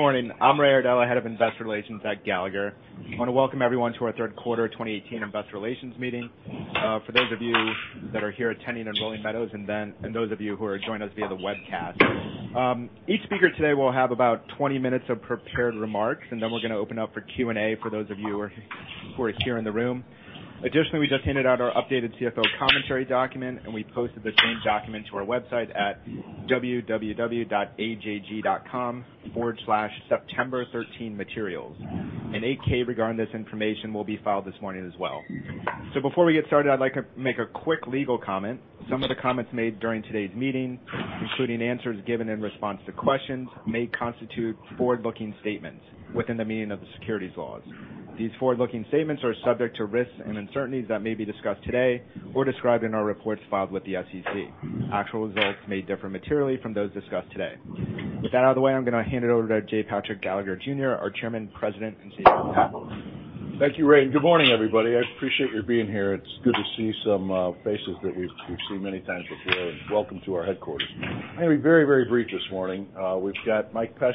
Morning. I'm Ray Iddings, Head of Investor Relations at Gallagher. I want to welcome everyone to our third quarter 2018 Investor Relations meeting. For those of you that are here attending in Rolling Meadows and those of you who are joining us via the webcast. Each speaker today will have about 20 minutes of prepared remarks, then we're going to open up for Q&A for those of you who are here in the room. Additionally, we just handed out our updated CFO commentary document, and we posted the same document to our website at www.ajg.com/september13materials. A Form 8-K regarding this information will be filed this morning as well. Before we get started, I'd like to make a quick legal comment. Some of the comments made during today's meeting, including answers given in response to questions, may constitute forward-looking statements within the meaning of the securities laws. These forward-looking statements are subject to risks and uncertainties that may be discussed today or described in our reports filed with the SEC. Actual results may differ materially from those discussed today. With that out of the way, I'm going to hand it over to J. Patrick Gallagher Jr., our Chairman, President, and CEO. Thank you, Ray, and good morning, everybody. I appreciate you being here. It's good to see some faces that we've seen many times before, and welcome to our headquarters. I'm going to be very brief this morning. We've got Mike Pesch.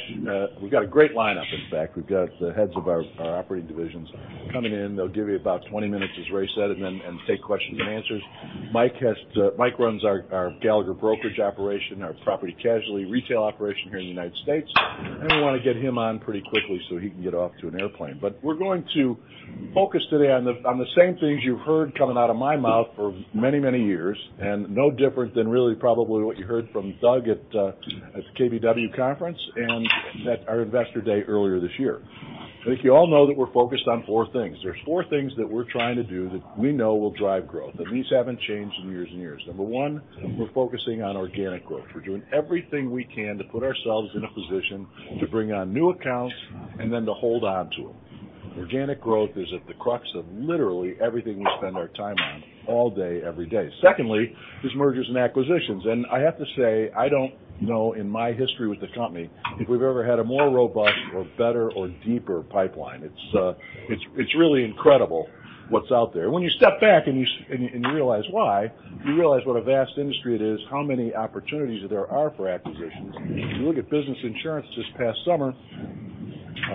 We've got a great lineup, in fact. We've got the heads of our operating divisions coming in. They'll give you about 20 minutes, as Ray said, then take questions and answers. Mike runs our Gallagher brokerage operation, our property casualty retail operation here in the U.S., and we want to get him on pretty quickly so he can get off to an airplane. We're going to focus today on the same things you've heard coming out of my mouth for many years, no different than really probably what you heard from Doug at the KBW conference and at our investor day earlier this year. I think you all know that we're focused on four things. There's four things that we're trying to do that we know will drive growth, and these haven't changed in years and years. Number one, we're focusing on organic growth. We're doing everything we can to put ourselves in a position to bring on new accounts and then to hold on to them. Organic growth is at the crux of literally everything we spend our time on all day, every day. Secondly is mergers and acquisitions. I have to say, I don't know in my history with the company if we've ever had a more robust or better or deeper pipeline. It's really incredible what's out there. When you step back and you realize why, you realize what a vast industry it is, how many opportunities there are for acquisitions. If you look at Business Insurance this past summer,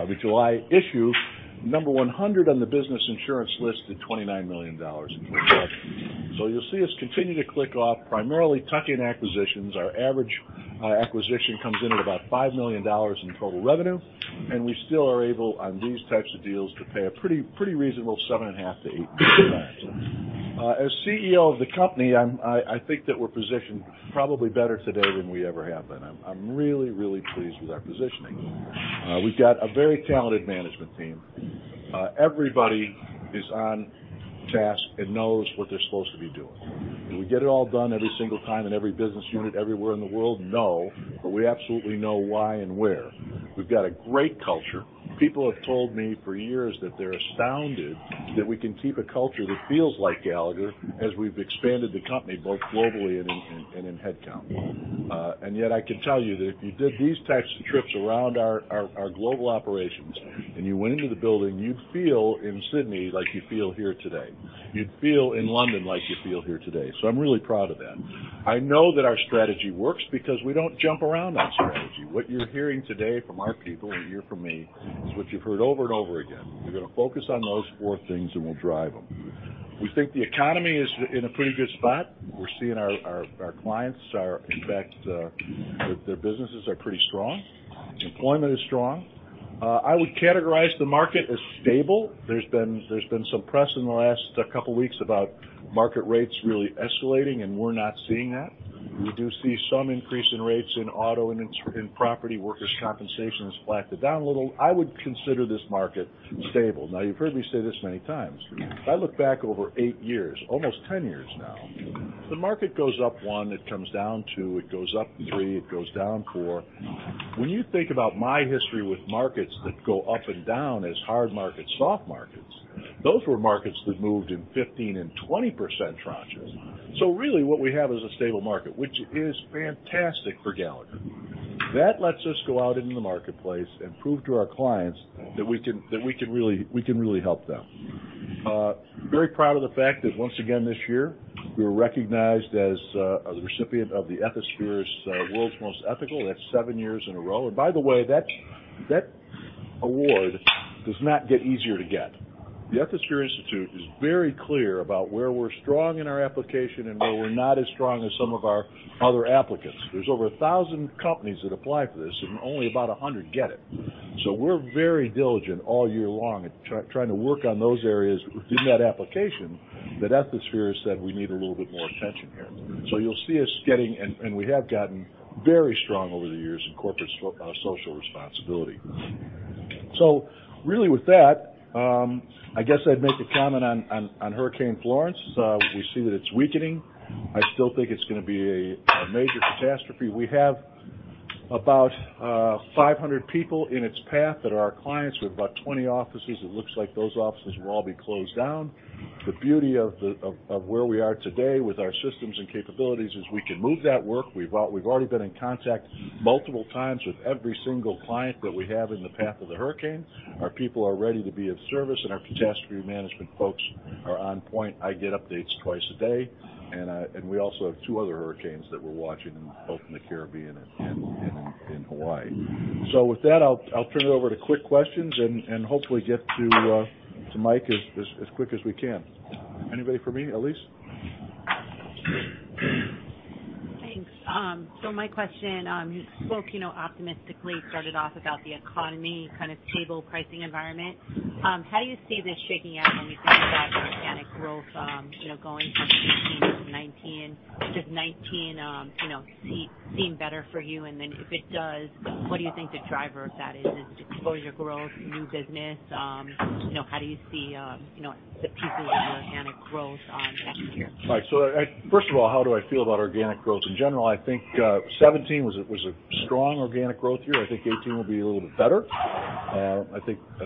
the July issue, number 100 on the Business Insurance list at $29 million. You'll see us continue to click off primarily tuck-in acquisitions. Our average acquisition comes in at about $5 million in total revenue, and we still are able, on these types of deals, to pay a pretty reasonable seven and a half to eight times. As CEO of the company, I think that we're positioned probably better today than we ever have been. I'm really pleased with our positioning. We've got a very talented management team. Everybody is on task and knows what they're supposed to be doing. Do we get it all done every single time in every business unit everywhere in the world? No, but we absolutely know why and where. We've got a great culture. People have told me for years that they're astounded that we can keep a culture that feels like Gallagher as we've expanded the company, both globally and in headcount. Yet I can tell you that if you did these types of trips around our global operations and you went into the building, you'd feel in Sydney like you feel here today. You'd feel in London like you feel here today. I'm really proud of that. I know that our strategy works because we don't jump around on strategy. What you're hearing today from our people and you'll hear from me is what you've heard over and over again. We're going to focus on those four things, and we'll drive them. We think the economy is in a pretty good spot. We're seeing our clients, in fact, their businesses are pretty strong. Employment is strong. I would categorize the market as stable. There's been some press in the last couple of weeks about market rates really escalating, and we're not seeing that. We do see some increase in rates in auto, in property. Workers' compensation has flattened down a little. I would consider this market stable. Now, you've heard me say this many times. If I look back over eight years, almost 10 years now, the market goes up one, it comes down two, it goes up three, it goes down four. When you think about my history with markets that go up and down as hard markets, soft markets, those were markets that moved in 15% and 20% tranches. Really what we have is a stable market, which is fantastic for Gallagher. That lets us go out into the marketplace and prove to our clients that we can really help them. Very proud of the fact that once again this year, we were recognized as a recipient of the Ethisphere's World's Most Ethical. That's seven years in a row. By the way, that award does not get easier to get. The Ethisphere Institute is very clear about where we're strong in our application and where we're not as strong as some of our other applicants. There's over 1,000 companies that apply for this, and only about 100 get it. We're very diligent all year long at trying to work on those areas in that application that Ethisphere said we need a little bit more attention here. You'll see us getting, and we have gotten very strong over the years in corporate social responsibility. Really with that, I guess I'd make a comment on Hurricane Florence. We see that it's weakening. I still think it's going to be a major catastrophe. We have about 500 people in its path that are our clients. We have about 20 offices. It looks like those offices will all be closed down. The beauty of where we are today with our systems and capabilities is we can move that work. We've already been in contact multiple times with every single client that we have in the path of the hurricane. Our people are ready to be of service, and our catastrophe management folks are on point. I get updates twice a day, and we also have two other hurricanes that we're watching in both the Caribbean and in Hawaii. With that, I'll turn it over to quick questions and hopefully get to Mike as quick as we can. Anybody for me? Elyse? Thanks. My question, you spoke optimistically at the start about the economy kind of stable pricing environment. How do you see this shaking out when you think about organic growth going from 2018 to 2019? Does 2019 seem better for you? If it does, what do you think the driver of that is? Is it exposure growth, new business? How do you see the pieces of organic growth next year? All right. First of all, how do I feel about organic growth in general? I think 2017 was a strong organic growth year. I think 2018 will be a little bit better. I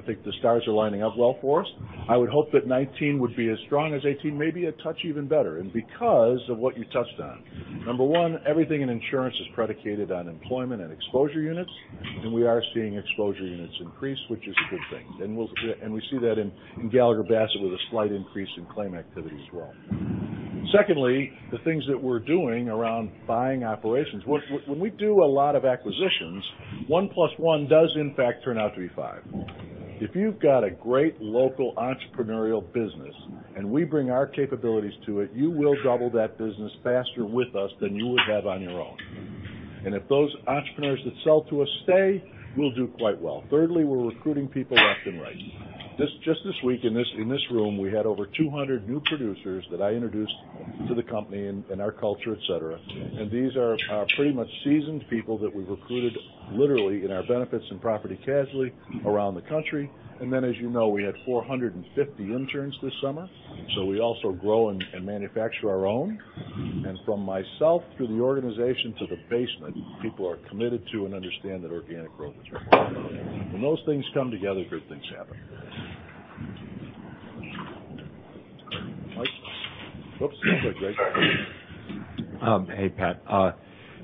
think the stars are lining up well for us. I would hope that 2019 would be as strong as 2018, maybe a touch even better. Because of what you touched on, number one, everything in insurance is predicated on employment and exposure units, we are seeing exposure units increase, which is a good thing. We see that in Gallagher Bassett with a slight increase in claim activity as well. Secondly, the things that we're doing around buying operations. When we do a lot of acquisitions, one plus one does in fact turn out to be five. If you've got a great local entrepreneurial business and we bring our capabilities to it, you will double that business faster with us than you would have on your own. If those entrepreneurs that sell to us stay, we'll do quite well. Thirdly, we're recruiting people left and right. Just this week in this room, we had over 200 new producers that I introduced to the company and our culture, et cetera. These are pretty much seasoned people that we've recruited, literally, in our benefits and property casualty around the country. Then, as you know, we had 450 interns this summer. We also grow and manufacture our own. From myself through the organization to the basement, people are committed to and understand that organic growth is required. When those things come together, good things happen. Mike? Oops, sounds like Greg. Hey, Pat.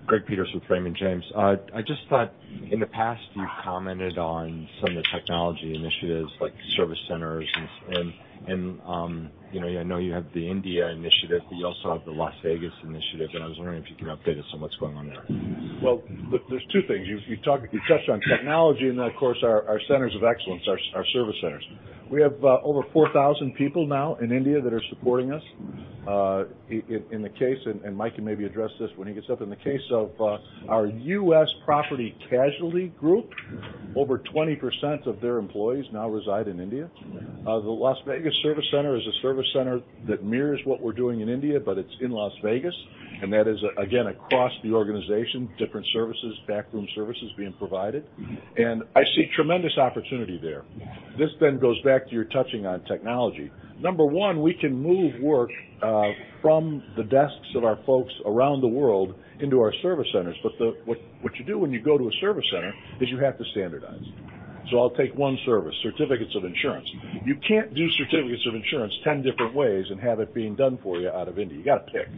Greg Peters with Raymond James. I just thought in the past you've commented on some of the technology initiatives like service centers. I know you have the India Initiative, you also have the Las Vegas Initiative. I was wondering if you could update us on what's going on there. Well, there's two things. You touched on technology. Then, of course, our centers of excellence, our service centers. We have over 4,000 people now in India that are supporting us. In the case, Mike can maybe address this when he gets up, in the case of our U.S. property casualty group, over 20% of their employees now reside in India. The Las Vegas service center is a service center that mirrors what we're doing in India. It's in Las Vegas, that is, again, across the organization, different services, back room services being provided. I see tremendous opportunity there. This goes back to your touching on technology. Number one, we can move work from the desks of our folks around the world into our service centers. What you do when you go to a service center is you have to standardize. I'll take one service, certificates of insurance. You can't do certificates of insurance 10 different ways and have it being done for you out of India. You got to pick.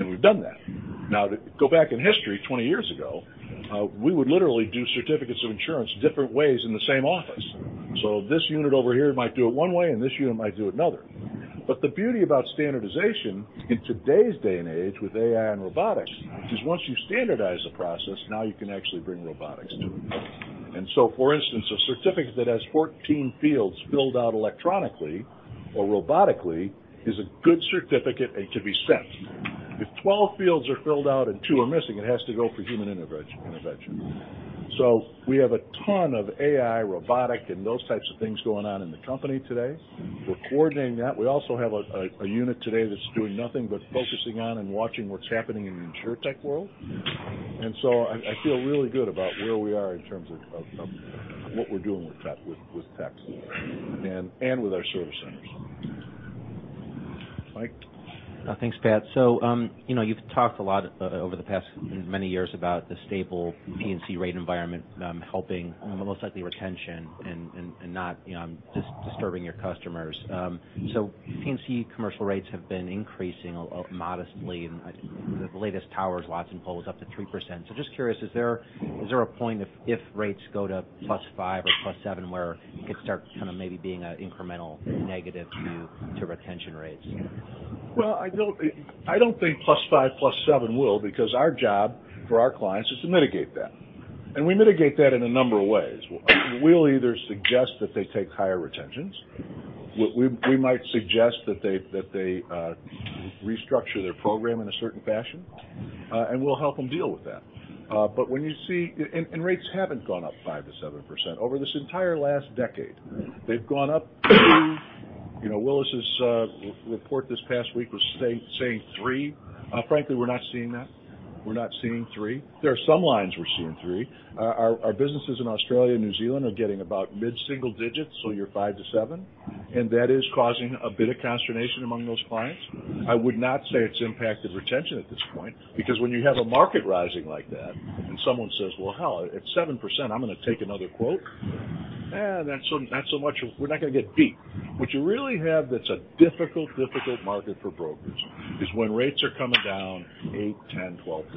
We've done that. Now to go back in history, 20 years ago, we would literally do certificates of insurance different ways in the same office. This unit over here might do it one way. This unit might do it another. The beauty about standardization in today's day and age with AI and robotics is once you standardize the process, now you can actually bring robotics to it. For instance, a certificate that has 14 fields filled out electronically or robotically is a good certificate. It can be sent. If 12 fields are filled out and two are missing, it has to go for human intervention. We have a ton of AI, robotic, and those types of things going on in the company today. We're coordinating that. We also have a unit today that's doing nothing but focusing on and watching what's happening in the InsurTech world. I feel really good about where we are in terms of what we're doing with tech and with our service centers. Mike? Thanks, Pat. You've talked a lot over the past many years about the stable P&C rate environment helping most likely retention and not disturbing your customers. P&C commercial rates have been increasing modestly. The latest Towers Watson poll was up to 3%. Just curious, is there a point if rates go to plus five or plus seven where it could start kind of maybe being an incremental negative to retention rates? I don't think plus five, plus seven will because our job for our clients is to mitigate that. We mitigate that in a number of ways. We'll either suggest that they take higher retentions. We might suggest that they restructure their program in a certain fashion. We'll help them deal with that. Rates haven't gone up 5%-7%. Over this entire last decade, they've gone up two. Willis' report this past week was saying three. Frankly, we're not seeing that. We're not seeing three. There are some lines we're seeing three. Our businesses in Australia and New Zealand are getting about mid-single digits, so your five to seven. That is causing a bit of consternation among those clients. I would not say it's impacted retention at this point, because when you have a market rising like that and someone says, "Hell, at 7%, I'm going to take another quote." We're not going to get beat. What you really have that's a difficult market for brokers is when rates are coming down 8%, 10%, 12%.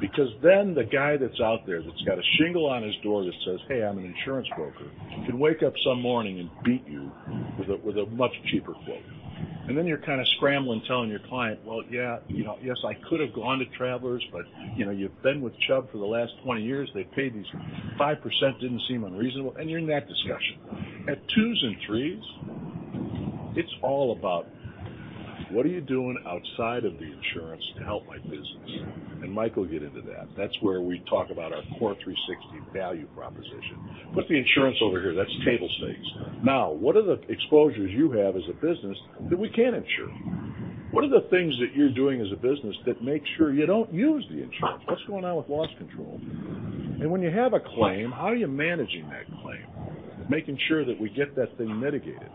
Because then the guy that's out there that's got a shingle on his door that says, "Hey, I'm an insurance broker," can wake up some morning and beat you with a much cheaper quote. Then you're kind of scrambling, telling your client, "Well, yes, I could have gone to Travelers, but you've been with Chubb for the last 20 years. They've paid these 5% didn't seem unreasonable," and you're in that discussion. At twos and threes, it's all about what are you doing outside of the insurance to help my business? Mike will get into that. That's where we talk about our CORE360 value proposition. Put the insurance over here. That's table stakes. Now, what are the exposures you have as a business that we can insure? What are the things that you're doing as a business that make sure you don't use the insurance? What's going on with loss control? When you have a claim, how are you managing that claim, making sure that we get that thing mitigated?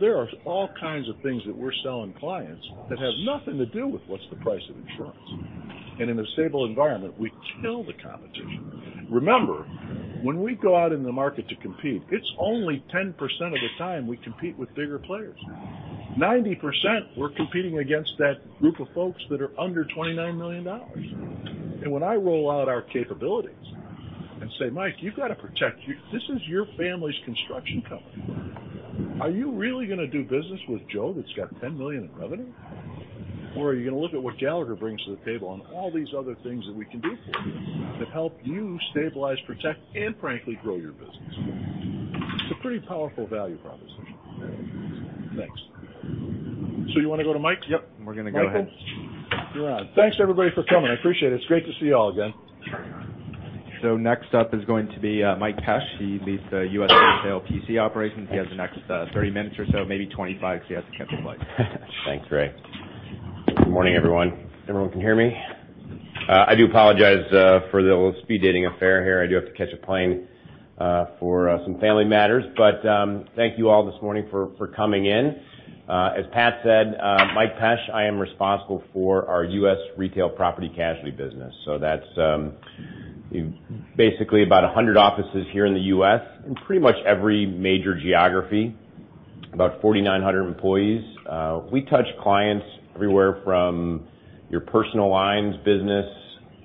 There are all kinds of things that we're selling clients that have nothing to do with what's the price of insurance. In a stable environment, we kill the competition. Remember, when we go out in the market to compete, it's only 10% of the time we compete with bigger players. 90%, we're competing against that group of folks that are under $29 million. When I roll out our capabilities and say, "Mike, you've got to protect you. This is your family's construction company. Are you really going to do business with Joe that's got $10 million in revenue? Or are you going to look at what Gallagher brings to the table and all these other things that we can do for you that help you stabilize, protect, and frankly, grow your business?" It's a pretty powerful value proposition. Thanks. You want to go to Mike? Yep. We're going to go ahead. Michael, you're on. Thanks everybody for coming. I appreciate it. It's great to see you all again. Next up is going to be Mike Pesch. He leads the U.S. Retail PC operations. He has the next 30 minutes or so, maybe 25, because he has to catch a flight. Thanks, Ray. Good morning, everyone. Everyone can hear me? I do apologize for the little speed dating affair here. I do have to catch a plane for some family matters. Thank you all this morning for coming in. As Pat said, Mike Pesch, I am responsible for our U.S. retail property casualty business. That's basically about 100 offices here in the U.S., in pretty much every major geography. About 4,900 employees. We touch clients everywhere from your personal lines business,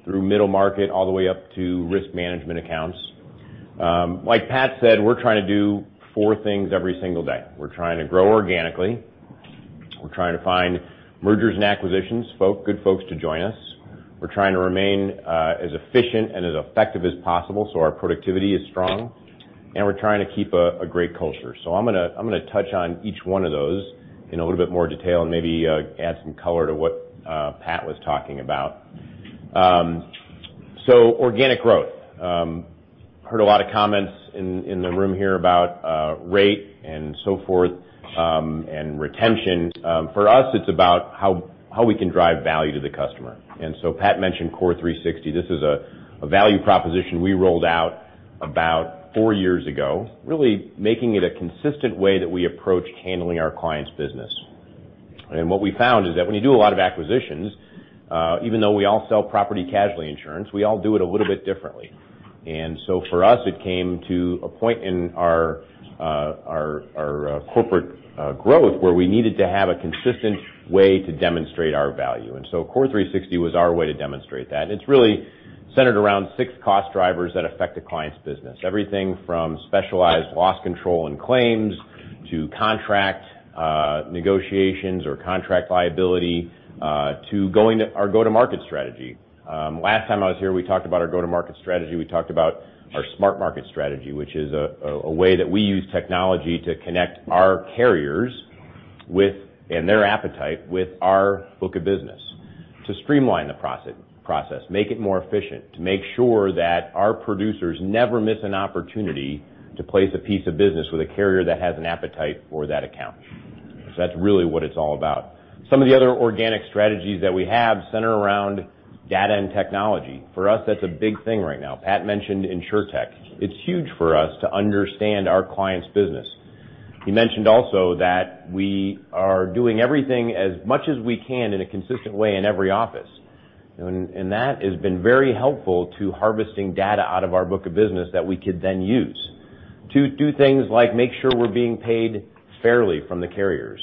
through middle market, all the way up to risk management accounts. Like Pat said, we're trying to do four things every single day. We're trying to grow organically. We're trying to find mergers and acquisitions, good folks to join us. We're trying to remain as efficient and as effective as possible so our productivity is strong. We're trying to keep a great culture. I'm going to touch on each one of those in a little bit more detail and maybe add some color to what Pat was talking about. Organic growth. Heard a lot of comments in the room here about rate and so forth, and retention. For us, it's about how we can drive value to the customer. Pat mentioned CORE360. This is a value proposition we rolled out about 4 years ago, really making it a consistent way that we approached handling our clients' business. What we found is that when you do a lot of acquisitions, even though we all sell property casualty insurance, we all do it a little bit differently. For us, it came to a point in our corporate growth where we needed to have a consistent way to demonstrate our value. CORE360 was our way to demonstrate that. It's really centered around six cost drivers that affect a client's business. Everything from specialized loss control and claims to contract negotiations or contract liability, to our go-to-market strategy. Last time I was here, we talked about our go-to-market strategy. We talked about our SmartMarket strategy, which is a way that we use technology to connect our carriers and their appetite with our book of business to streamline the process, make it more efficient, to make sure that our producers never miss an opportunity to place a piece of business with a carrier that has an appetite for that account. That's really what it's all about. Some of the other organic strategies that we have center around data and technology. For us, that's a big thing right now. Pat mentioned InsurTech. It's huge for us to understand our clients' business. He mentioned also that we are doing everything as much as we can in a consistent way in every office. That has been very helpful to harvesting data out of our book of business that we could then use to do things like make sure we're being paid fairly from the carriers.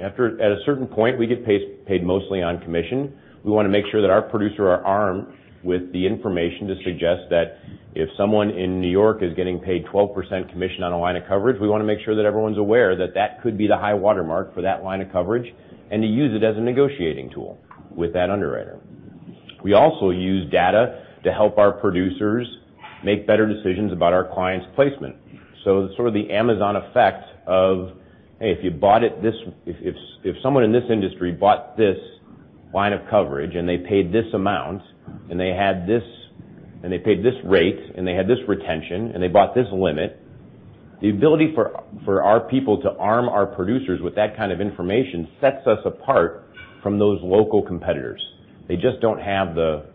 At a certain point, we get paid mostly on commission. We want to make sure that our producer are armed with the information to suggest that if someone in New York is getting paid 12% commission on a line of coverage, we want to make sure that everyone's aware that that could be the high water mark for that line of coverage, and to use it as a negotiating tool with that underwriter. We also use data to help our producers make better decisions about our clients' placement. It's sort of the Amazon effect of, hey, if someone in this industry bought this line of coverage and they paid this amount, and they paid this rate, and they had this retention, and they bought this limit, the ability for our people to arm our producers with that kind of information sets us apart from those local competitors. They just don't have the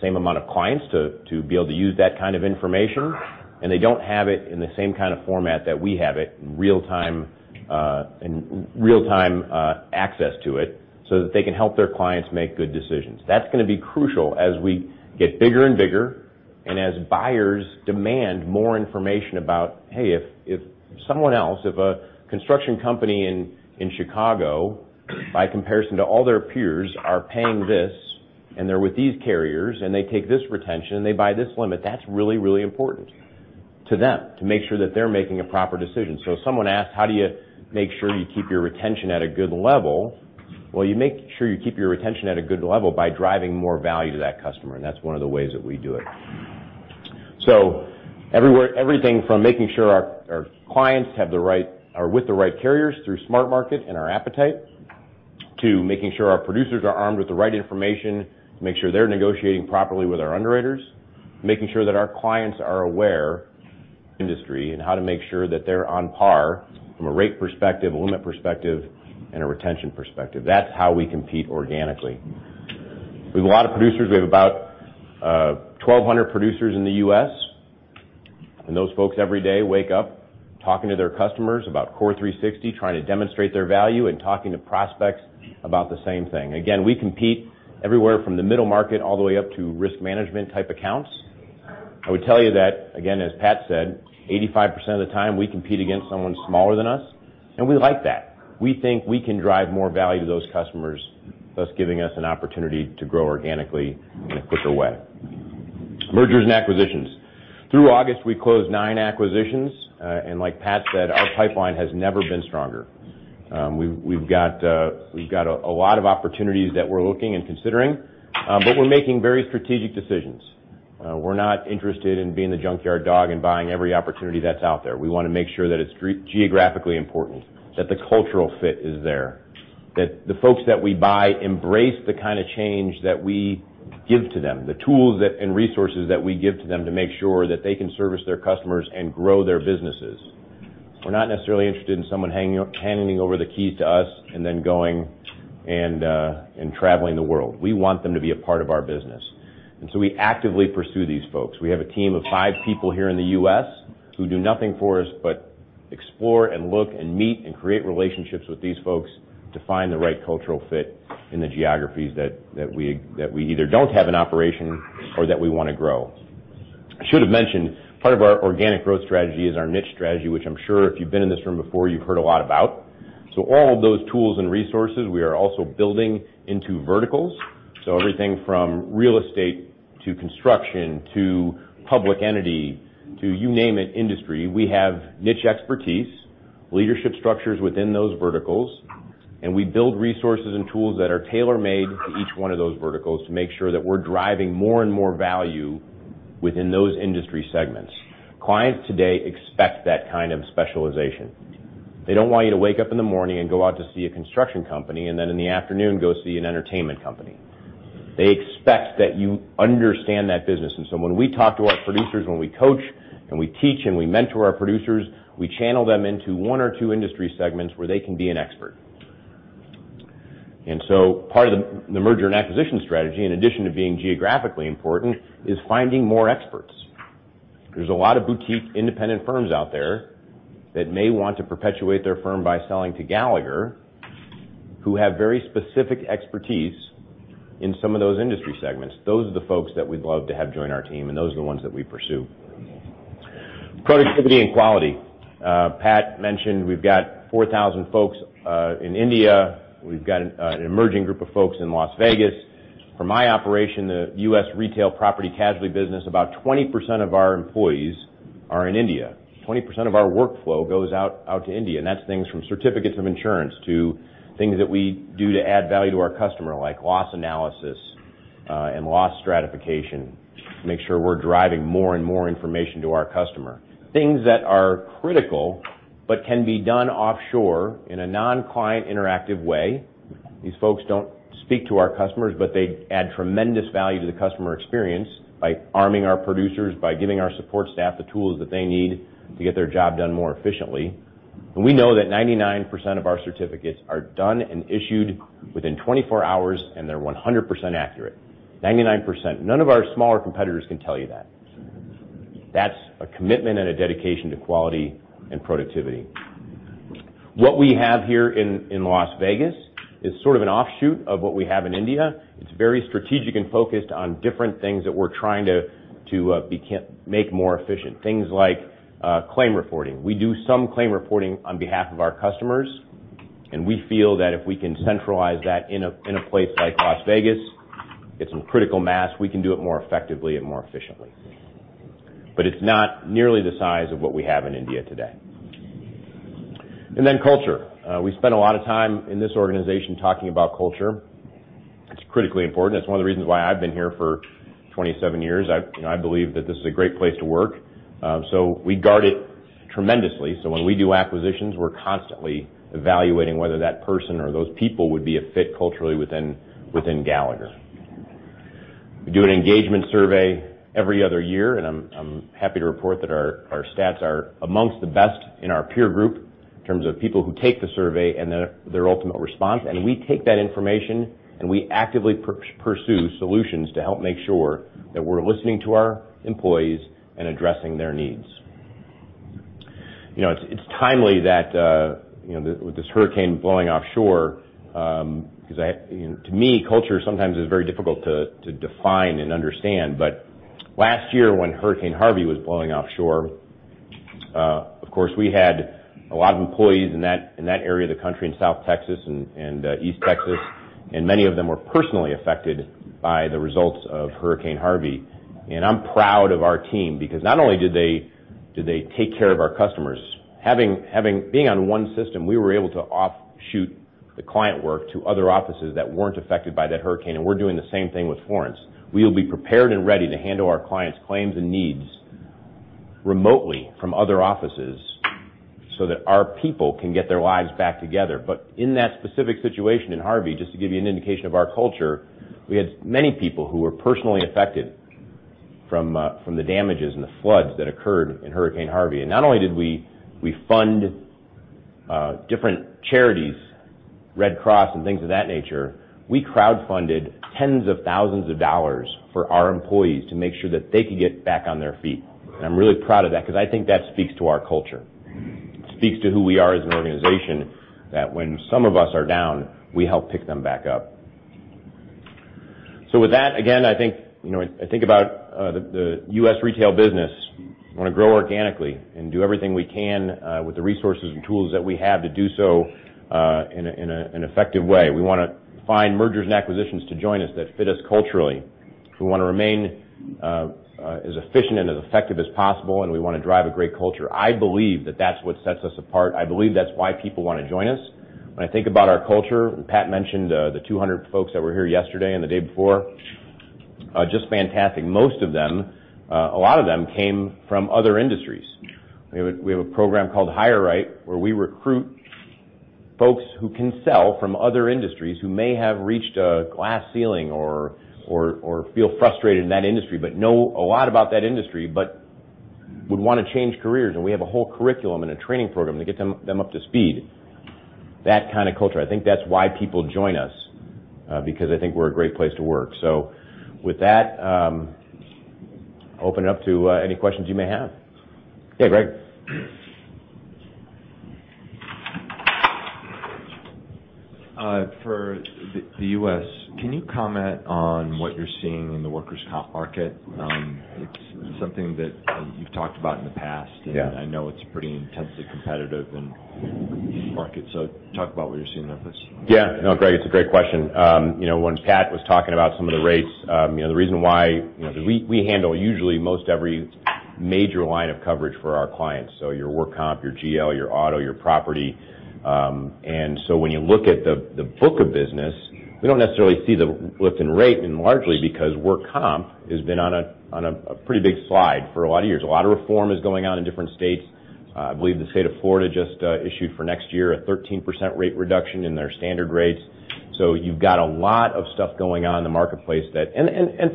same amount of clients to be able to use that kind of information, and they don't have it in the same kind of format that we have it in real-time access to it, that they can help their clients make good decisions. That's going to be crucial as we get bigger and bigger, and as buyers demand more information about, hey, if someone else, if a construction company in Chicago, by comparison to all their peers, are paying this, and they're with these carriers, and they take this retention, and they buy this limit, that's really, really important to them to make sure that they're making a proper decision. If someone asks: How do you make sure you keep your retention at a good level? Well, you make sure you keep your retention at a good level by driving more value to that customer, and that's one of the ways that we do it. Everything from making sure our clients are with the right carriers through SmartMarket and our appetite, to making sure our producers are armed with the right information to make sure they're negotiating properly with our underwriters. Making sure that our clients are aware industry, and how to make sure that they're on par from a rate perspective, a limit perspective, and a retention perspective. That's how we compete organically. We have a lot of producers. We have about 1,200 producers in the U.S., and those folks every day wake up talking to their customers about CORE360, trying to demonstrate their value and talking to prospects about the same thing. Again, we compete everywhere from the middle market all the way up to risk management type accounts. I would tell you that, again, as Pat said, 85% of the time we compete against someone smaller than us, and we like that. We think we can drive more value to those customers, thus giving us an opportunity to grow organically in a quicker way. Mergers and acquisitions. Through August, we closed nine acquisitions. Like Pat said, our pipeline has never been stronger. We've got a lot of opportunities that we're looking and considering, but we're making very strategic decisions. We're not interested in being the junkyard dog and buying every opportunity that's out there. We want to make sure that it's geographically important, that the cultural fit is there, that the folks that we buy embrace the kind of change that we give to them. The tools and resources that we give to them to make sure that they can service their customers and grow their businesses. We're not necessarily interested in someone handing over the keys to us and then going and traveling the world. We want them to be a part of our business, and so we actively pursue these folks. We have a team of five people here in the U.S. who do nothing for us but explore and look and meet and create relationships with these folks to find the right cultural fit in the geographies that we either don't have an operation or that we want to grow. I should have mentioned, part of our organic growth strategy is our niche strategy, which I'm sure if you've been in this room before, you've heard a lot about. All of those tools and resources, we are also building into verticals. Everything from real estate to construction, to public entity, to you name it industry, we have niche expertise, leadership structures within those verticals, and we build resources and tools that are tailor-made to each one of those verticals to make sure that we're driving more and more value within those industry segments. Clients today expect that kind of specialization. They don't want you to wake up in the morning and go out to see a construction company and then in the afternoon go see an entertainment company. They expect that you understand that business. And so when we talk to our producers, when we coach and we teach and we mentor our producers, we channel them into one or two industry segments where they can be an expert. And so part of the merger and acquisition strategy, in addition to being geographically important, is finding more experts. There's a lot of boutique independent firms out there that may want to perpetuate their firm by selling to Gallagher, who have very specific expertise in some of those industry segments. Those are the folks that we'd love to have join our team, and those are the ones that we pursue. Productivity and quality. Pat mentioned we've got 4,000 folks, in India. We've got an emerging group of folks in Las Vegas. From my operation, the U.S. retail property casualty business, about 20% of our employees are in India. 20% of our workflow goes out to India, and that's things from certificates of insurance to things that we do to add value to our customer, like loss analysis and loss stratification, to make sure we're driving more and more information to our customer. Things that are critical but can be done offshore in a non-client interactive way. These folks don't speak to our customers, but they add tremendous value to the customer experience by arming our producers, by giving our support staff the tools that they need to get their job done more efficiently. And we know that 99% of our certificates are done and issued within 24 hours, and they're 100% accurate. 99%. None of our smaller competitors can tell you that. That's a commitment and a dedication to quality and productivity. What we have here in Las Vegas is sort of an offshoot of what we have in India. It's very strategic and focused on different things that we're trying to make more efficient. Things like claim reporting. We do some claim reporting on behalf of our customers, we feel that if we can centralize that in a place like Las Vegas, get some critical mass, we can do it more effectively and more efficiently. It's not nearly the size of what we have in India today. Culture. We spend a lot of time in this organization talking about culture. It's critically important. It's one of the reasons why I've been here for 27 years. I believe that this is a great place to work. We guard it tremendously. When we do acquisitions, we're constantly evaluating whether that person or those people would be a fit culturally within Gallagher. We do an engagement survey every other year, I'm happy to report that our stats are amongst the best in our peer group in terms of people who take the survey and their ultimate response. We take that information, we actively pursue solutions to help make sure that we're listening to our employees and addressing their needs. It's timely that with this hurricane blowing offshore, because to me, culture sometimes is very difficult to define and understand. Last year when Hurricane Harvey was blowing offshore, of course, we had a lot of employees in that area of the country, in South Texas and East Texas, many of them were personally affected by the results of Hurricane Harvey. I'm proud of our team because not only did they take care of our customers, being on one system, we were able to offshoot the client work to other offices that weren't affected by that hurricane, we're doing the same thing with Florence. We will be prepared and ready to handle our clients' claims and needs remotely from other offices so that our people can get their lives back together. In that specific situation in Harvey, just to give you an indication of our culture, we had many people who were personally affected from the damages and the floods that occurred in Hurricane Harvey. Not only did we fund different charities, Red Cross and things of that nature, we crowdfunded tens of thousands of dollars for our employees to make sure that they could get back on their feet. I'm really proud of that because I think that speaks to our culture. It speaks to who we are as an organization, that when some of us are down, we help pick them back up. With that, again, I think about the U.S. retail business. We want to grow organically and do everything we can with the resources and tools that we have to do so in an effective way. We want to find mergers and acquisitions to join us that fit us culturally. We want to remain as efficient and as effective as possible, we want to drive a great culture. I believe that's what sets us apart. I believe that's why people want to join us. When I think about our culture, Pat mentioned the 200 folks that were here yesterday and the day before, just fantastic. Most of them, a lot of them came from other industries. We have a program called Hire Right, where we recruit folks who can sell from other industries who may have reached a glass ceiling or feel frustrated in that industry, but know a lot about that industry, but would want to change careers. We have a whole curriculum and a training program to get them up to speed. That kind of culture. I think that's why people join us, because they think we're a great place to work. With that, open it up to any questions you may have. Yeah, Greg. For the U.S., can you comment on what you're seeing in the workers' comp market? It's something that you've talked about in the past. Yeah. I know it's pretty intensely competitive in the market. Talk about what you're seeing there, please. No, Greg, it's a great question. When Pat was talking about some of the rates, the reason why we handle usually most every major line of coverage for our clients. Your work comp, your GL, your auto, your property. When you look at the book of business, we don't necessarily see the lift in rate, largely because work comp has been on a pretty big slide for a lot of years. A lot of reform is going on in different states. I believe the state of Florida just issued for next year a 13% rate reduction in their standard rates. You've got a lot of stuff going on in the marketplace that.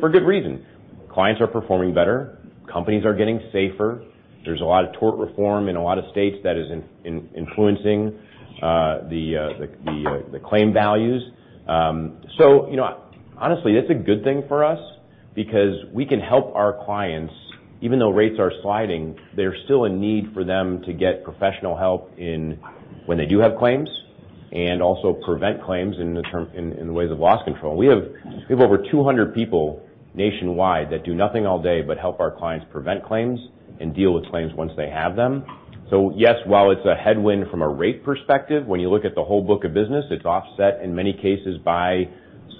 For good reason. Clients are performing better. Companies are getting safer. There's a lot of tort reform in a lot of states that is influencing the claim values. Honestly, it's a good thing for us because we can help our clients. Even though rates are sliding, there's still a need for them to get professional help when they do have claims, and also prevent claims in the ways of loss control. We have over 200 people nationwide that do nothing all day but help our clients prevent claims and deal with claims once they have them. Yes, while it's a headwind from a rate perspective, when you look at the whole book of business, it's offset in many cases by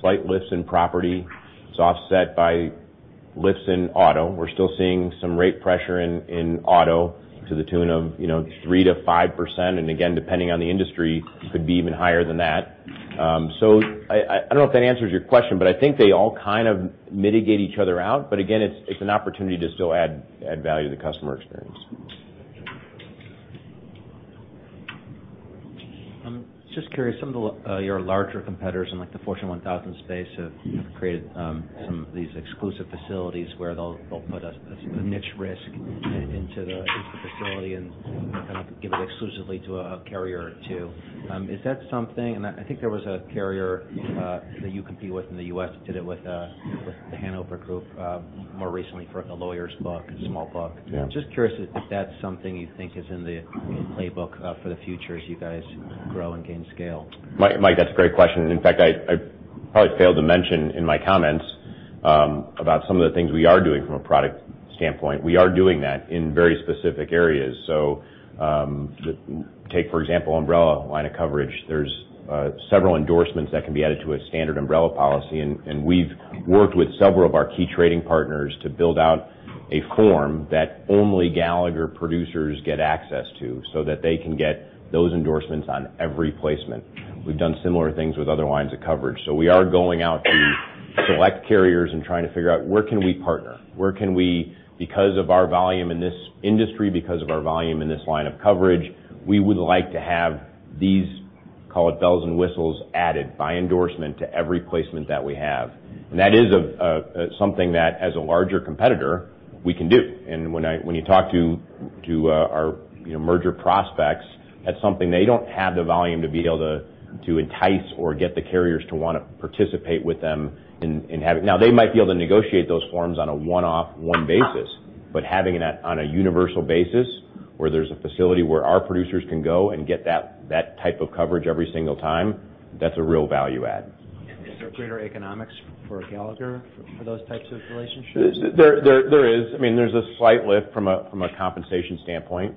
slight lifts in property. It's offset by lifts in auto. We're still seeing some rate pressure in auto to the tune of 3%-5%, and again, depending on the industry, could be even higher than that. I don't know if that answers your question, but I think they all kind of mitigate each other out. Again, it's an opportunity to still add value to the customer experience. I'm just curious, some of your larger competitors in the Fortune 1000 space have created some of these exclusive facilities where they'll put a niche risk into the facility and kind of give it exclusively to a carrier too. Is that something? I think there was a carrier that you compete with in the U.S. that did it with the Hanover Group, more recently for a lawyer's book, a small book. Yeah. Just curious if that's something you think is in the playbook for the future as you guys grow and gain scale. Mike, that's a great question. In fact, I probably failed to mention in my comments about some of the things we are doing from a product standpoint. We are doing that in very specific areas. Take, for example, umbrella line of coverage. There's several endorsements that can be added to a standard umbrella policy, and we've worked with several of our key trading partners to build out a form that only Gallagher producers get access to so that they can get those endorsements on every placement. We've done similar things with other lines of coverage. We are going out to select carriers and trying to figure out where can we partner, where can we, because of our volume in this industry, because of our volume in this line of coverage, we would like to have these Call it bells and whistles added by endorsement to every placement that we have. That is something that, as a larger competitor, we can do. When you talk to our merger prospects, that's something they don't have the volume to be able to entice or get the carriers to want to participate with them in having. Now, they might be able to negotiate those forms on a one-off basis, having it on a universal basis, where there's a facility where our producers can go and get that type of coverage every single time, that's a real value add. Is there greater economics for Gallagher for those types of relationships? There is. There's a slight lift from a compensation standpoint.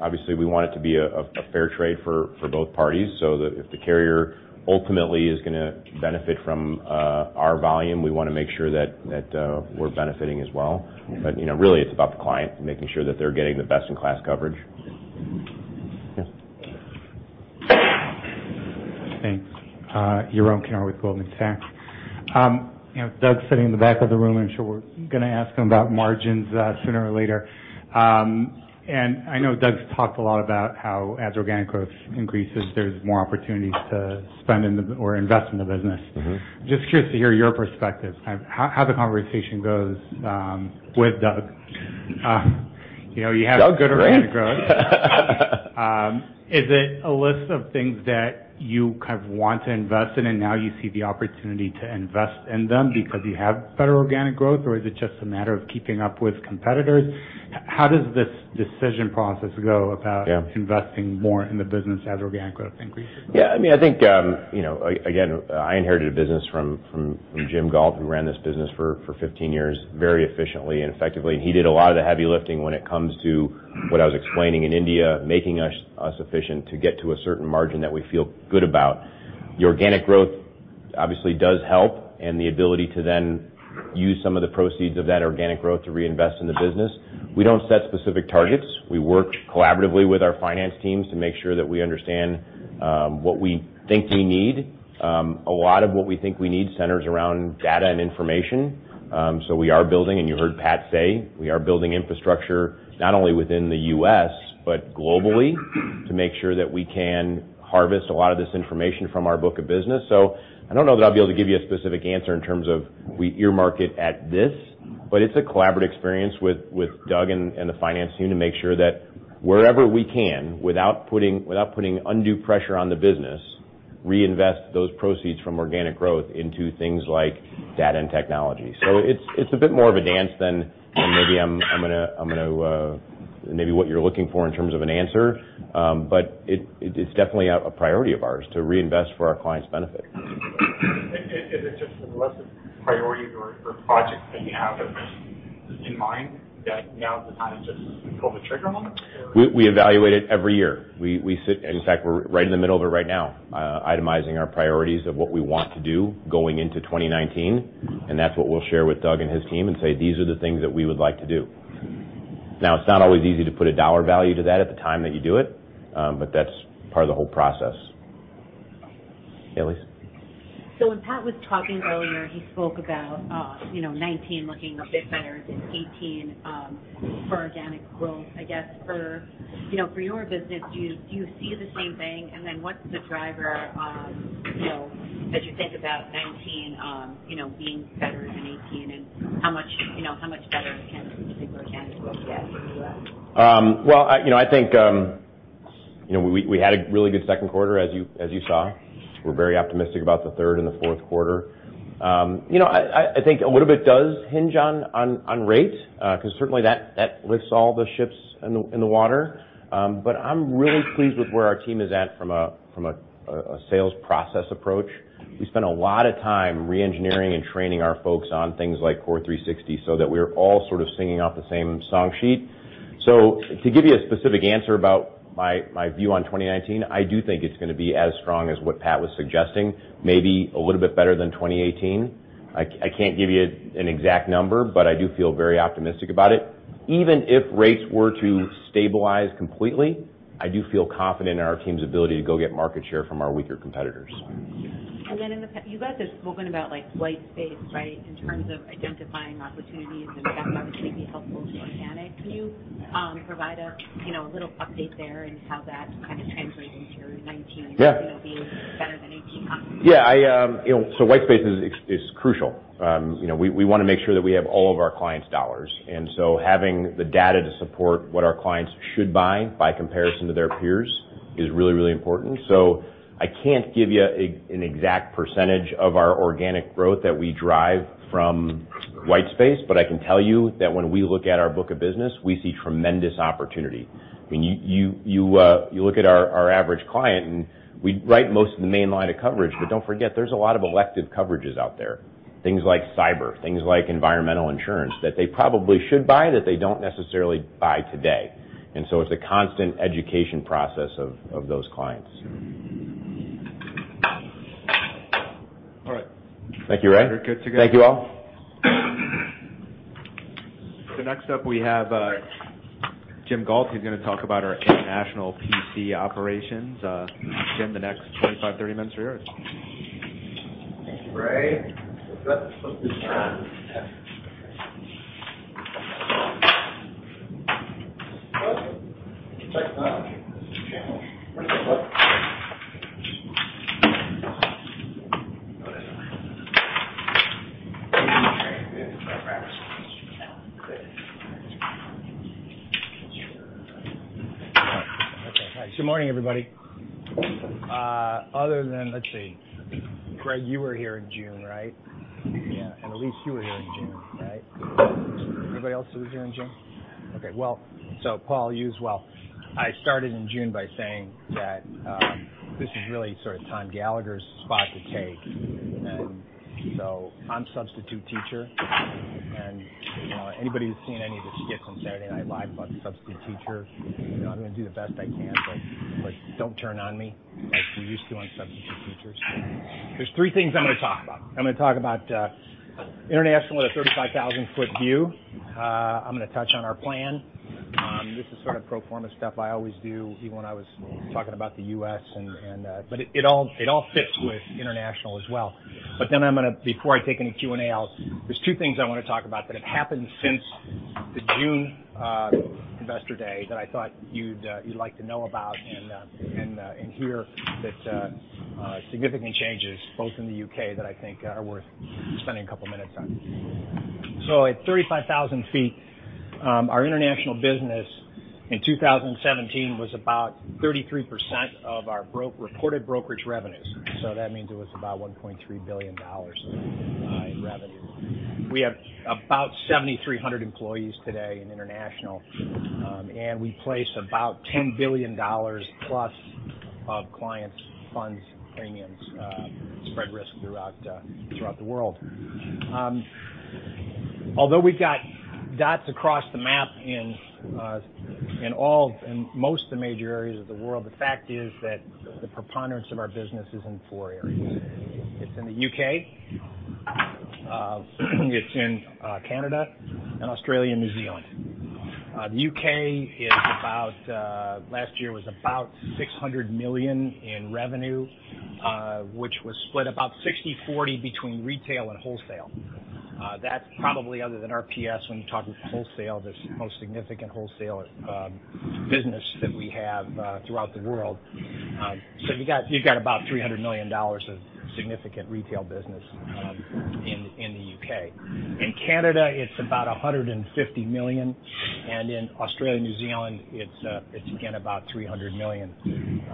Obviously, we want it to be a fair trade for both parties, so that if the carrier ultimately is going to benefit from our volume, we want to make sure that we're benefiting as well. Really it's about the client, making sure that they're getting the best in class coverage. Yeah. Thanks. Yaron Wiener with Goldman Sachs. Doug's sitting in the back of the room. I'm sure we're going to ask him about margins sooner or later. I know Doug's talked a lot about how as organic growth increases, there's more opportunities to spend or invest in the business. Just curious to hear your perspective, how the conversation goes with Doug. You have good organic growth. Doug, right? Is it a list of things that you kind of want to invest in and now you see the opportunity to invest in them because you have better organic growth, or is it just a matter of keeping up with competitors? How does this decision process go about? Yeah investing more in the business as organic growth increases? Yeah, I think, again, I inherited a business from Jim Gault, who ran this business for 15 years very efficiently and effectively. He did a lot of the heavy lifting when it comes to what I was explaining in India, making us efficient to get to a certain margin that we feel good about. The organic growth obviously does help the ability to then use some of the proceeds of that organic growth to reinvest in the business. We don't set specific targets. We work collaboratively with our finance teams to make sure that we understand what we think we need. A lot of what we think we need centers around data and information. We are building, and you heard Pat say, we are building infrastructure not only within the U.S., but globally to make sure that we can harvest a lot of this information from our book of business. I don't know that I'll be able to give you a specific answer in terms of we earmark it at this, but it's a collaborative experience with Doug and the finance team to make sure that wherever we can, without putting undue pressure on the business, reinvest those proceeds from organic growth into things like data and technology. It's a bit more of a dance than maybe what you're looking for in terms of an answer. It's definitely a priority of ours to reinvest for our clients' benefit. Is it just a list of priorities or projects that you have in mind that now is the time to pull the trigger on them? We evaluate it every year. In fact, we're right in the middle of it right now, itemizing our priorities of what we want to do going into 2019. That's what we'll share with Doug and his team and say, "These are the things that we would like to do." It's not always easy to put a dollar value to that at the time that you do it. That's part of the whole process. Yeah, Elyse? When Pat was talking earlier, he spoke about 2019 looking a bit better than 2018 for organic growth, I guess, for your business, do you see the same thing? What's the driver that you think about 2019 being better than 2018, and how much better can you see organic growth get for you guys? I think we had a really good second quarter as you saw. We're very optimistic about the third and the fourth quarter. I think a little bit does hinge on rates because certainly that lifts all the ships in the water. I'm really pleased with where our team is at from a sales process approach. We spend a lot of time re-engineering and training our folks on things like CORE360, so that we are all sort of singing off the same song sheet. To give you a specific answer about my view on 2019, I do think it's going to be as strong as what Pat was suggesting, maybe a little bit better than 2018. I can't give you an exact number, but I do feel very optimistic about it. Even if rates were to stabilize completely, I do feel confident in our team's ability to go get market share from our weaker competitors. You guys have spoken about white space, right, in terms of identifying opportunities, and that's going to be helpful to organic. Can you provide us a little update there and how that kind of translates into 2019- Yeah being better than 2018? Yeah. White space is crucial. We want to make sure that we have all of our clients' dollars. Having the data to support what our clients should buy by comparison to their peers is really, really important. I can't give you an exact percentage of our organic growth that we drive from white space, but I can tell you that when we look at our book of business, we see tremendous opportunity. You look at our average client, and we write most of the main line of coverage. Don't forget, there's a lot of elective coverages out there, things like cyber, things like environmental insurance that they probably should buy, that they don't necessarily buy today. It's a constant education process of those clients. All right. Thank you, Ray. We're good to go. Thank you all. Next up we have Jim Gault, who's going to talk about our international PC operations. Jim, the next 25, 30 minutes are yours. Thank you, Ray. Let's let this run. Well, technology is a challenge. Where's the button? No, it isn't. Okay. Good. Okay. Good morning, everybody. Other than, let's see, Greg, you were here in June, right? Yeah. Elyse, you were here in June, right? Anybody else who was here in June? Okay. Paul, you as well. I started in June by saying that this is really sort of Tom Gallagher's spot to take. I'm substitute teacher, and anybody who's seen any of the skits on Saturday Night Live on substitute teacher, I'm going to do the best I can, don't turn on me like you used to on substitute teachers. There's three things I'm going to talk about. I'm going to talk about international at a 35,000-foot view. I'm going to touch on our plan. This is sort of pro forma stuff I always do, even when I was talking about the U.S., it all fits with international as well. Before I take any Q&A, there's two things I want to talk about that have happened since the June Investor Day that I thought you'd like to know about and hear that significantly changes both in the U.K. that I think are worth spending a couple of minutes on. At 35,000 feet, our international business in 2017 was about 33% of our reported brokerage revenues. That means it was about $1.3 billion in revenue. We have about 7,300 employees today in international, and we place about $10 billion plus of clients' funds, premiums, spread risk throughout the world. Although we've got dots across the map in most of the major areas of the world, the fact is that the preponderance of our business is in four areas. It's in the U.K., it's in Canada, and Australia, and New Zealand. The U.K., last year was about $600 million in revenue, which was split about 60/40 between retail and wholesale. That's probably other than RPS when you talk with wholesale, that's the most significant wholesale business that we have throughout the world. You've got about $300 million of significant retail business in the U.K. In Canada, it's about $150 million, in Australia and New Zealand, it's again about $300 million.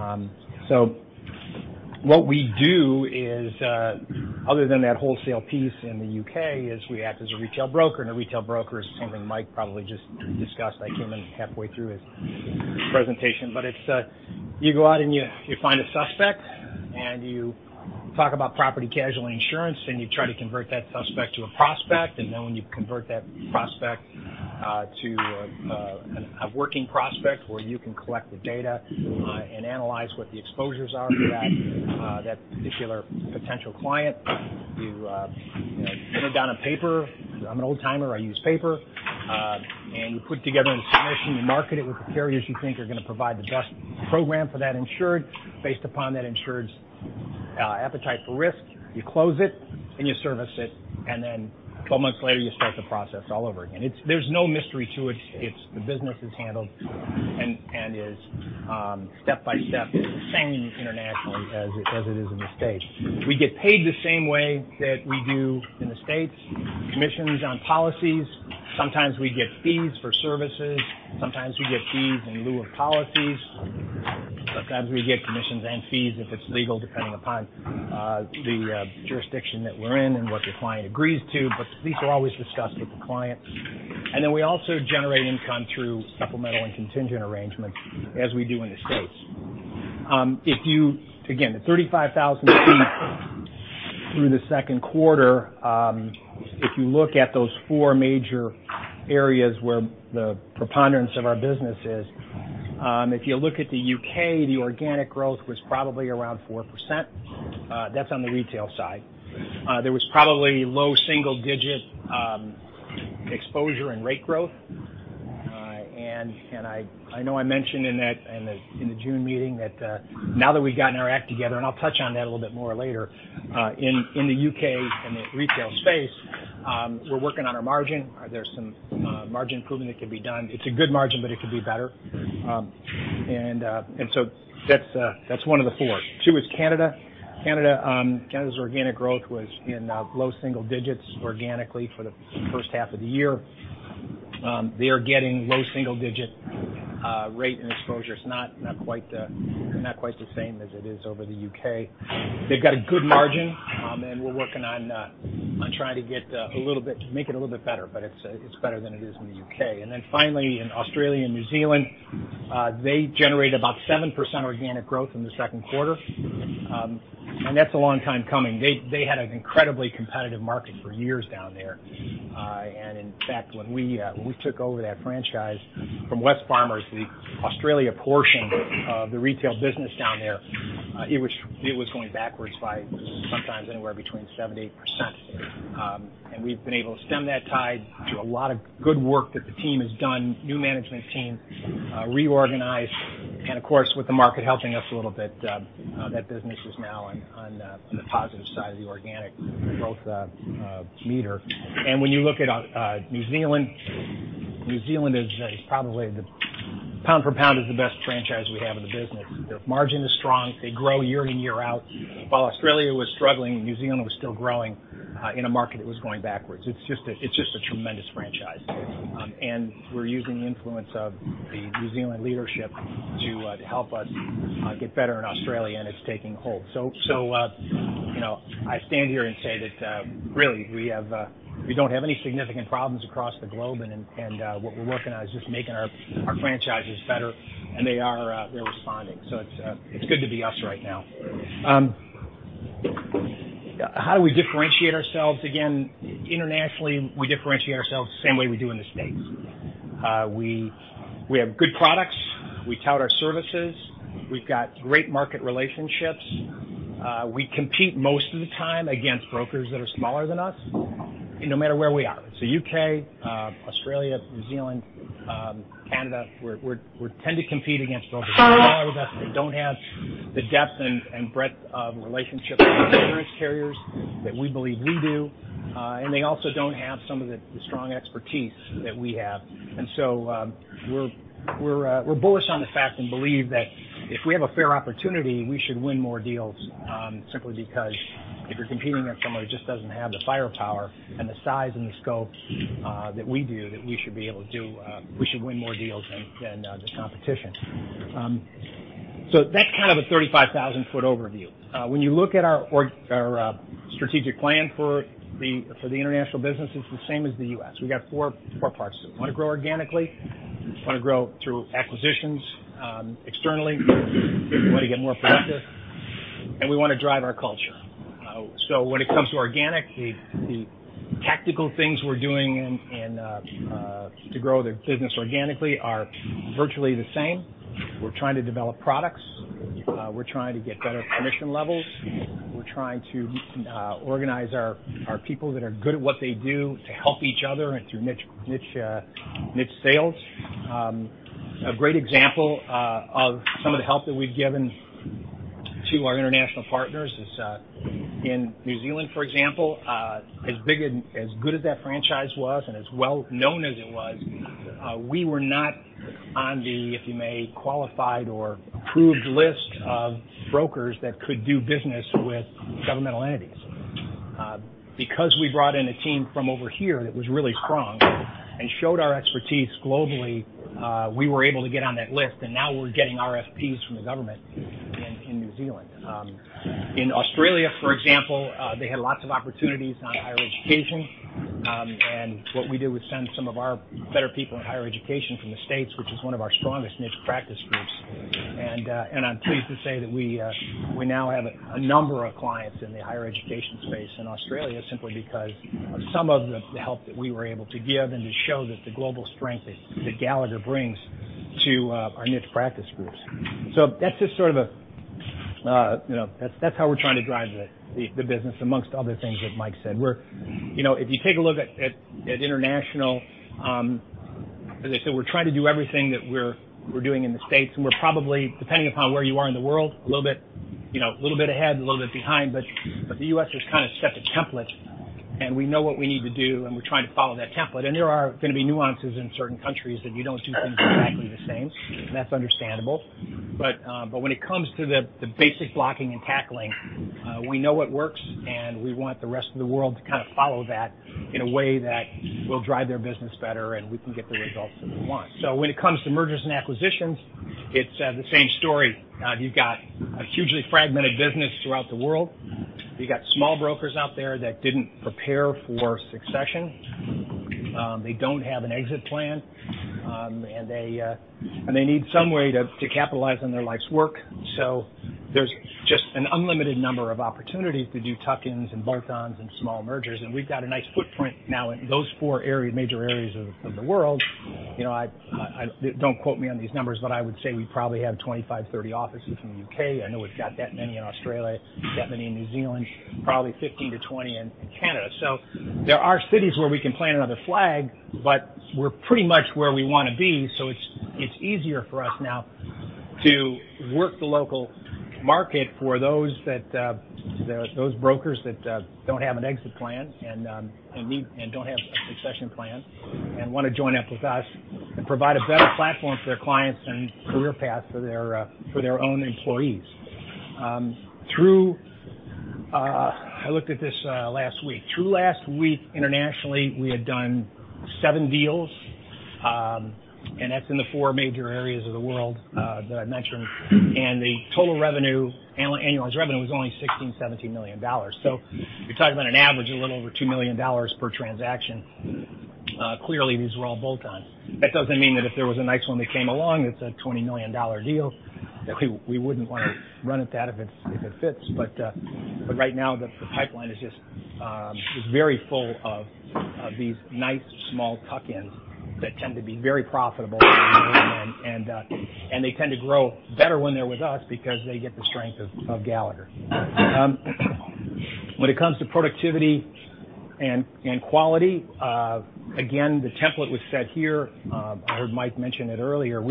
What we do is, other than that wholesale piece in the U.K., is we act as a retail broker, a retail broker is something Mike probably just discussed. I came in halfway through his presentation. You go out and you find a suspect, you talk about property casualty insurance, you try to convert that suspect to a prospect. When you convert that prospect to a working prospect where you can collect the data and analyze what the exposures are for that particular potential client. You get it down on paper. I'm an old-timer, I use paper. You put together a submission, you market it with the carriers you think are going to provide the best program for that insured based upon that insured's appetite for risk. You close it and you service it, 12 months later, you start the process all over again. There's no mystery to it. The business is handled, is step-by-step the same internationally as it is in the U.S. We get paid the same way that we do in the U.S., commissions on policies. Sometimes we get fees for services. Sometimes we get fees in lieu of policies. Sometimes we get commissions and fees if it's legal, depending upon the jurisdiction that we're in and what the client agrees to, these are always discussed with the client. We also generate income through supplemental and contingent arrangements as we do in the U.S. Again, at 35,000 feet through the second quarter, if you look at those four major areas where the preponderance of our business is, if you look at the U.K., the organic growth was probably around 4%. That's on the retail side. There was probably low single-digit exposure and rate growth. I know I mentioned in the June meeting that now that we've gotten our act together, I'll touch on that a little bit more later, in the U.K. in the retail space, we're working on our margin. There's some margin improvement that could be done. It's a good margin, it could be better. That's one of the four. Two is Canada. Canada's organic growth was in low single digits organically for the first half of the year. They are getting low single-digit rate and exposure. It's not quite the same as it is over the U.K. They've got a good margin, we're working on trying to make it a little bit better, it's better than it is in the U.K. Finally in Australia and New Zealand, they generated about 7% organic growth in the second quarter. That's a long time coming. They had an incredibly competitive market for years down there. In fact, when we took over that franchise from Wesfarmers, the Australia portion of the retail business down there, it was going backwards by sometimes anywhere between 7%-8%. We've been able to stem that tide through a lot of good work that the team has done, new management team, reorganized, and of course, with the market helping us a little bit, that business is now on the positive side of the organic growth meter. When you look at New Zealand, New Zealand is probably the Pound for pound is the best franchise we have in the business. Their margin is strong. They grow year in, year out. While Australia was struggling, New Zealand was still growing in a market that was going backwards. It's just a tremendous franchise. We're using the influence of the New Zealand leadership to help us get better in Australia, and it's taking hold. I stand here and say that really, we don't have any significant problems across the globe, and what we're working on is just making our franchises better, and they're responding. It's good to be us right now. How do we differentiate ourselves? Again, internationally, we differentiate ourselves the same way we do in the U.S. We have good products. We tout our services. We've got great market relationships. We compete most of the time against brokers that are smaller than us, no matter where we are. U.K., Australia, New Zealand, Canada, we tend to compete against brokers that are smaller than us, that don't have the depth and breadth of relationships with insurance carriers that we believe we do. They also don't have some of the strong expertise that we have. We're bullish on the fact and believe that if we have a fair opportunity, we should win more deals, simply because if you're competing against somebody that just doesn't have the firepower and the size and the scope that we do, that we should win more deals than the competition. That's kind of a 35,000-foot overview. When you look at our strategic plan for the international business, it's the same as the U.S. We got four parts to it. We want to grow organically. We want to grow through acquisitions externally, if we want to get more practice, and we want to drive our culture. When it comes to organic, the tactical things we're doing to grow the business organically are virtually the same. We're trying to develop products. We're trying to get better commission levels. We're trying to organize our people that are good at what they do to help each other and through niche sales. A great example of some of the help that we've given to our international partners is, in New Zealand, for example, as good as that franchise was and as well-known as it was, we were not on the, if you may, qualified or approved list of brokers that could do business with governmental entities. Because we brought in a team from over here that was really strong and showed our expertise globally, we were able to get on that list, and now we're getting RFPs from the government in New Zealand. In Australia, for example, they had lots of opportunities on higher education. What we did was send some of our better people in higher education from the U.S., which is one of our strongest niche practice groups. I'm pleased to say that we now have a number of clients in the higher education space in Australia simply because of some of the help that we were able to give and to show that the global strength that Gallagher brings to our niche practice groups. That's how we're trying to drive the business, amongst other things that Mike said. If you take a look at international, as I said, we're trying to do everything that we're doing in the U.S., and we're probably, depending upon where you are in the world, a little bit ahead, a little bit behind, but the U.S. has kind of set the template, and we know what we need to do, and we're trying to follow that template. There are going to be nuances in certain countries that you don't do things exactly the same, and that's understandable. When it comes to the basic blocking and tackling, we know what works, and we want the rest of the world to follow that in a way that will drive their business better, and we can get the results that we want. When it comes to mergers and acquisitions, it's the same story. You've got a hugely fragmented business throughout the world. You've got small brokers out there that didn't prepare for succession. They don't have an exit plan. They need some way to capitalize on their life's work. There's just an unlimited number of opportunities to do tuck-ins and bolt-ons and small mergers, and we've got a nice footprint now in those four major areas of the world. Don't quote me on these numbers, but I would say we probably have 25, 30 offices in the U.K. I know we've got that many in Australia, that many in New Zealand, probably 15 to 20 in Canada. There are cities where we can plant another flag, but we're pretty much where we want to be. It's easier for us now to work the local market for those brokers that don't have an exit plan and don't have a succession plan and want to join up with us and provide a better platform for their clients and career path for their own employees. I looked at this last week. Through last week, internationally, we had done seven deals, and that's in the four major areas of the world that I mentioned. The total revenue, annualized revenue, was only $16 million, $17 million. You're talking about an average of a little over $2 million per transaction. Clearly, these were all bolt-ons. That doesn't mean that if there was a nice one that came along, it's a $20 million deal, that we wouldn't want to run at that if it fits. Right now, the pipeline is very full of these nice small tuck-ins that tend to be very profitable when we do them, and they tend to grow better when they're with us because they get the strength of Gallagher. When it comes to productivity and quality, again, the template was set here. I heard Mike mention it earlier. In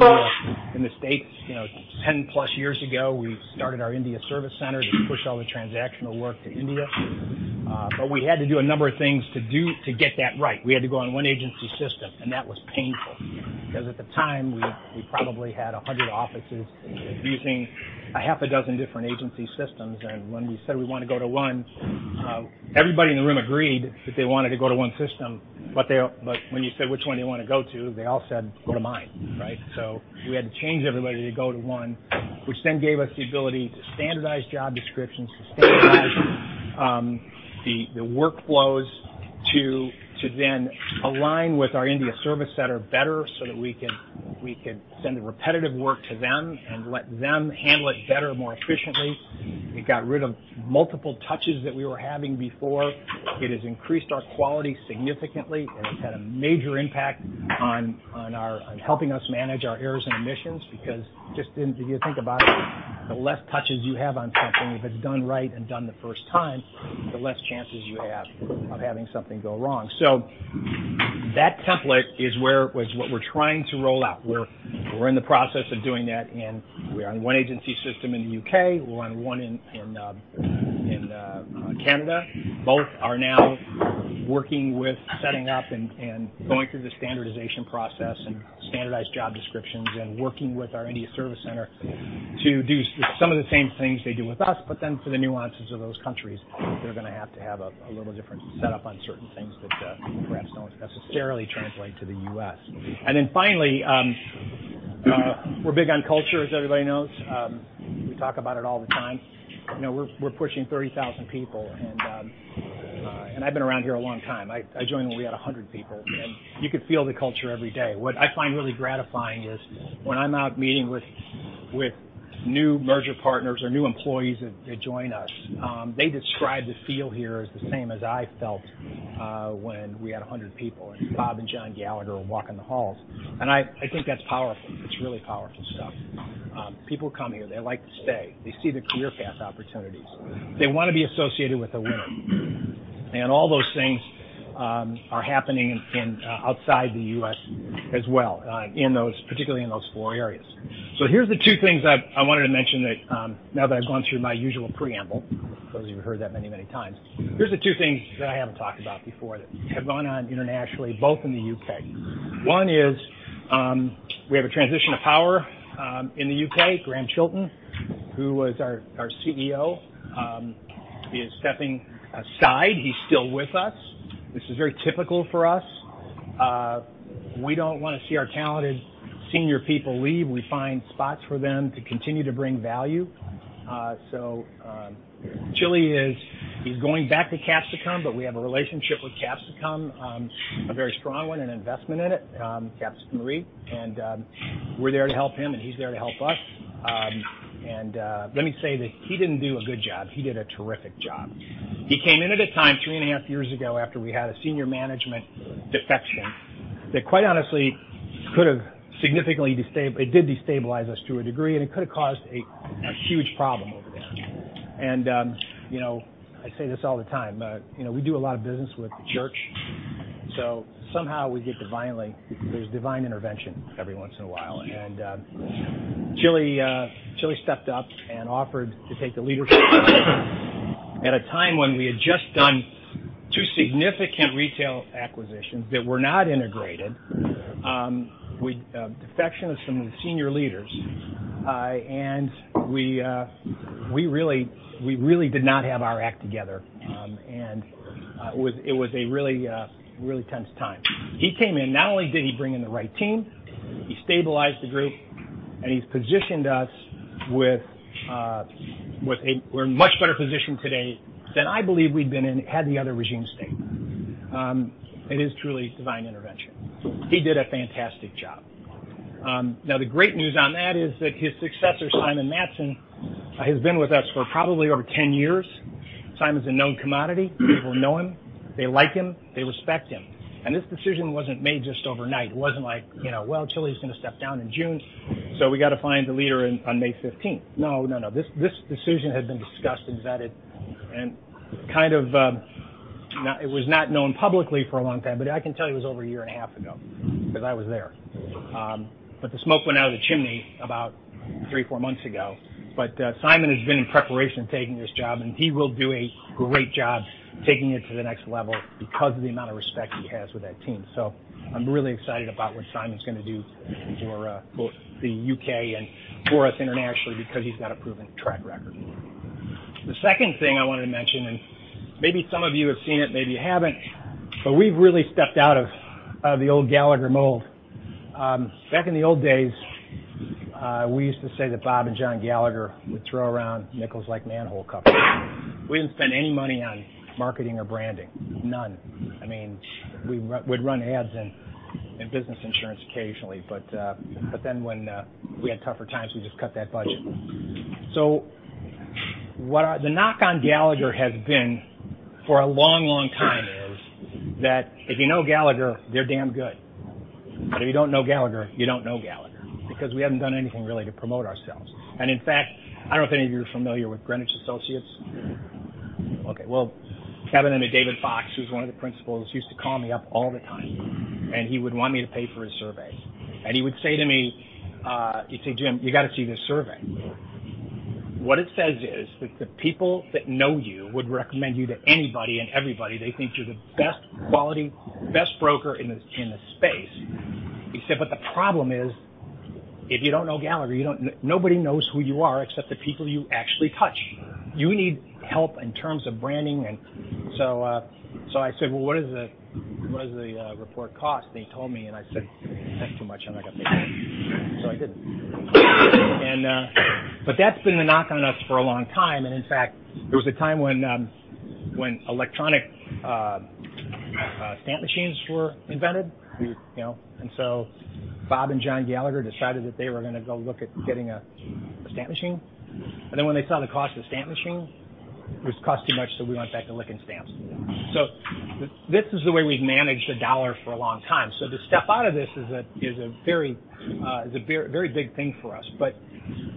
the U.S., 10 plus years ago, we started our India service center to push all the transactional work to India. We had to do a number of things to get that right. We had to go on one agency system, that was painful, because at the time, we probably had 100 offices using a half a dozen different agency systems. When we said we want to go to one, everybody in the room agreed that they wanted to go to one system, but when you said which one they want to go to, they all said, "Go to mine," right? We had to change everybody to go to one, which then gave us the ability to standardize job descriptions, to standardize the workflows, to then align with our India service center better, so that we could send the repetitive work to them and let them handle it better, more efficiently. It got rid of multiple touches that we were having before. It has increased our quality significantly, it's had a major impact on helping us manage our errors and omissions, because if you think about it, the less touches you have on something, if it's done right and done the first time, the less chances you have of having something go wrong. That template is what we're trying to roll out. We're in the process of doing that, we're on one agency system in the U.K. We're on one in Canada. Both are now working with setting up and going through the standardization process and standardized job descriptions and working with our India service center to do some of the same things they do with us, but then for the nuances of those countries, they're going to have to have a little different setup on certain things that perhaps don't necessarily translate to the U.S. Finally, we're big on culture, as everybody knows. We talk about it all the time. We're pushing 30,000 people, and I've been around here a long time. I joined when we had 100 people, and you could feel the culture every day. What I find really gratifying is when I'm out meeting with new merger partners or new employees that join us, they describe the feel here as the same as I felt when we had 100 people, and Bob and John Gallagher were walking the halls. I think that's powerful. It's really powerful stuff. People come here. They like to stay. They see the career path opportunities. They want to be associated with a winner. All those things are happening outside the U.S. as well, particularly in those four areas. Here's the two things I wanted to mention now that I've gone through my usual preamble, because you've heard that many times. Here's the two things that I haven't talked about before that have gone on internationally, both in the U.K. One is we have a transition of power in the U.K. Grahame Chilton, who was our CEO, he is stepping aside. He's still with us. This is very typical for us. We don't want to see our talented senior people leave. We find spots for them to continue to bring value. Gilly is going back to Capsicum Re, but we have a relationship with Capsicum Re, a very strong one, an investment in it, Capsicum Re. We're there to help him, and he's there to help us. Let me say that he didn't do a good job. He did a terrific job. He came in at a time, three and a half years ago, after we had a senior management defection that, quite honestly, it did destabilize us to a degree, and it could've caused a huge problem over there. I say this all the time. We do a lot of business with the church, so somehow there's divine intervention every once in a while. Gilly stepped up and offered to take the leadership position at a time when we had just done two significant retail acquisitions that were not integrated with defections from senior leaders. We really did not have our act together, and it was a really tense time. He came in. Not only did he bring in the right team, he stabilized the group, and he's positioned us with a much better position today than I believe we'd been in had the other regime stayed. It is truly divine intervention. He did a fantastic job. Now, the great news on that is that his successor, Simon Matson, has been with us for probably over 10 years. Simon's a known commodity. People know him. They like him. They respect him. This decision wasn't made just overnight. It wasn't like, well, Gilly's going to step down in June, so we got to find the leader on May 15th. No, this decision had been discussed and vetted, and it was not known publicly for a long time, but I can tell you it was over a year and a half ago, because I was there. The smoke went out of the chimney about three, four months ago. Simon has been in preparation taking this job, and he will do a great job taking it to the next level because of the amount of respect he has with that team. So I'm really excited about what Simon's going to do for both the U.K. and for us internationally, because he's got a proven track record. The second thing I wanted to mention, and maybe some of you have seen it, maybe you haven't, but we've really stepped out of the old Gallagher mold. Back in the old days, we used to say that Bob and John Gallagher would throw around nickels like manhole covers. We didn't spend any money on marketing or branding. None. We'd run ads in Business Insurance occasionally, but then when we had tougher times, we just cut that budget. The knock on Gallagher has been for a long time is that if you know Gallagher, they're damn good. If you don't know Gallagher, you don't know Gallagher, because we haven't done anything really to promote ourselves. In fact, I don't know if any of you are familiar with Greenwich Associates. Okay. Well, Kevin and David Fox, who's one of the principals, used to call me up all the time, and he would want me to pay for his survey. He would say to me, "Jim, you got to see this survey." What it says is that the people that know you would recommend you to anybody and everybody. They think you're the best quality, best broker in the space. He said, but the problem is, if you don't know Gallagher, nobody knows who you are except the people you actually touch. You need help in terms of branding. I said, "Well, what does the report cost?" He told me, I said, "That's too much. I'm not going to pay for it." I didn't. That's been the knock on us for a long time, in fact, there was a time when electronic stamp machines were invented. Bob and John Gallagher decided that they were going to go look at getting a stamp machine. When they saw the cost of a stamp machine, it cost too much, so we went back to licking stamps. This is the way we've managed the dollar for a long time. To step out of this is a very big thing for us.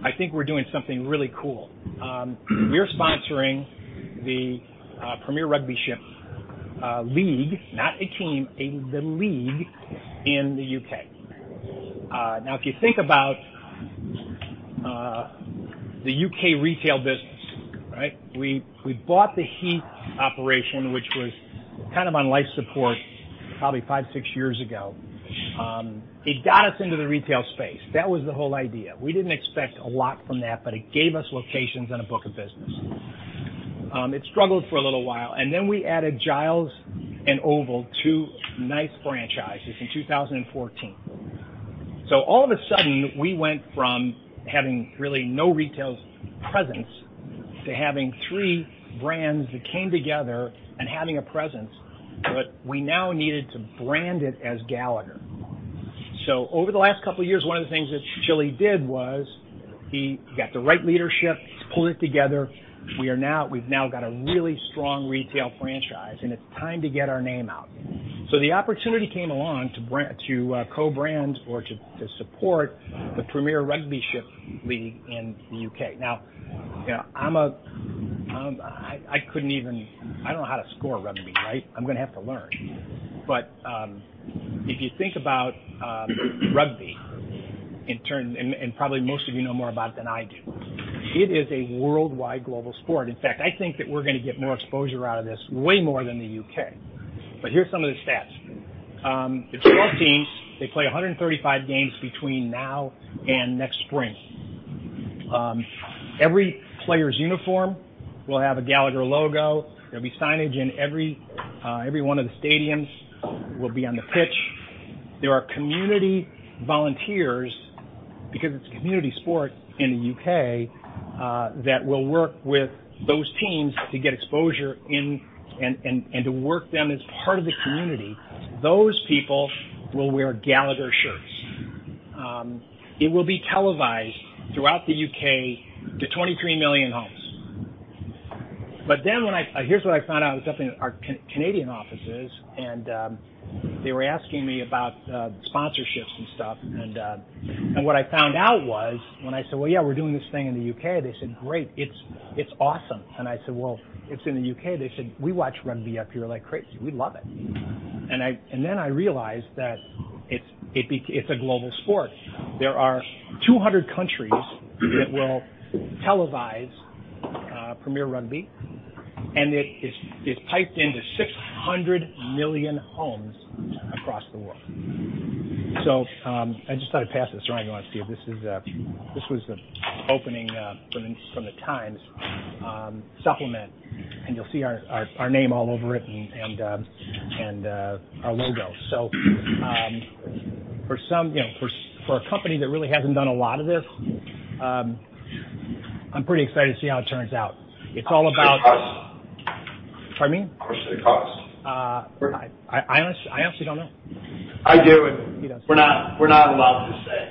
I think we're doing something really cool. We're sponsoring the Premier Rugby League, not a team, the league in the U.K. If you think about the U.K. retail business, we bought the Heath operation, which was kind of on life support probably five, six years ago. It got us into the retail space. That was the whole idea. We didn't expect a lot from that, but it gave us locations and a book of business. It struggled for a little while, we added Giles and Oval, two nice franchises in 2014. All of a sudden, we went from having really no retail presence to having three brands that came together and having a presence. We now needed to brand it as Gallagher. Over the last couple of years, one of the things that Gilly did was he got the right leadership, pulled it together. We've now got a really strong retail franchise, and it's time to get our name out. The opportunity came along to co-brand or to support the Premier Rugby League in the U.K. I don't know how to score rugby, right? I'm going to have to learn. If you think about rugby, and probably most of you know more about it than I do. It is a worldwide global sport. I think that we're going to get more exposure out of this, way more than the U.K. Here's some of the stats. There's 12 teams. They play 135 games between now and next spring. Every player's uniform will have a Gallagher logo. There'll be signage in every one of the stadiums, we'll be on the pitch. There are community volunteers, because it's a community sport in the U.K., that will work with those teams to get exposure and to work them as part of the community. Those people will wear Gallagher shirts. It will be televised throughout the U.K. to 23 million homes. Here's what I found out. I was up in our Canadian offices, they were asking me about sponsorships and stuff. What I found out was when I said, "Well, yeah, we're doing this thing in the U.K.," they said, "Great. It's awesome." I said, "Well, it's in the U.K." They said, "We watch rugby up here like crazy. We love it." I realized that it's a global sport. There are 200 countries that will televise Premier Rugby, and it's piped into 600 million homes across the world. I just thought I'd pass this around if you want to see it. This was the opening from the Times Supplement, and you'll see our name all over it and our logo. For a company that really hasn't done a lot of this, I'm pretty excited to see how it turns out. It's all about. How much does it cost? Pardon me? How much does it cost? I honestly don't know. I do, and we're not allowed to say.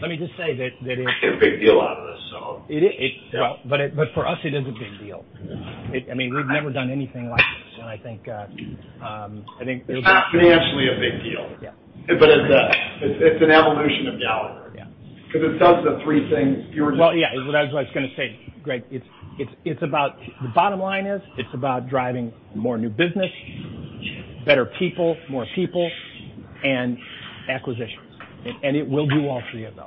Let me just say that. We make a big deal out of this. It is. Well, for us, it is a big deal. We've never done anything like this. It's not financially a big deal. Yeah. It's an evolution of Gallagher. Yeah. It does the three things. Well, yeah. Is what I was going to say, Greg. The bottom line is it's about driving more new business, better people, more people, and acquisitions. It will do all three of those.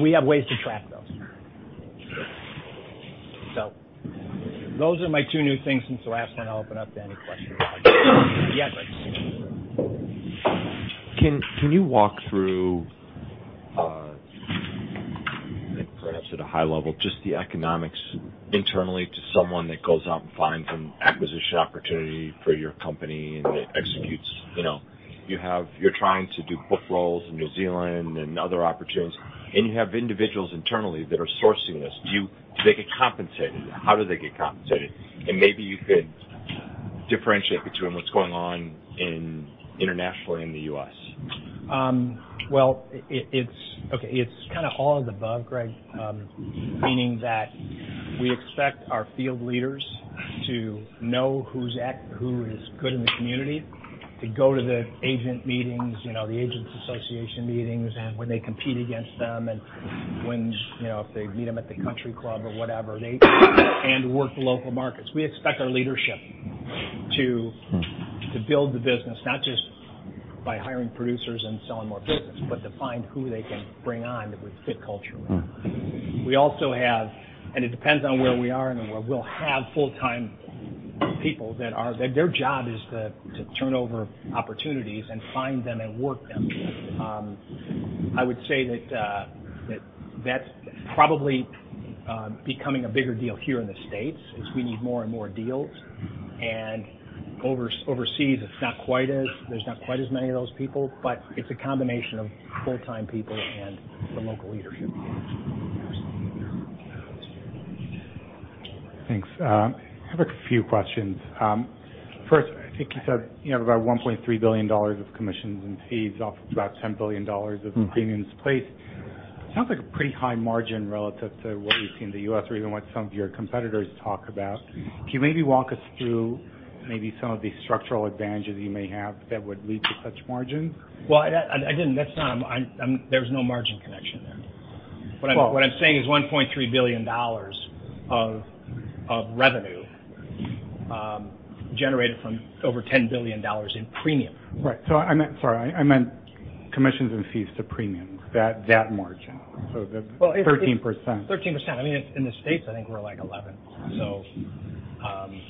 We have ways to track those. Those are my two new things since the last one. I'll open up to any questions. Yeah, Greg. Can you walk through, perhaps at a high level, just the economics internally to someone that goes out and finds an acquisition opportunity for your company and executes? You're trying to do book rolls in New Zealand and other opportunities, and you have individuals internally that are sourcing this. Do they get compensated? How do they get compensated? Maybe you could differentiate between what's going on internationally and in the U.S. Well, it's kind of all of the above, Greg, meaning that we expect our field leaders to know who is good in the community, to go to the agent meetings, the agents association meetings, and when they compete against them and if they meet them at the country club or whatever, and work the local markets. We expect our leadership to build the business, not just by hiring producers and selling more business, but to find who they can bring on that would fit culturally. We also have, and it depends on where we are in the world, we'll have full-time people that their job is to turn over opportunities and find them and work them. I would say that's probably becoming a bigger deal here in the States as we need more and more deals, and overseas there's not quite as many of those people, but it's a combination of full-time people and the local leadership. Thanks. I have a few questions. First, I think you said you have about $1.3 billion of commissions and fees off of about $10 billion of premiums placed. Sounds like a pretty high margin relative to what we see in the U.S. or even what some of your competitors talk about. Can you maybe walk us through maybe some of the structural advantages you may have that would lead to such margins? Well, there's no margin connection there. What I'm saying is $1.3 billion of revenue generated from over $10 billion in premium. Right. Sorry, I meant commissions and fees to premium, that margin. The 13%. 13%. In the States, I think we're 11.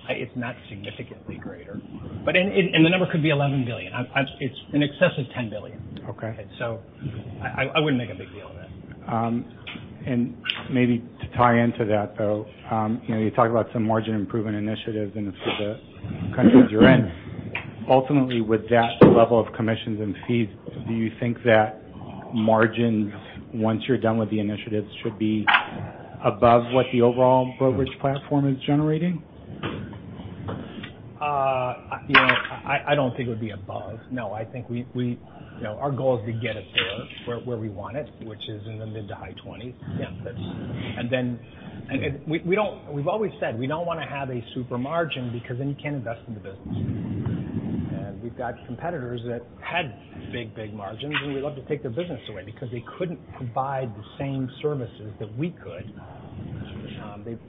It's not significantly greater. The number could be $11 billion. It's in excess of $10 billion. Okay. I wouldn't make a big deal of that. Maybe to tie into that, though, you talk about some margin improvement initiatives in a few of the countries you're in. Ultimately, with that level of commissions and fees, do you think that margins, once you're done with the initiatives, should be above what the overall brokerage platform is generating? I don't think it would be above, no. I think our goal is to get it to where we want it, which is in the mid to high 20s. Yeah. We've always said we don't want to have a super margin because then you can't invest in the business. We've got competitors that had big margins, and we love to take their business away because they couldn't provide the same services that we could.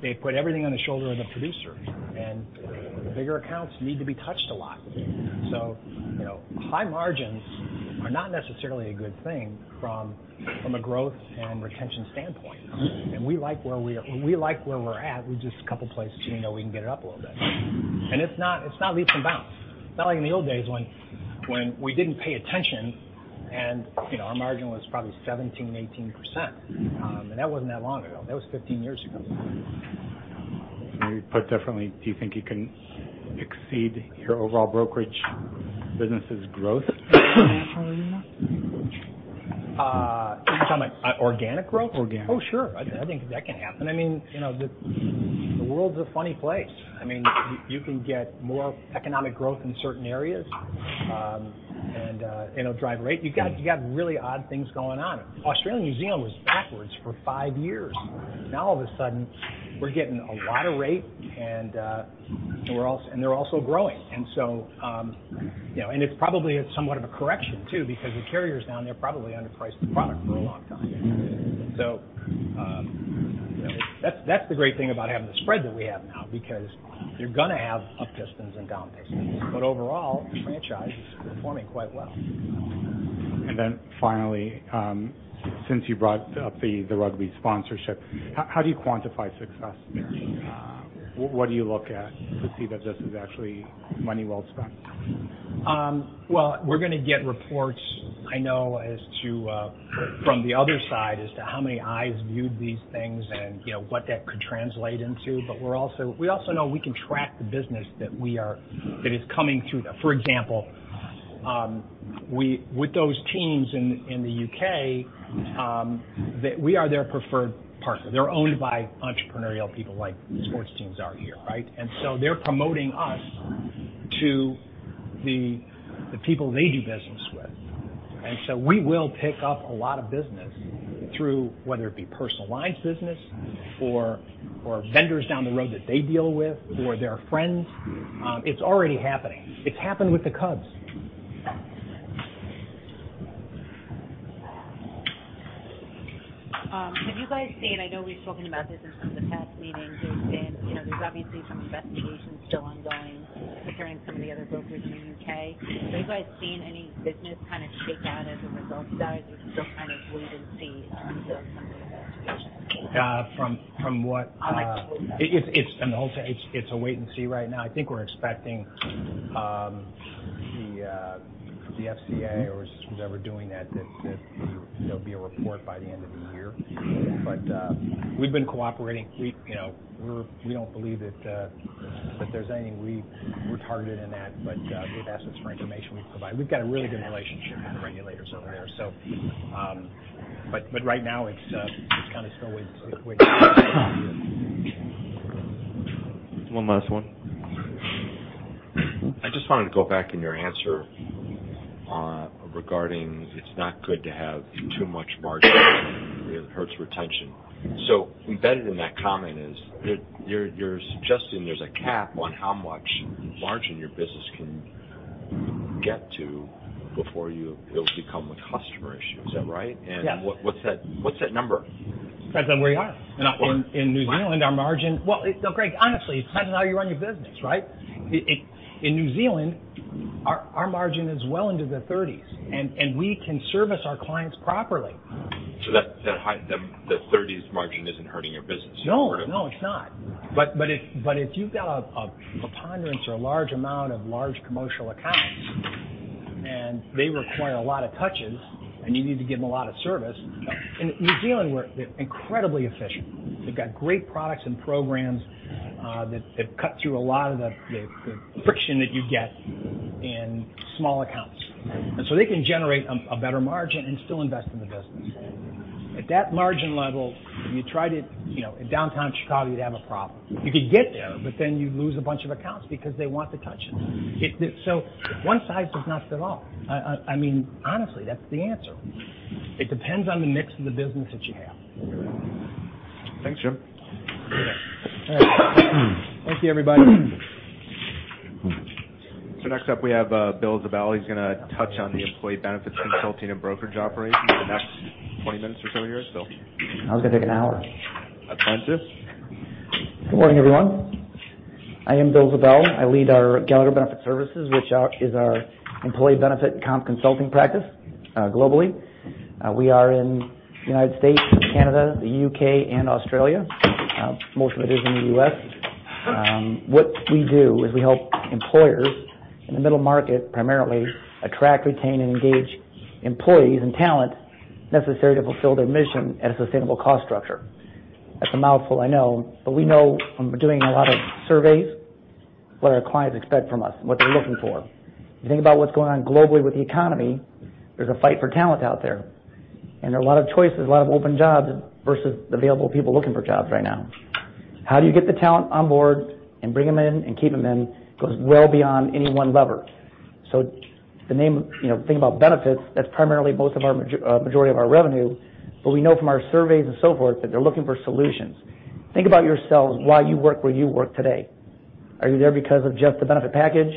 They put everything on the shoulder of the producer, and the bigger accounts need to be touched a lot. High margins are not necessarily a good thing from a growth and retention standpoint. We like where we're at. There's just a couple places we can get it up a little bit. It's not leaps and bounds. It's not like in the old days when we didn't pay attention, and our margin was probably 17%, 18%. That wasn't that long ago. That was 15 years ago. Maybe put differently, do you think you can exceed your overall brokerage business' growth naturally now? Are you talking about organic growth? Organic. Oh, sure. I think that can happen. The world's a funny place. You can get more economic growth in certain areas, it'll drive rate. You've got really odd things going on. Australia and New Zealand was backwards for five years. Now all of a sudden, we're getting a lot of rate, and they're also growing. It's probably somewhat of a correction, too, because the carriers down there probably underpriced the product for a long time. That's the great thing about having the spread that we have now because you're going to have upticings and downticings. Overall, the franchise is performing quite well. Finally, since you brought up the rugby sponsorship, how do you quantify success there? What do you look at to see that this is actually money well spent? We're going to get reports, I know, from the other side as to how many eyes viewed these things, and what that could translate into. We also know we can track the business that is coming through. For example, with those teams in the U.K., we are their preferred partner. They're owned by entrepreneurial people like sports teams are here, right? They're promoting us to the people they do business with. We will pick up a lot of business through, whether it be personal lines business or vendors down the road that they deal with or their friends. It's already happening. It's happened with the Cubs. Have you guys seen, I know we've spoken about this in some of the past meetings, there's obviously some investigations still ongoing concerning some of the other brokers in the U.K. Have you guys seen any business kind of shake out as a result of that, or you're still kind of wait and see until some of the investigations conclude? From what. I'll let you pull that. It's a wait and see right now. I think we're expecting the FCA or whoever's doing that there'll be a report by the end of the year. We've been cooperating. We don't believe that there's anything we targeted in that, but we have assets for information we've provided. We've got a really good relationship with the regulators over there. Right now it's kind of still wait and see. One last one. I just wanted to go back in your answer regarding it's not good to have too much margin, it hurts retention. Embedded in that comment is you're suggesting there's a cap on how much margin your business can get to before you build customer issues. Is that right? Yes. What's that number? Depends on where you are. Wow. In New Zealand, our margin-- Well, no, Greg, honestly, it depends on how you run your business, right? In New Zealand, our margin is well into the 30s, and we can service our clients properly. The 30s margin isn't hurting your business? No, it's not. If you've got a preponderance or a large amount of large commercial accounts, and they require a lot of touches, and you need to give them a lot of service-- In New Zealand, we're incredibly efficient. We've got great products and programs, that have cut through a lot of the friction that you get in small accounts. They can generate a better margin and still invest in the business. At that margin level, in Downtown Chicago, you'd have a problem. You could get there, then you'd lose a bunch of accounts because they want the touches. One size does not fit all. Honestly, that's the answer. It depends on the mix of the business that you have. Thanks, Jim. Yeah. Thank you, everybody. Next up we have Bill Ziebell. He's going to touch on the Employee Benefits Consulting and Brokerage operations for the next 20 minutes or so here. I was going to take an hour. That's fine, too. Good morning, everyone. I am Bill Ziebell. I lead our Gallagher Benefit Services, which is our employee benefit account consulting practice globally. We are in the U.S., Canada, the U.K. and Australia. Most of it is in the U.S. What we do is we help employers in the middle market, primarily, attract, retain, and engage employees and talent necessary to fulfill their mission at a sustainable cost structure. That's a mouthful, I know, we know from doing a lot of surveys what our clients expect from us, what they're looking for. You think about what's going on globally with the economy, there's a fight for talent out there are a lot of choices, a lot of open jobs versus available people looking for jobs right now. How do you get the talent on board and bring them in and keep them in goes well beyond any one lever. The name, think about benefits, that's primarily both of our majority of our revenue. We know from our surveys that they're looking for solutions. Think about yourselves, why you work where you work today. Are you there because of just the benefit package?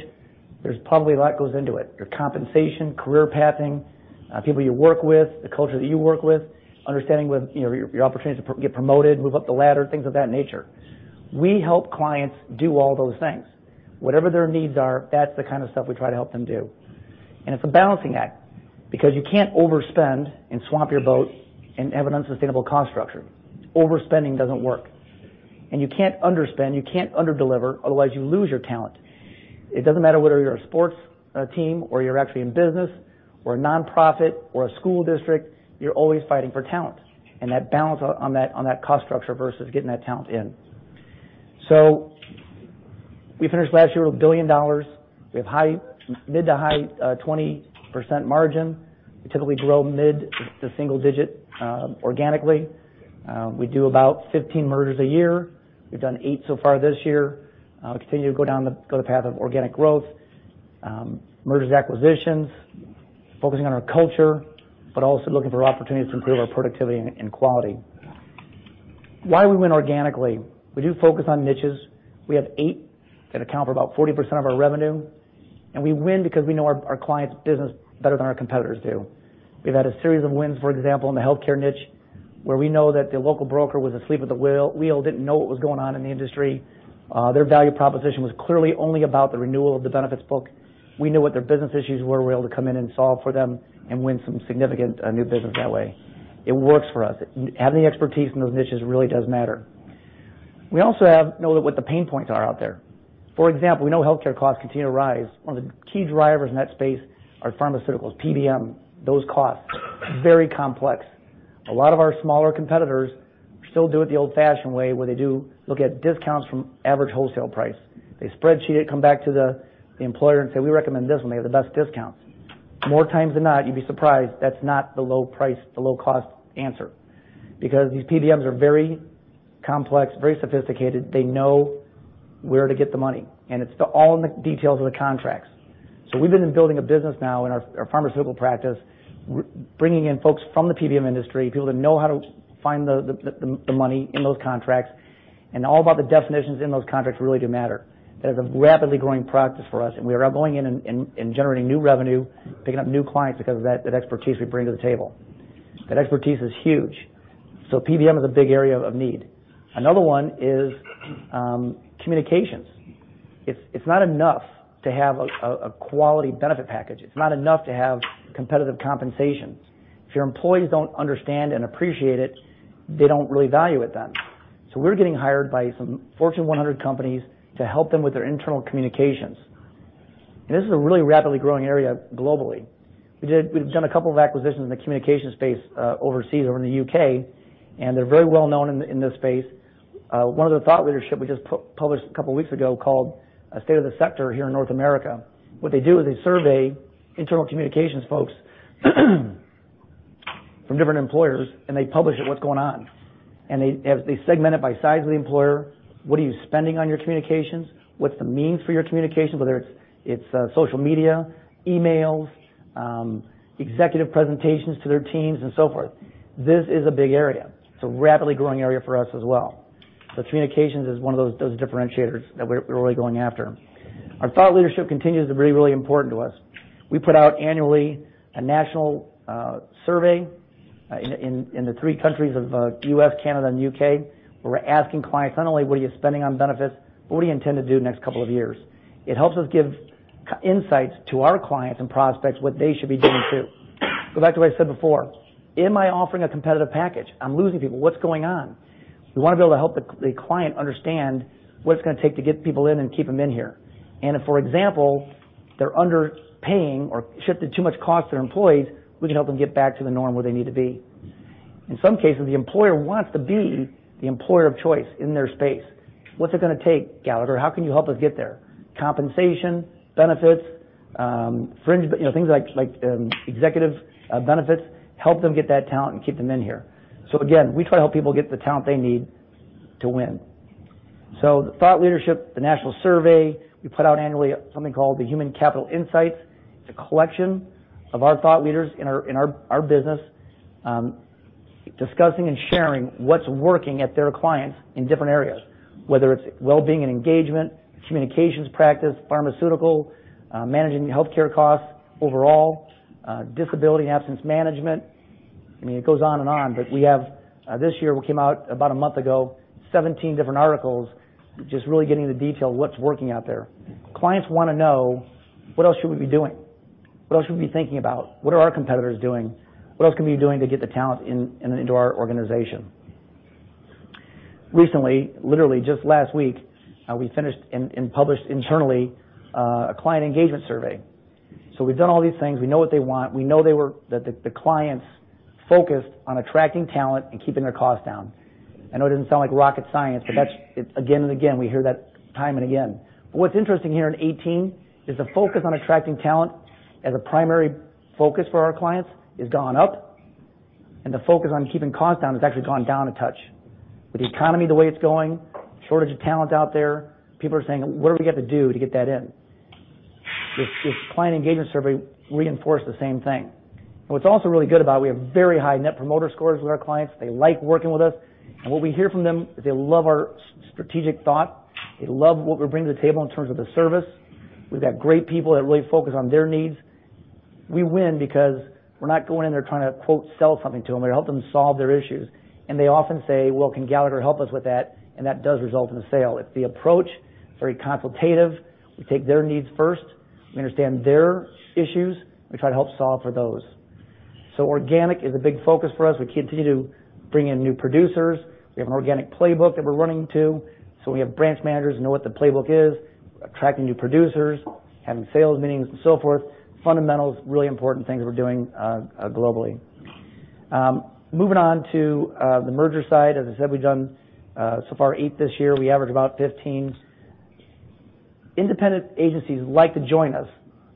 There's probably a lot goes into it. Your compensation, career pathing, people you work with, the culture that you work with, understanding your opportunity to get promoted, move up the ladder, things of that nature. We help clients do all those things. Whatever their needs are, that's the kind of stuff we try to help them do. It's a balancing act because you can't overspend swamp your boat and have an unsustainable cost structure. Overspending doesn't work. You can't underspend, you can't underdeliver, otherwise you lose your talent. It doesn't matter whether you're a sports team you're actually in business a nonprofit a school district, you're always fighting for talent that balance on that cost structure versus getting that talent in. We finished last year with $1 billion. We have mid to high 20% margin. We typically grow mid to single-digit, organically. We do about 15 mergers a year. We've done eight so far this year. We continue to go down the path of organic growth, mergers, acquisitions, focusing on our culture, also looking for opportunities to improve our productivity and quality. Why we win organically. We do focus on niches. We have eight that account for about 40% of our revenue, we win because we know our client's business better than our competitors do. We've had a series of wins, for example, in the healthcare niche, where we know that the local broker was asleep at the wheel, didn't know what was going on in the industry. Their value proposition was clearly only about the renewal of the benefits book. We knew what their business issues were. We were able to come in solve for them win some significant new business that way. It works for us. Having the expertise in those niches really does matter. We also know what the pain points are out there. For example, we know healthcare costs continue to rise. One of the key drivers in that space are pharmaceuticals, PBMs, those costs, very complex. A lot of our smaller competitors still do it the old-fashioned way, where they do look at discounts from average wholesale price. They spreadsheet it, come back to the employer and say, "We recommend this one. They have the best discounts." More times than not, you'd be surprised that's not the low price, the low-cost answer, because these PBMs are very complex, very sophisticated. They know where to get the money, and it's all in the details of the contracts. We've been building a business now in our pharmaceutical practice, bringing in folks from the PBM industry, people that know how to find the money in those contracts, and all about the definitions in those contracts really do matter. That is a rapidly growing practice for us, and we are going in and generating new revenue, picking up new clients because of that expertise we bring to the table. That expertise is huge. PBM is a big area of need. Another one is communications. It's not enough to have a quality benefit package. It's not enough to have competitive compensation. If your employees don't understand and appreciate it, they don't really value it then. We're getting hired by some Fortune 100 companies to help them with their internal communications. This is a really rapidly growing area globally. We've done a couple of acquisitions in the communication space overseas, over in the U.K., and they're very well known in this space. One of the thought leadership we just published a couple of weeks ago called State of the Sector here in North America. What they do is they survey internal communications folks from different employers, and they publish it. What's going on? They segment it by size of the employer. What are you spending on your communications? What's the means for your communications, whether it's social media, emails, executive presentations to their teams, and so forth. This is a big area. It's a rapidly growing area for us as well. Communications is one of those differentiators that we're really going after. Our thought leadership continues to be really important to us. We put out annually a national survey in the three countries of U.S., Canada, and U.K., where we're asking clients not only what are you spending on benefits, but what do you intend to do the next couple of years. It helps us give insights to our clients and prospects what they should be doing, too. Go back to what I said before. Am I offering a competitive package? I'm losing people. What's going on? We want to be able to help the client understand what it's going to take to get people in and keep them in here. If, for example, they're underpaying or shifted too much cost to their employees, we can help them get back to the norm where they need to be. In some cases, the employer wants to be the employer of choice in their space. What's it going to take, Gallagher? How can you help us get there? Compensation, benefits, things like executive benefits, help them get that talent and keep them in here. Again, we try to help people get the talent they need to win. The thought leadership, the national survey, we put out annually something called the Human Capital Insights. It's a collection of our thought leaders in our business discussing and sharing what's working at their clients in different areas, whether it's well-being and engagement, communications practice, pharmaceutical, managing healthcare costs overall, disability and absence management. I mean, it goes on and on. This year, we came out, about a month ago, 17 different articles, just really getting into detail what's working out there. Clients want to know, what else should we be doing? What else should we be thinking about? What are our competitors doing? What else can we be doing to get the talent into our organization? Recently, literally just last week, we finished and published internally, a client engagement survey. We've done all these things. We know what they want. We know that the clients focused on attracting talent and keeping their costs down. I know it doesn't sound like rocket science, again, and again, we hear that time and again. What's interesting here in 2018 is the focus on attracting talent as a primary focus for our clients has gone up, and the focus on keeping costs down has actually gone down a touch. With the economy, the way it's going, shortage of talent out there, people are saying, "What do we got to do to get that in?" This client engagement survey reinforced the same thing. What's also really good about it, we have very high net promoter scores with our clients. They like working with us. What we hear from them is they love our strategic thought. They love what we bring to the table in terms of the service. We've got great people that really focus on their needs. We win because we're not going in there trying to, quote, "sell something to them." We help them solve their issues. They often say, "Well, can Gallagher help us with that?" That does result in a sale. It's the approach, very consultative. We take their needs first. We understand their issues. We try to help solve for those. Organic is a big focus for us. We continue to bring in new producers. We have an organic playbook that we're running to. We have branch managers who know what the playbook is, attracting new producers, having sales meetings, and so forth. Fundamentals, really important things we're doing globally. Moving on to the merger side. As I said, we've done so far eight this year. We average about 15. Independent agencies like to join us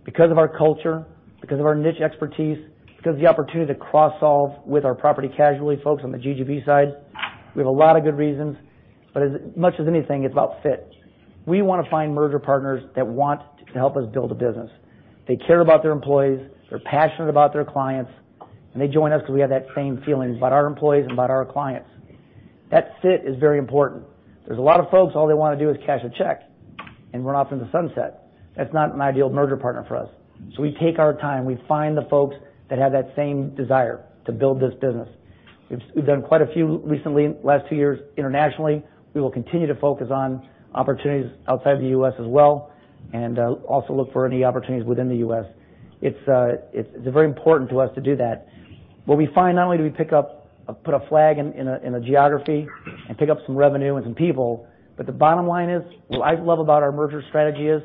because of our culture, because of our niche expertise, because of the opportunity to cross-solve with our property casualty folks on the GGB side. We have a lot of good reasons, but as much as anything, it's about fit. We want to find merger partners that want to help us build a business. They care about their employees, they're passionate about their clients, and they join us because we have that same feeling about our employees and about our clients. That fit is very important. There's a lot of folks, all they want to do is cash a check and run off into the sunset. That's not an ideal merger partner for us. We take our time. We find the folks that have that same desire to build this business. We've done quite a few recently, last two years, internationally. We will continue to focus on opportunities outside the U.S. as well, also look for any opportunities within the U.S. It's very important to us to do that. What we find, not only do we put a flag in a geography and pick up some revenue and some people, but the bottom line is, what I love about our merger strategy is,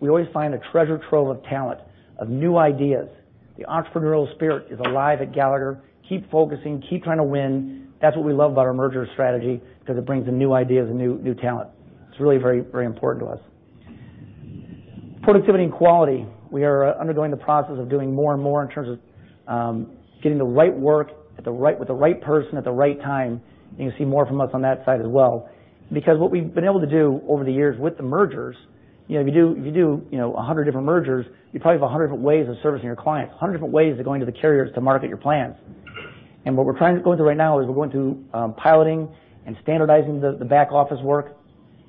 we always find a treasure trove of talent, of new ideas. The entrepreneurial spirit is alive at Gallagher. Keep focusing, keep trying to win. That's what we love about our merger strategy, because it brings in new ideas and new talent. It's really very important to us. Productivity and quality. We are undergoing the process of doing more and more in terms of getting the right work with the right person at the right time. You're going to see more from us on that side as well. What we've been able to do over the years with the mergers, if you do 100 different mergers, you probably have 100 different ways of servicing your clients, 100 different ways of going to the carriers to market your plans. What we're going through right now is we're going through piloting and standardizing the back office work,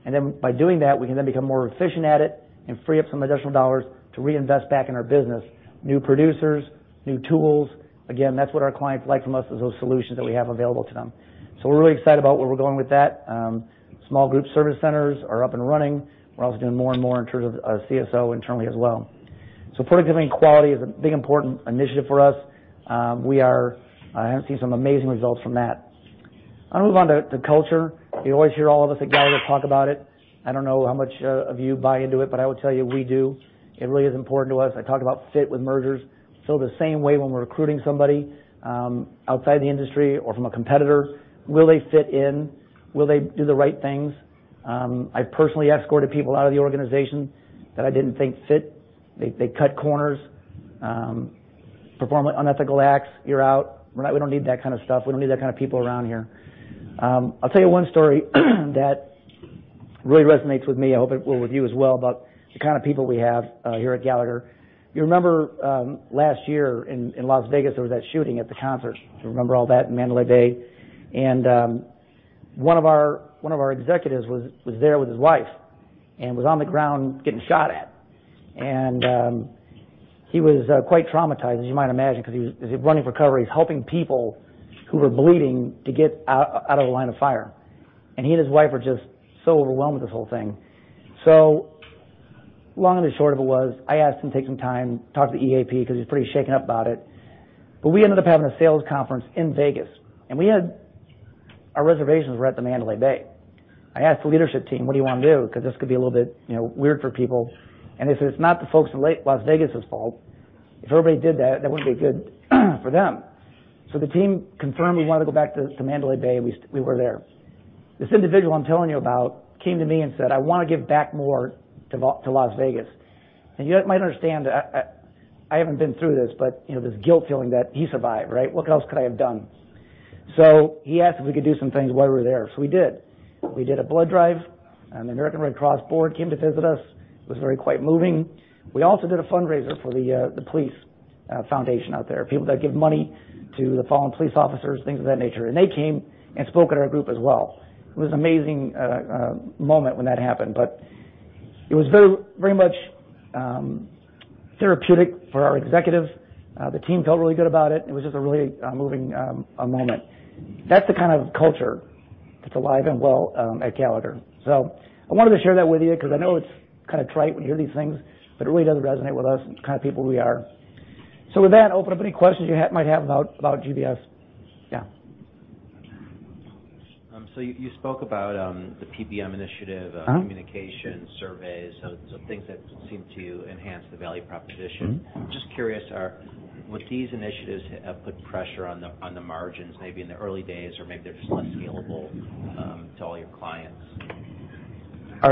then by doing that, we can then become more efficient at it and free up some additional dollars to reinvest back in our business. New producers, new tools. Again, that's what our clients like from us is those solutions that we have available to them. We're really excited about where we're going with that. Small group service centers are up and running. We're also doing more and more in terms of CSO internally as well. Productivity and quality is a big, important initiative for us. We are seeing some amazing results from that. I'm going to move on to culture. You always hear all of us at Gallagher talk about it. I don't know how much of you buy into it, but I will tell you we do. It really is important to us. I talk about fit with mergers, feel the same way when we're recruiting somebody outside the industry or from a competitor. Will they fit in? Will they do the right things? I've personally escorted people out of the organization that I didn't think fit. They cut corners, perform unethical acts, you're out. We don't need that kind of stuff. We don't need that kind of people around here. I'll tell you one story that really resonates with me, I hope it will with you as well, about the kind of people we have here at Gallagher. You remember last year in Las Vegas, there was that shooting at the concert. Remember all that in Mandalay Bay? One of our executives was there with his wife, was on the ground getting shot at. He was quite traumatized, as you might imagine, because he was running for cover. He was helping people who were bleeding to get out of the line of fire. He and his wife were just so overwhelmed with this whole thing. Long and the short of it was, I asked him to take some time and talk to the EAP because he was pretty shaken up about it. We ended up having a sales conference in Vegas, and our reservations were at the Mandalay Bay. I asked the leadership team, "What do you want to do?" This could be a little bit weird for people, and this is not the folks in Las Vegas' fault. If everybody did that wouldn't be good for them. The team confirmed we wanted to go back to Mandalay Bay, and we were there. This individual I'm telling you about came to me and said, "I want to give back more to Las Vegas." You might understand, I haven't been through this, but this guilt feeling that he survived. What else could I have done? He asked if we could do some things while we were there. We did. We did a blood drive, and the American Red Cross board came to visit us. It was very quite moving. We also did a fundraiser for the police foundation out there, people that give money to the fallen police officers, things of that nature. They came and spoke at our group as well. It was an amazing moment when that happened, but it was very much therapeutic for our executive. The team felt really good about it. It was just a really moving moment. That's the kind of culture that's alive and well at Gallagher. I wanted to share that with you because I know it's kind of trite when you hear these things, but it really does resonate with us and the kind of people we are. With that, I'll open up any questions you might have about GBS. Yeah. You spoke about the PBM initiative. Communication surveys, things that seem to enhance the value proposition. Just curious, would these initiatives put pressure on the margins, maybe in the early days, or maybe they're just less scalable to all your clients?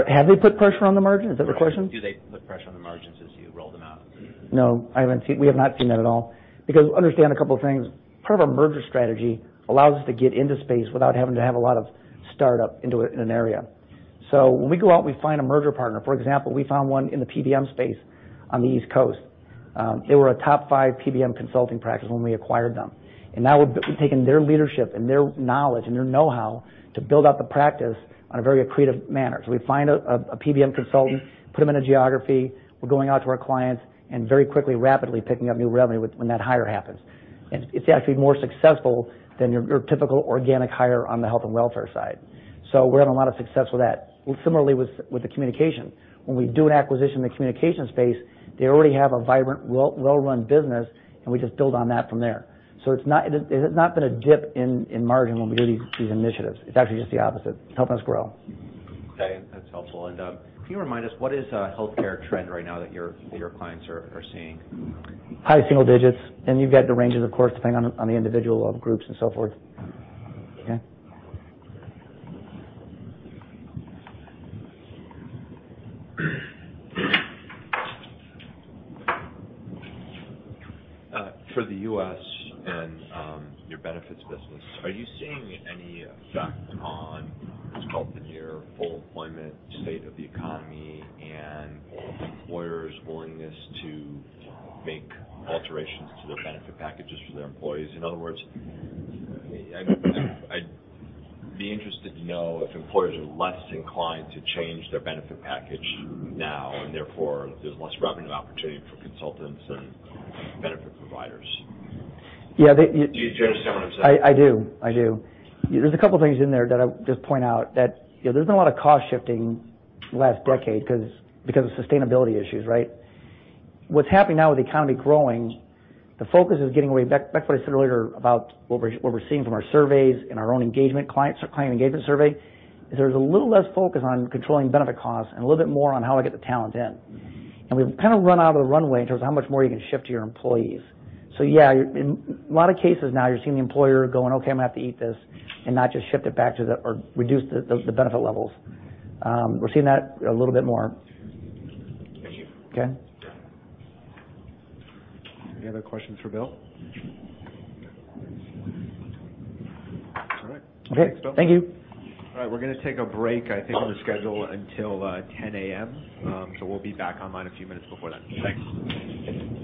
Have they put pressure on the margins? Is that the question? Do they put pressure on the margins as you roll them out? No. We have not seen that at all. Understand a couple of things, part of our merger strategy allows us to get into space without having to have a lot of startup in an area. When we go out, we find a merger partner. For example, we found one in the PBM space on the East Coast. They were a top 5 PBM consulting practice when we acquired them, and now we've taken their leadership and their knowledge and their know-how to build out the practice in a very accretive manner. We find a PBM consultant, put them in a geography. We're going out to our clients and very quickly, rapidly picking up new revenue when that hire happens. It's actually more successful than your typical organic hire on the health and welfare side. We're having a lot of success with that. Similarly, with the communication, when we do an acquisition in the communication space, they already have a vibrant, well-run business, and we just build on that from there. There's not been a dip in margin when we do these initiatives. It's actually just the opposite, helping us grow. Okay. That's helpful. Can you remind us, what is a healthcare trend right now that your clients are seeing? High single digits, you've got the ranges, of course, depending on the individual groups and so forth. Okay. For the U.S. and your benefits business, are you seeing any effect on what's called the near full employment state of the economy and employers' willingness to make alterations to their benefit packages for their employees? In other words, I'd be interested to know if employers are less inclined to change their benefit package now, therefore, there's less revenue opportunity for consultants and benefit providers. Yeah. Do you understand what I'm saying? I do. There's a couple of things in there that I'll just point out that there's been a lot of cost shifting the last decade because of sustainability issues, right? What's happening now with the economy growing, the focus is getting away, back to what I said earlier about what we're seeing from our surveys and our own client engagement survey, is there's a little less focus on controlling benefit costs and a little bit more on how I get the talent in. We've run out of the runway in terms of how much more you can shift to your employees. Yeah, in a lot of cases now you're seeing the employer going, "Okay, I'm going to have to eat this," and not just reduce the benefit levels. We're seeing that a little bit more. Thank you. Okay. Any other questions for Bill? All right. Thanks, Bill. Okay. Thank you. All right, we're going to take a break, I think on the schedule until 10:00 A.M. We'll be back online a few minutes before then. Thanks.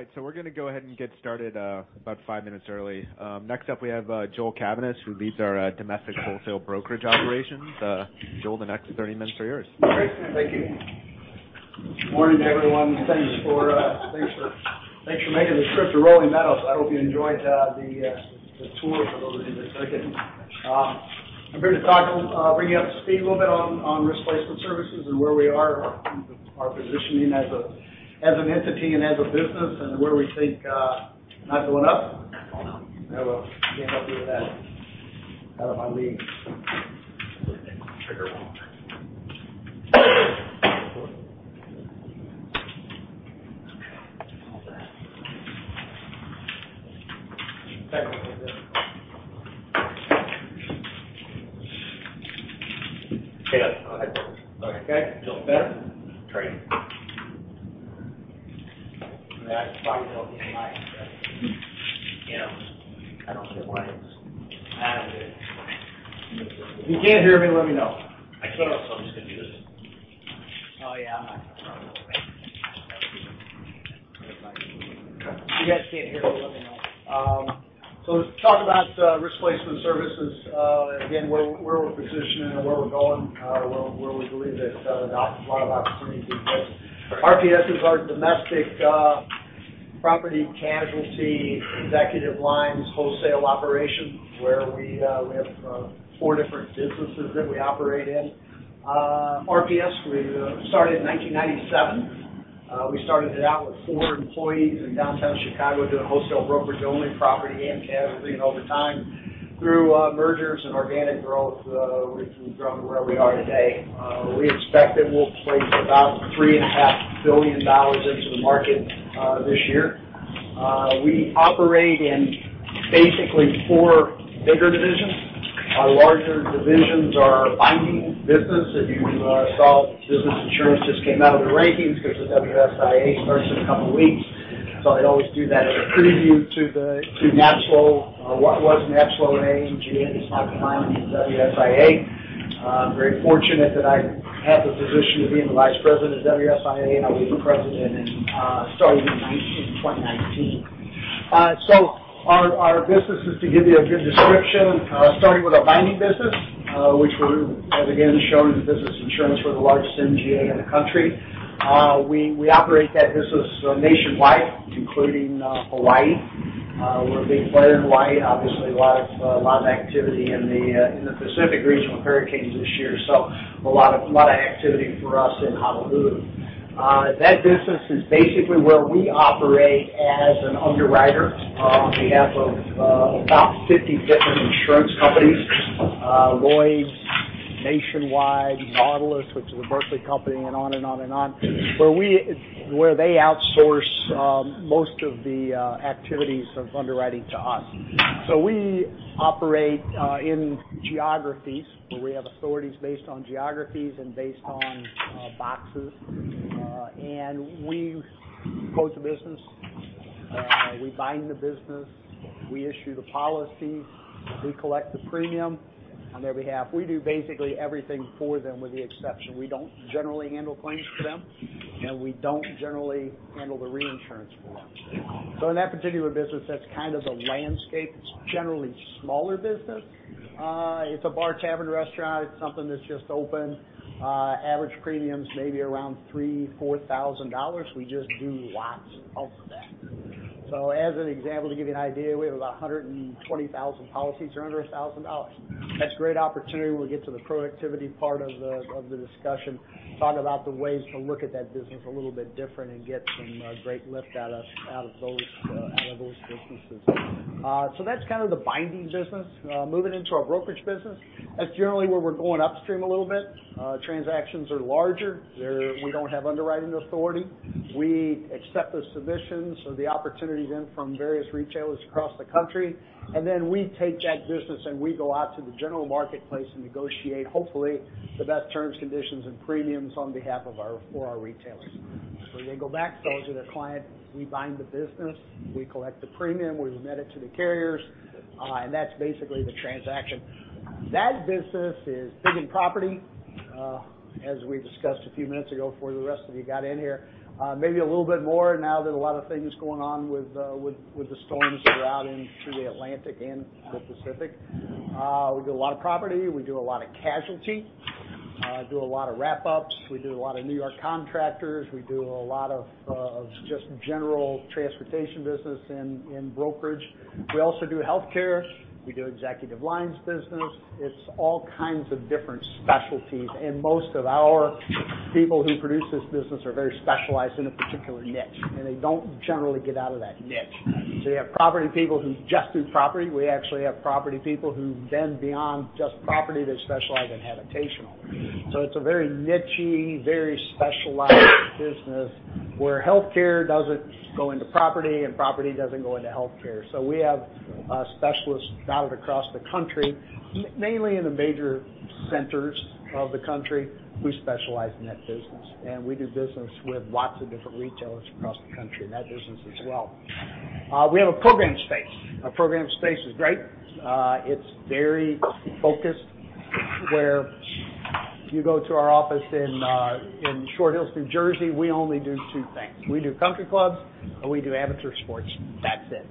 All right. We're going to go ahead and get started about five minutes early. Next up we have Joel Cavaness, who leads our domestic wholesale brokerage operations. Joel, the next 30 minutes are yours. Great, thank you. Morning, everyone. Thanks for making the trip to Rolling Meadows. I hope you enjoyed the tour, for those of you that took it. I'm here to talk, bring you up to speed a little bit on Risk Placement Services and where we are, our positioning as an entity and as a business, and where we think Am I going up? No. I will get help with that. Out of my league. Trigger on. Hold that. Okay, that's better. Okay. Feeling better? Great. Yeah, it's probably going to be a mic, but Yeah. I don't see why it's. I don't get it. If you can't hear me, let me know. I can't, so I'm just going to do this. Oh, yeah. I'm having a problem. If you guys can't hear me, let me know. Let's talk about Risk Placement Services. Again, where we're positioning and where we're going, where we believe there's a lot of opportunities exist. RPS is our domestic property casualty executive lines wholesale operation, where we have four different businesses that we operate in. RPS, we started in 1997. We started it out with four employees in downtown Chicago, doing wholesale brokerage, only property and casualty. Over time, through mergers and organic growth, we've grown to where we are today. We expect that we'll place about $3.5 billion into the market this year. We operate in basically four bigger divisions. Our larger divisions are binding business. If you saw Business Insurance just came out of the rankings because the WSIA starts in a couple of weeks. They always do that as a preview to what was NAPSLO and is now combined into WSIA. I'm very fortunate that I have the position of being the vice president of WSIA, and I will be president starting in 2019. Our business is, to give you a good description, starting with our binding business which we're, as again, shown as Business Insurance, we're the largest MGA in the country. We operate that business nationwide, including Hawaii. We're a big player in Hawaii. Obviously, a lot of activity in the Pacific region with hurricanes this year, a lot of activity for us in Honolulu. That business is basically where we operate as an underwriter on behalf of about 50 different insurance companies. Lloyd's, Nationwide, Nautilus, which is a Berkshire company, and on and on and on, where they outsource most of the activities of underwriting to us. We operate in geographies where we have authorities based on geographies and based on boxes. We quote the business, we bind the business, we issue the policy, we collect the premium on their behalf. We do basically everything for them with the exception that we don't generally handle claims for them, and we don't generally handle the reinsurance for them. In that particular business, that's kind of the landscape. It's generally smaller business. It's a bar, tavern, restaurant. It's something that's just opened. Average premium is maybe around three, four thousand dollars. We just do lots of that. As an example, to give you an idea, we have about 120,000 policies that are under $1,000. That's a great opportunity, when we get to the productivity part of the discussion, to talk about the ways to look at that business a little bit different and get some great lift out of those businesses. That's kind of the binding business. Moving into our brokerage business, that's generally where we're going upstream a little bit. Transactions are larger. We don't have underwriting authority. We accept the submissions or the opportunities in from various retailers across the country, we take that business and we go out to the general marketplace and negotiate, hopefully, the best terms, conditions, and premiums on behalf of our retailers. They go back to their client, we bind the business, we collect the premium, we remit it to the carriers, that's basically the transaction. That business is big in property. As we discussed a few minutes ago, before the rest of you got in here, maybe a little bit more now that a lot of things are going on with the storms that are out into the Atlantic and the Pacific. We do a lot of property. We do a lot of casualty. We do a lot of wrap-ups. We do a lot of New York contractors. We do a lot of just general transportation business in brokerage. We also do healthcare. We do executive lines business. Most of our people who produce this business are very specialized in a particular niche, and they don't generally get out of that niche. You have property people who just do property. We actually have property people who then, beyond just property, they specialize in habitational. It's a very niche-y, very specialized business where healthcare doesn't go into property and property doesn't go into healthcare. We have specialists dotted across the country, mainly in the major centers of the country, who specialize in that business. We do business with lots of different retailers across the country in that business as well. We have a programs space. Our programs space is great. It's very focused, where if you go to our office in Short Hills, New Jersey, we only do 2 things. We do country clubs, and we do amateur sports. That's it.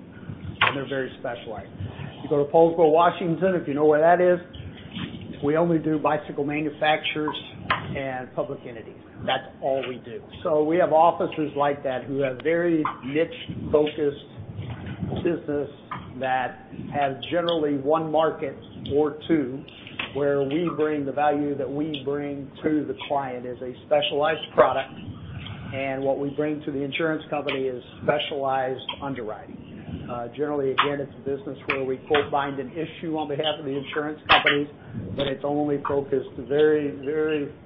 They're very specialized. If you go to Poulsbo, Washington, if you know where that is. We only do bicycle manufacturers and public entities. That's all we do. We have officers like that who have very niche-focused business that has generally 1 market or 2, where we bring the value that we bring to the client as a specialized product, and what we bring to the insurance company is specialized underwriting. Generally, again, it's a business where we quote, bind, and issue on behalf of the insurance companies, but it's only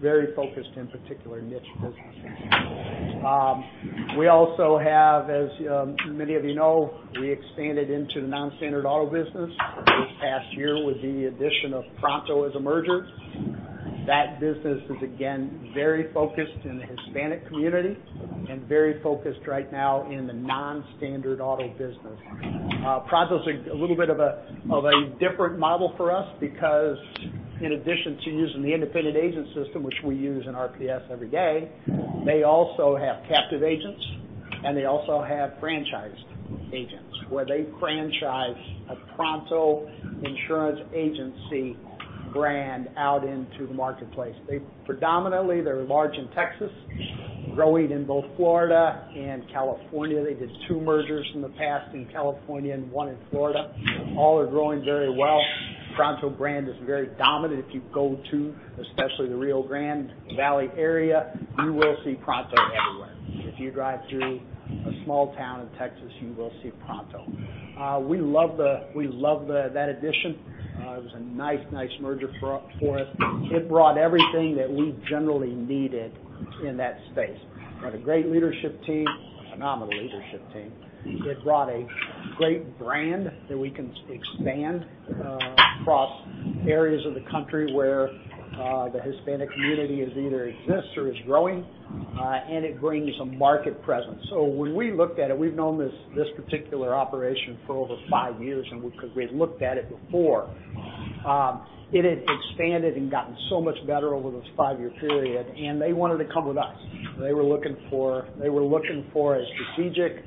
very focused in particular niche businesses. We also have, as many of you know, we expanded into the non-standard auto business this past year with the addition of Pronto as a merger. That business is, again, very focused in the Hispanic community and very focused right now in the non-standard auto business. Pronto's a little bit of a different model for us because in addition to using the independent agent system, which we use in RPS every day, they also have captive agents, and they also have franchised agents, where they franchise a Pronto insurance agency brand out into the marketplace. Predominantly, they're large in Texas, growing in both Florida and California. They did 2 mergers in the past in California and 1 in Florida. All are growing very well. Pronto brand is very dominant. If you go to, especially the Rio Grande Valley area, you will see Pronto everywhere. If you drive through a small town in Texas, you will see Pronto. We love that addition. It was a nice merger for us. It brought everything that we generally needed in that space. We had a great leadership team, a phenomenal leadership team. It brought a great brand that we can expand across areas of the country where the Hispanic community either exists or is growing. It brings a market presence. When we looked at it, we've known this particular operation for over five years, and because we had looked at it before. It had expanded and gotten so much better over this five-year period, they wanted to come with us. They were looking for a strategic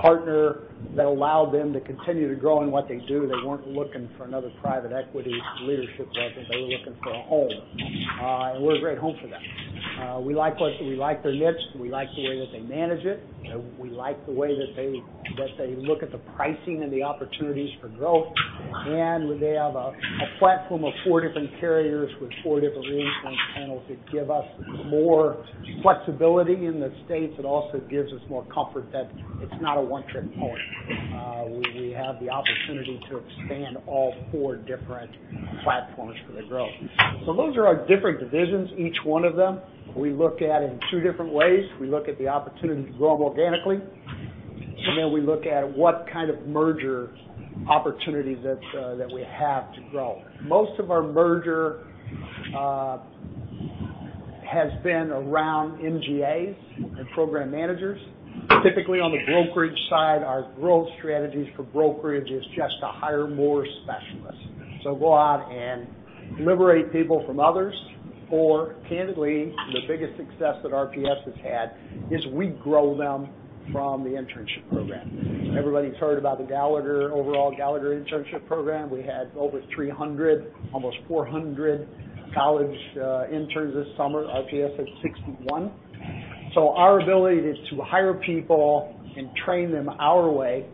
partner that allowed them to continue to grow in what they do. They weren't looking for another private equity leadership vessel. They were looking for a home. We're a great home for them. We like their niche. We like the way that they manage it. We like the way that they look at the pricing and the opportunities for growth. They have a platform of four different carriers with four different reinsurance panels that give us more flexibility in the States. It also gives us more comfort that it's not a one-trick pony. We have the opportunity to expand all four different platforms for the growth. Those are our different divisions. Each one of them, we look at in two different ways. We look at the opportunity to grow them organically, we look at what kind of merger opportunities that we have to grow. Most of our merger has been around MGAs and program managers. Typically, on the brokerage side, our growth strategies for brokerage is just to hire more specialists. Go out and liberate people from others, or candidly, the biggest success that RPS has had is we grow them from the internship program. Everybody's heard about the overall Gallagher internship program. We had over 300, almost 400 college interns this summer. RPS had 61. Our ability to hire people and train them our way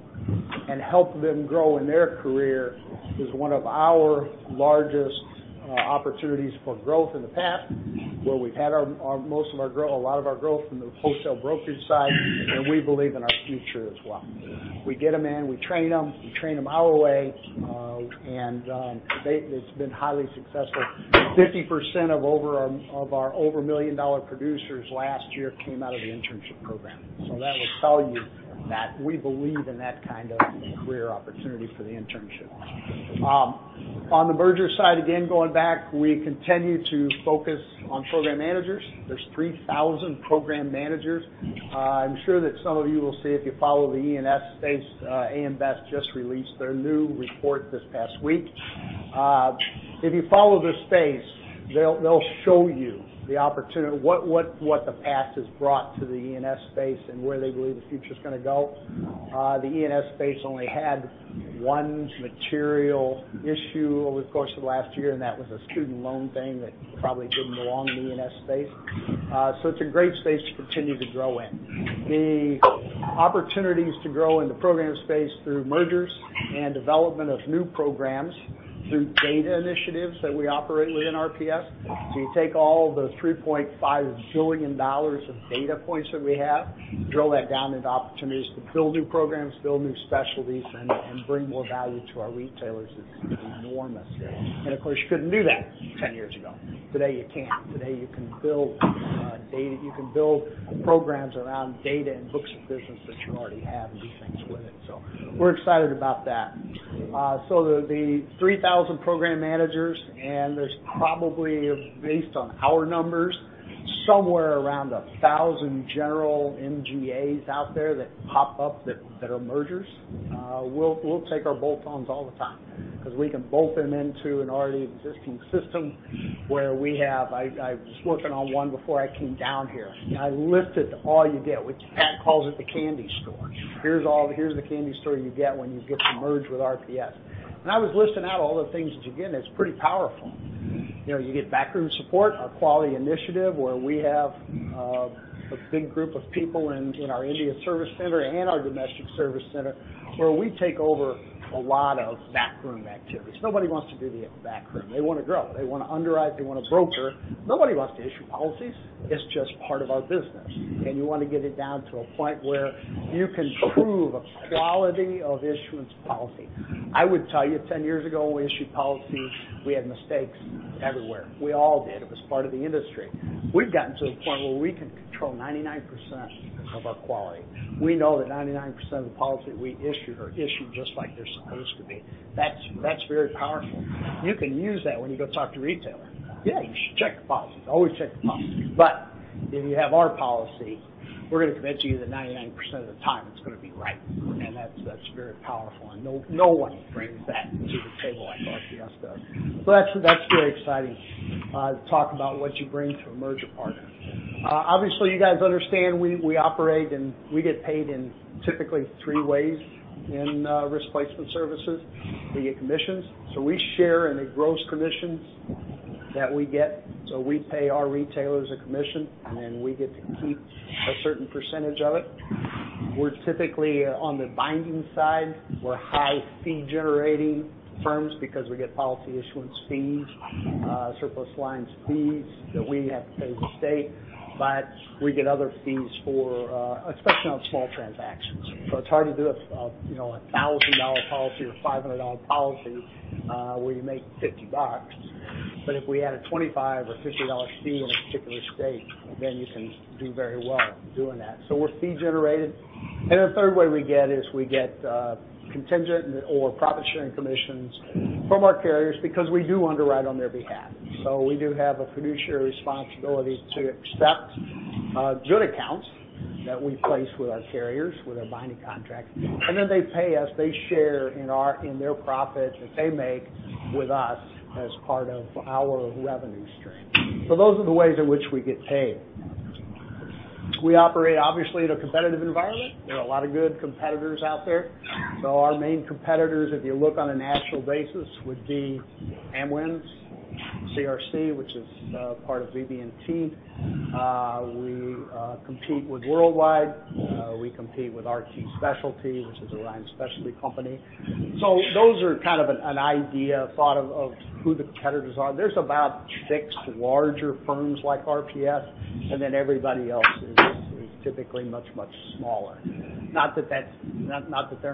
and help them grow in their career is one of our largest opportunities for growth in the past, where we've had a lot of our growth from the wholesale brokerage side and we believe in our future as well. We get them in, we train them, we train them our way, and it's been highly successful. 50% of our over $1 million producers last year came out of the internship program. That will tell you that we believe in that kind of career opportunity for the internship. On the merger side, again, going back, we continue to focus on program managers. There's 3,000 program managers. I'm sure that some of you will see if you follow the E&S space, AM Best just released their new report this past week. If you follow this space, they'll show you the opportunity, what the past has brought to the E&S space and where they believe the future's going to go. The E&S space only had one material issue over the course of last year, and that was a student loan thing that probably didn't belong in the E&S space. It's a great space to continue to grow in. The opportunities to grow in the program space through mergers and development of new programs through data initiatives that we operate within RPS. You take all the $3.5 billion of data points that we have, drill that down into opportunities to build new programs, build new specialties, and bring more value to our retailers is enormous. Of course, you couldn't do that 10 years ago. Today, you can. Today, you can build programs around data and books of business that you already have and do things with it. We're excited about that. The 3,000 program managers, and there's probably, based on our numbers, somewhere around 1,000 general MGAs out there that pop up that are mergers. We'll take our bolt-ons all the time because we can bolt them into an already existing system. I was working on one before I came down here. I listed all you get, which Pat calls it the candy store. Here's the candy store you get when you get to merge with RPS. When I was listing out all the things that you're getting, it's pretty powerful. You get backroom support, our quality initiative, where we have a big group of people in our India service center and our domestic service center, where we take over a lot of backroom activities. Nobody wants to be the backroom. They want to grow, they want to underwrite, they want to broker. Nobody wants to issue policies. It's just part of our business. You want to get it down to a point where you can prove a quality of issuance policy. I would tell you, 10 years ago, we issued policies, we had mistakes everywhere. We all did. It was part of the industry. We've gotten to the point where we can control 99% of our quality. We know that 99% of the policies we issue are issued just like they're supposed to be. That's very powerful. You can use that when you go talk to a retailer. Yeah, you should check the policies, always check the policies. But if you have our policy, we're going to convince you that 99% of the time it's going to be right, and that's very powerful, and no one brings that to the table like RPS does. That's very exciting to talk about what you bring to a merger partner. Obviously, you guys understand we operate and we get paid in typically three ways in Risk Placement Services. We get commissions. We share in the gross commissions that we get. We pay our retailers a commission, and then we get to keep a certain percentage of it. We're typically on the binding side. We're high fee generating firms because we get policy issuance fees, surplus lines fees that we have to pay the state. We get other fees for, especially on small transactions. It's hard to do a $1,000 policy or $500 policy where you make $50. But if we had a $25 or $50 fee in a particular state, then you can do very well doing that. We're fee generated. The third way we get is we get contingent or profit-sharing commissions from our carriers because we do underwrite on their behalf. We do have a fiduciary responsibility to accept good accounts that we place with our carriers, with our binding contracts, and then they pay us. They share in their profit that they make with us as part of our revenue stream. Those are the ways in which we get paid. We operate, obviously, in a competitive environment. There are a lot of good competitors out there. Our main competitors, if you look on a national basis, would be Amwins, CRC, which is part of BB&T. We compete with Worldwide. We compete with RT Specialty, which is Ryan Specialty company. Those are kind of an idea, thought of who the competitors are. There's about six larger firms like RPS, and then everybody else is typically much smaller. Not that they're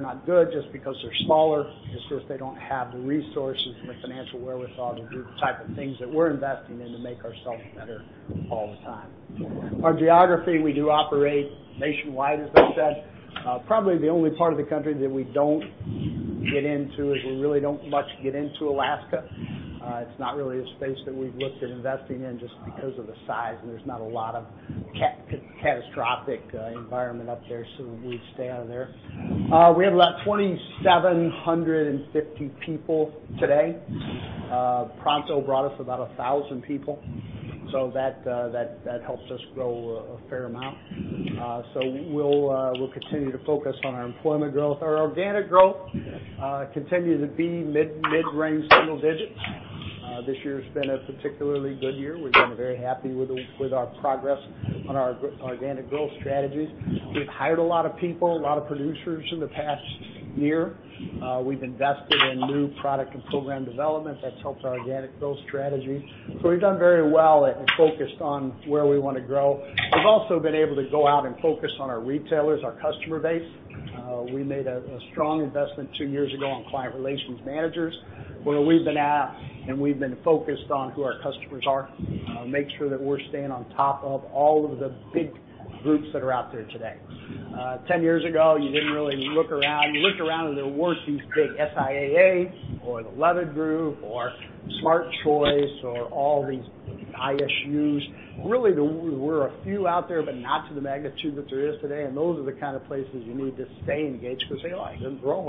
not good just because they're smaller. It's just they don't have the resources and the financial wherewithal to do the type of things that we're investing in to make ourselves better all the time. Our geography, we do operate nationwide, as I said. Probably the only part of the country that we don't get into is we really don't much get into Alaska. It's not really a space that we've looked at investing in just because of the size, and there's not a lot of catastrophic environment up there, so we stay out of there. We have about 2,750 people today. Pronto brought us about 1,000 people. That helps us grow a fair amount. We'll continue to focus on our employment growth. Our organic growth continues to be mid-range single digits. This year's been a particularly good year. We've been very happy with our progress on our organic growth strategies. We've hired a lot of people, a lot of producers in the past year. We've invested in new product and program development. That's helped our organic growth strategy. We've done very well at focused on where we want to grow. We've also been able to go out and focus on our retailers, our customer base. We made a strong investment 2 years ago on client relations managers, where we've been out and we've been focused on who our customers are, make sure that we're staying on top of all of the big groups that are out there today. 10 years ago, you didn't really look around. You looked around, and there were these big SIAA or the Leavitt Group or Smart Choice or all these ISUs. There were a few out there, but not to the magnitude that there is today, and those are the kind of places you need to stay engaged because they're growing.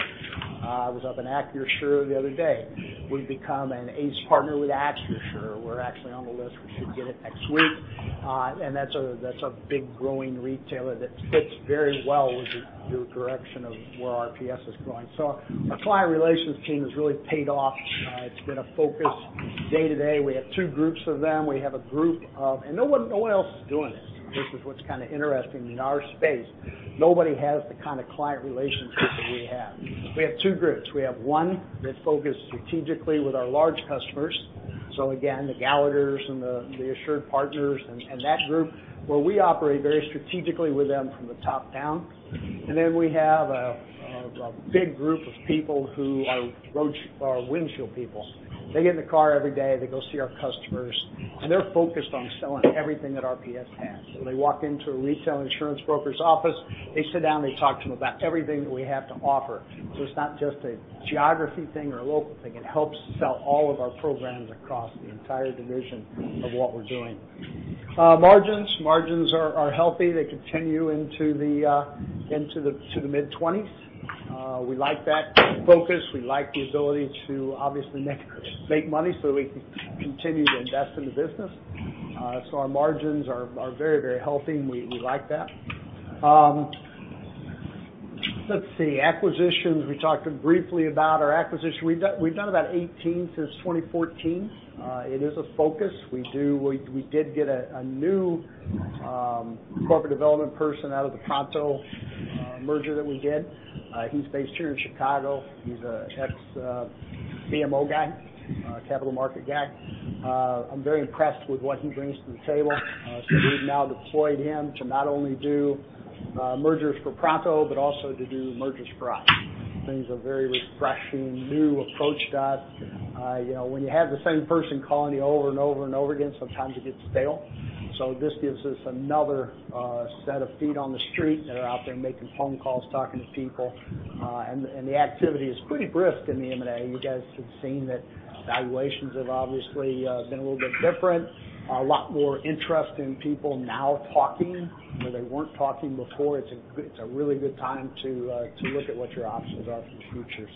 I was up at Acrisure the other day. We've become an ACE partner with Acrisure. We're actually on the list. We should get it next week, and that's a big growing retailer that fits very well with your direction of where RPS is going. Our client relations team has really paid off. It's been a focus day to day. We have two groups of them. No one else is doing this, which is what's kind of interesting. In our space, nobody has the kind of client relationships that we have. We have two groups. We have one that's focused strategically with our large customers. Again, the Gallaghers and the AssuredPartners and that group, where we operate very strategically with them from the top down. Then we have a big group of people who are windshield people. They get in the car every day, they go see our customers, they're focused on selling everything that RPS has. They walk into a retail insurance broker's office, they sit down, they talk to them about everything that we have to offer. It's not just a geography thing or a local thing. It helps sell all of our programs across the entire division of what we're doing. Margins. Margins are healthy. They continue into the mid-20s. We like that focus. We like the ability to obviously make money so we can continue to invest in the business. Our margins are very healthy, and we like that. Let's see, acquisitions. We talked briefly about our acquisition. We've done about 18 since 2014. It is a focus. We did get a new corporate development person out of the Pronto merger that we did. He's based here in Chicago. He's an ex-CMO guy, a capital market guy. I'm very impressed with what he brings to the table. We've now deployed him to not only do mergers for Pronto but also to do mergers for us. Brings a very refreshing, new approach to us. When you have the same person calling you over and over again, sometimes it gets stale. This gives us another set of feet on the street that are out there making phone calls, talking to people. The activity is pretty brisk in the M&A. You guys have seen that valuations have obviously been a little bit different. A lot more interest in people now talking where they weren't talking before. It's a really good time to look at what your options are for the future.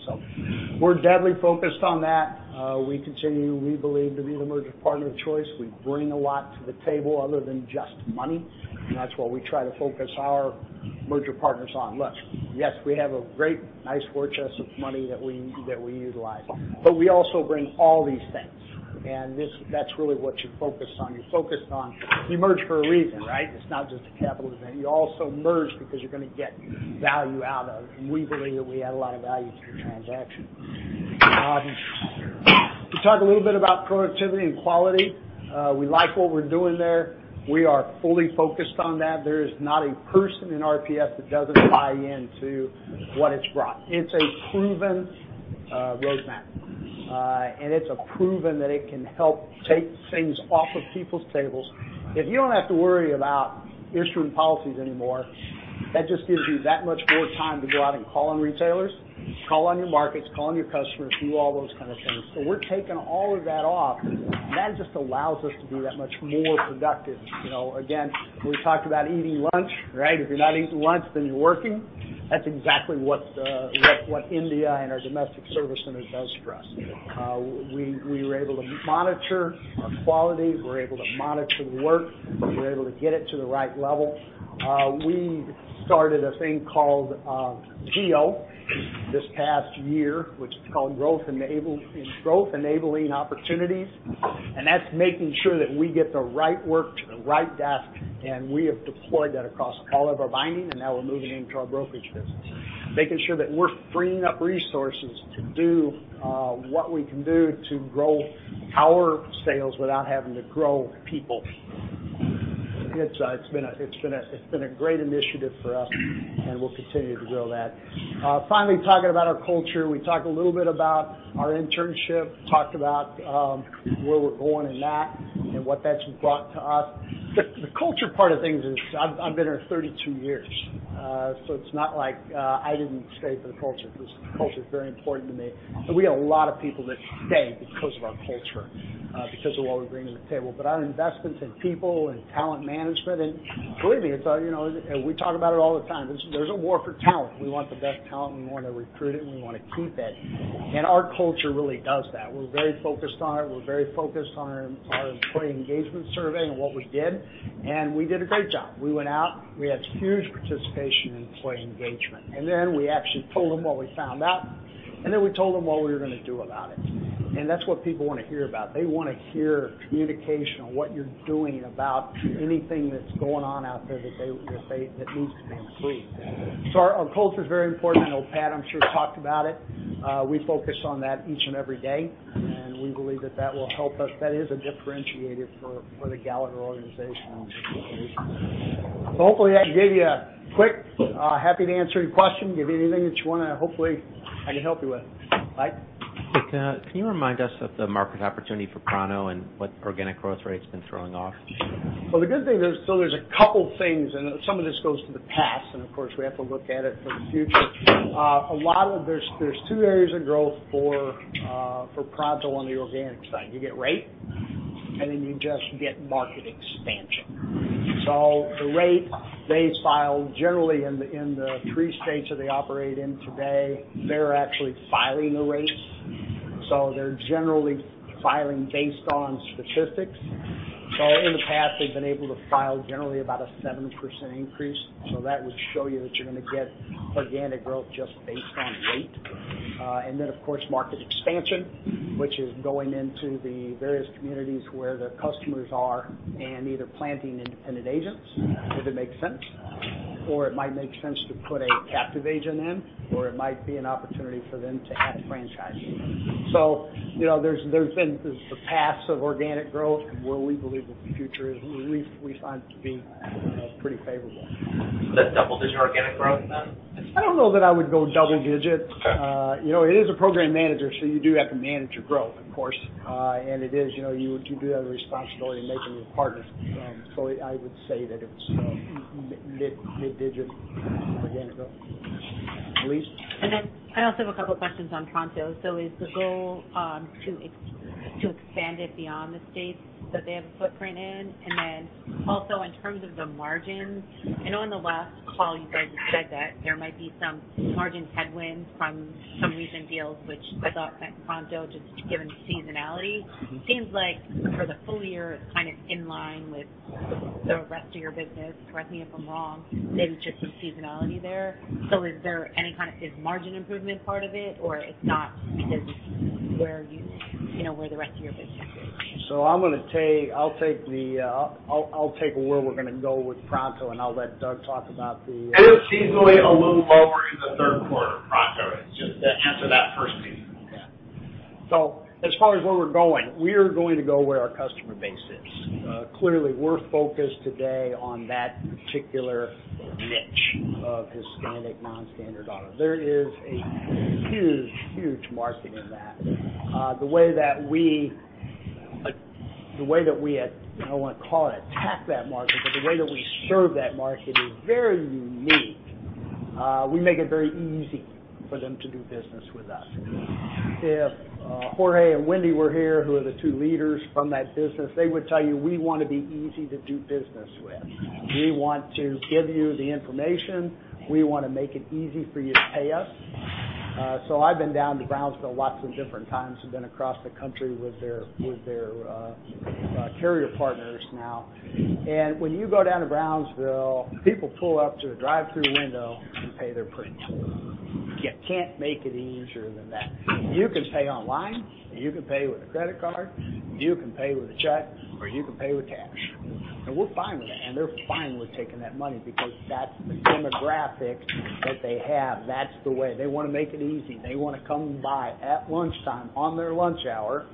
We're deadly focused on that. We continue, we believe, to be the merger partner of choice. We bring a lot to the table other than just money, and that's what we try to focus our merger partners on. Look, yes, we have a great, nice war chest of money that we utilize, we also bring all these things, and that's really what you're focused on. You merge for a reason, right? It's not just a capital event. You also merge because you're going to get value out of it, and we believe that we add a lot of value to the transaction. To talk a little bit about productivity and quality. We like what we're doing there. We are fully focused on that. There is not a person in RPS that doesn't buy into what it's brought. It's a proven roadmap. It's proven that it can help take things off of people's tables. If you don't have to worry about issuing policies anymore, that just gives you that much more time to go out and call on retailers, call on your markets, call on your customers, do all those kind of things. We're taking all of that off, and that just allows us to be that much more productive. Again, we talked about eating lunch, right? If you're not eating lunch, then you're working. That's exactly what India and our domestic service center does for us. We were able to monitor our quality. We're able to monitor the work. We're able to get it to the right level. We started a thing called GEO this past year, which is called Growth Enabling Opportunities. That's making sure that we get the right work to the right desk. We have deployed that across all of our binding. Now we're moving into our brokerage business. Making sure that we're freeing up resources to do what we can do to grow our sales without having to grow people. It's been a great initiative for us. We'll continue to grow that. Finally, talking about our culture. We talked a little bit about our internship, talked about where we're going in that and what that's brought to us. The culture part of things is I've been here 32 years. It's not like I didn't stay for the culture because the culture is very important to me. We get a lot of people that stay because of our culture, because of what we bring to the table. Our investments in people and talent management. Believe me, we talk about it all the time. There's a war for talent. We want the best talent. We want to recruit it. We want to keep it. Our culture really does that. We're very focused on it. We're very focused on our employee engagement survey and what we did. We did a great job. We went out, we had huge participation in employee engagement. We actually told them what we found out. We told them what we were going to do about it. That's what people want to hear about. They want to hear communication on what you're doing about anything that's going on out there that needs to be improved. Our culture is very important. I know Pat, I'm sure, talked about it. We focus on that each and every day. We believe that that will help us. That is a differentiator for the Gallagher organization. Hopefully that gave you a quick. Happy to answer any question, give you anything that you want. Hopefully I can help you with. Mike? Can you remind us of the market opportunity for Pronto and what organic growth rate it's been throwing off? The good thing is, there's a couple things, some of this goes to the past, and of course, we have to look at it for the future. There's two areas of growth for Pronto on the organic side. You get rate, then you just get market expansion. The rate they file generally in the three states that they operate in today, they're actually filing the rates. They're generally filing based on statistics. In the past, they've been able to file generally about a 7% increase. That would show you that you're going to get organic growth just based on rate. Then, of course, market expansion, which is going into the various communities where the customers are and either planting independent agents if it makes sense, or it might make sense to put a captive agent in, or it might be an opportunity for them to add a franchise. There's been the paths of organic growth and where we believe the future is. We find it to be pretty favorable. Is that double-digit organic growth then? I don't know that I would go double digits. Okay. It is a program manager, you do have to manage your growth, of course. You do have a responsibility to making your partners successful. I would say that it's mid digit organic growth. Elyse? I also have a couple questions on Pronto. Is the goal to expand it beyond the states that they have a footprint in? Also in terms of the margins, I know on the last call you guys had said that there might be some margin headwinds from some recent deals, which I thought Pronto, just given seasonality, seems like for the full year, it's kind of in line with the rest of your business. Correct me if I'm wrong, maybe just some seasonality there. Is margin improvement part of it, or it's not because it's where the rest of your business is? I'll take where we're going to go with Pronto, and I'll let Doug talk about. It was seasonally a little lower in the third quarter, Pronto. Just to answer that first piece. As far as where we're going, we're going to go where our customer base is. Clearly, we're focused today on that particular niche of Hispanic non-standard auto. There is a huge market in that. The way that we, I don't want to call it attack that market, but the way that we serve that market is very unique. We make it very easy for them to do business with us. If Jorge and Wendy were here, who are the two leaders from that business, they would tell you, we want to be easy to do business with. We want to give you the information. We want to make it easy for you to pay us. I've been down to Brownsville lots of different times and been across the country with their carrier partners now. When you go down to Brownsville, people pull up to a drive-through window and pay their premium. You can't make it easier than that. You can pay online, you can pay with a credit card, you can pay with a check, or you can pay with cash. We're fine with that, and they're fine with taking that money because that's the demographic that they have. That's the way. They want to make it easy. They want to come by at lunchtime on their lunch hour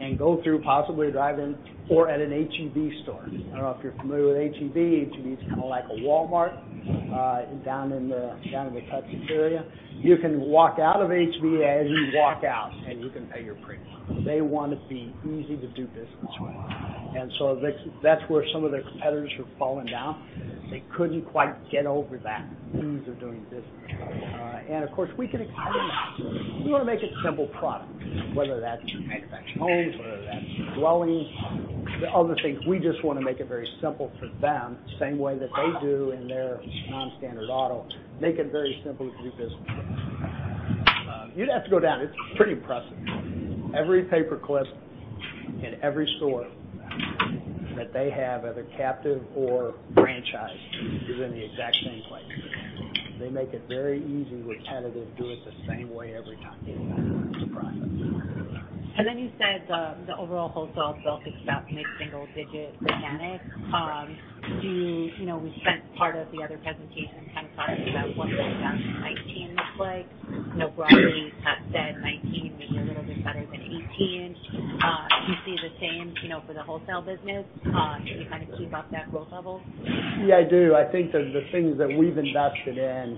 and go through, possibly drive-in, or at an H-E-B store. I don't know if you're familiar with H-E-B. H-E-B's kind of like a Walmart down in the Texas area. You can walk out of H-E-B, as you walk out, and you can pay your premium. They want to be easy to do business with. That's where some of their competitors have fallen down. They couldn't quite get over that ease of doing business. Of course, we can explain that. We want to make a simple product, whether that's manufacturing homes, whether that's dwellings, the other things. We just want to make it very simple for them, same way that they do in their non-standard auto. Make it very simple to do business with us. You'd have to go down. It's pretty impressive. Every paperclip in every store that they have, either captive or franchised, is in the exact same place. They make it very easy, repetitive, do it the same way every time. It's kind of a process. You said the overall wholesale business is about mid-single digit organic. We spent part of the other presentation kind of talking about what 2019 looks like. Broadly, Scott said 2019 will be a little bit better than 2018. Do you see the same for the wholesale business? Can you kind of keep up that growth level? Yeah, I do. I think that the things that we've invested in,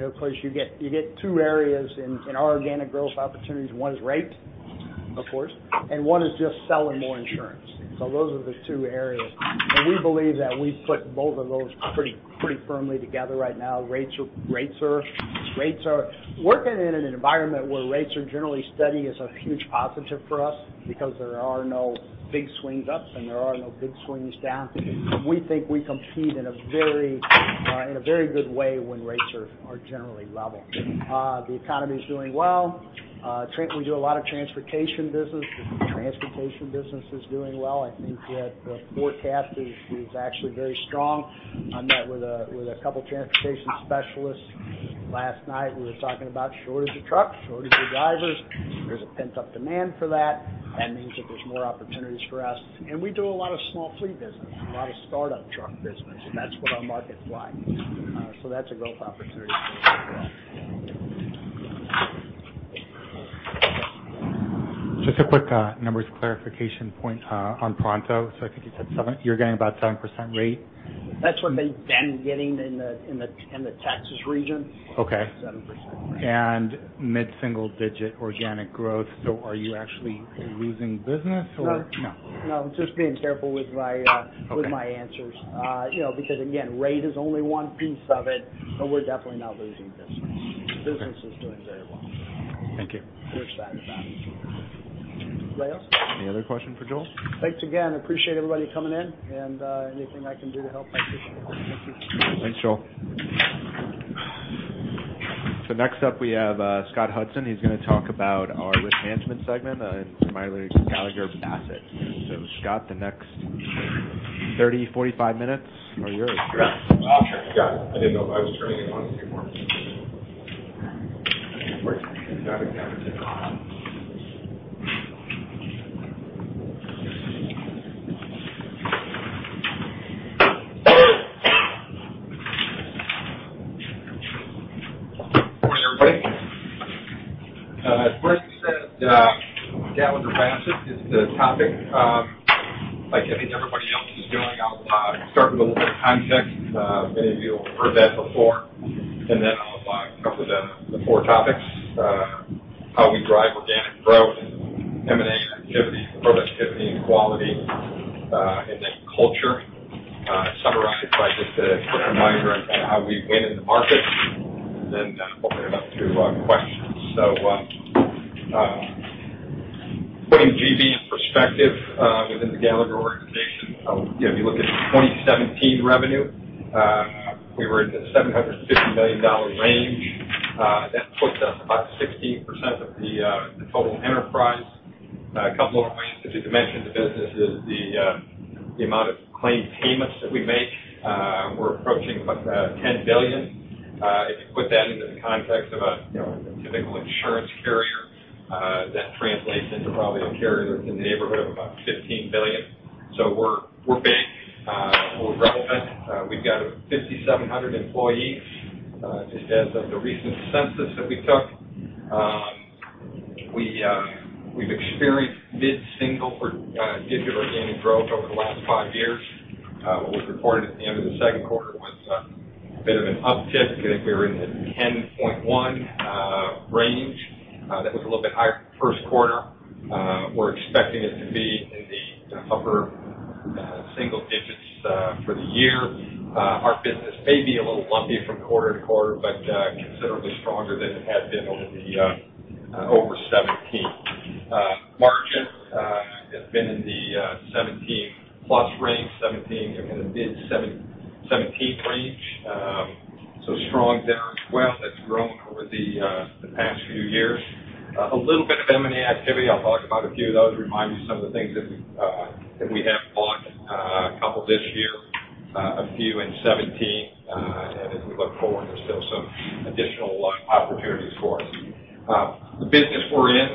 of course you get two areas in our organic growth opportunities. One is rate, of course, and one is just selling more insurance. Those are the two areas. We believe that we've put both of those pretty firmly together right now. Rates are working in an environment where rates are generally steady is a huge positive for us because there are no big swings ups, and there are no big swings down. We think we compete in a very good way when rates are generally level. The economy is doing well. We do a lot of transportation business. The transportation business is doing well. I think that the forecast is actually very strong. I met with a couple transportation specialists last night. We were talking about shortage of trucks, shortage of drivers. There's a pent-up demand for that. That means that there's more opportunities for us. We do a lot of small fleet business, a lot of startup truck business, and that's what our market's like. That's a growth opportunity for us as well. Just a quick numbers clarification point on Pronto. I think you said you're getting about 7% rate. That's what they've been getting in the Texas region. Okay. 7% range. Mid-single digit organic growth. Are you actually losing business or no? No, just being careful with my- Okay answers. Again, rate is only one piece of it, but we're definitely not losing business. Okay. Business is doing very well. Thank you. We're excited about it. Anybody else? Any other question for Joel? Thanks again. Appreciate everybody coming in. Anything I can do to help, I appreciate it. Thank you. Thanks, Joel. Next up, we have Scott Hudson. He's going to talk about our risk management segment in the Myler Gallagher Bassett. Scott, the next 30, 45 minutes are yours. Sure. Got it. I didn't know if I was turning it on or off here. Good morning, everybody. As Ray said, Gallagher Bassett is the topic. Like I think everybody else is doing, I'll start with a little bit of context. Many of you have heard that before. I'll cover the four topics. How we drive organic growth, M&A activity, productivity and quality, and then culture. To summarize, it's just a quick reminder of kind of how we win in the market. Open it up to questions. Putting GB in perspective within the Gallagher organization. If you look at the 2017 revenue We were in the $750 million range. That puts us about 16% of the total enterprise. A couple of other ways that you can measure the business is the amount of claim payments that we make. We're approaching about $10 billion. If you put that into the context of a typical insurance carrier that translates into probably a carrier that's in the neighborhood of about $15 billion. We're big. We're relevant. We've got 5,700 employees. Just as of the recent census that we took. We've experienced mid-single digit organic growth over the last five years. What was reported at the end of the second quarter was a bit of an uptick. I think we were in the 10.1 range. That was a little bit higher first quarter. We're expecting it to be in the upper single digits for the year. Our business may be a little lumpy from quarter to quarter, but considerably stronger than it had been over 2017. Margin has been in the 17%-plus range, 17%, again, the mid-17% range. Strong there as well. That's grown over the past few years. A little bit of M&A activity. I'll talk about a few of those, remind you some of the things that we have bought. A couple this year, a few in 2017. As we look forward, there's still some additional opportunities for us. The business we're in.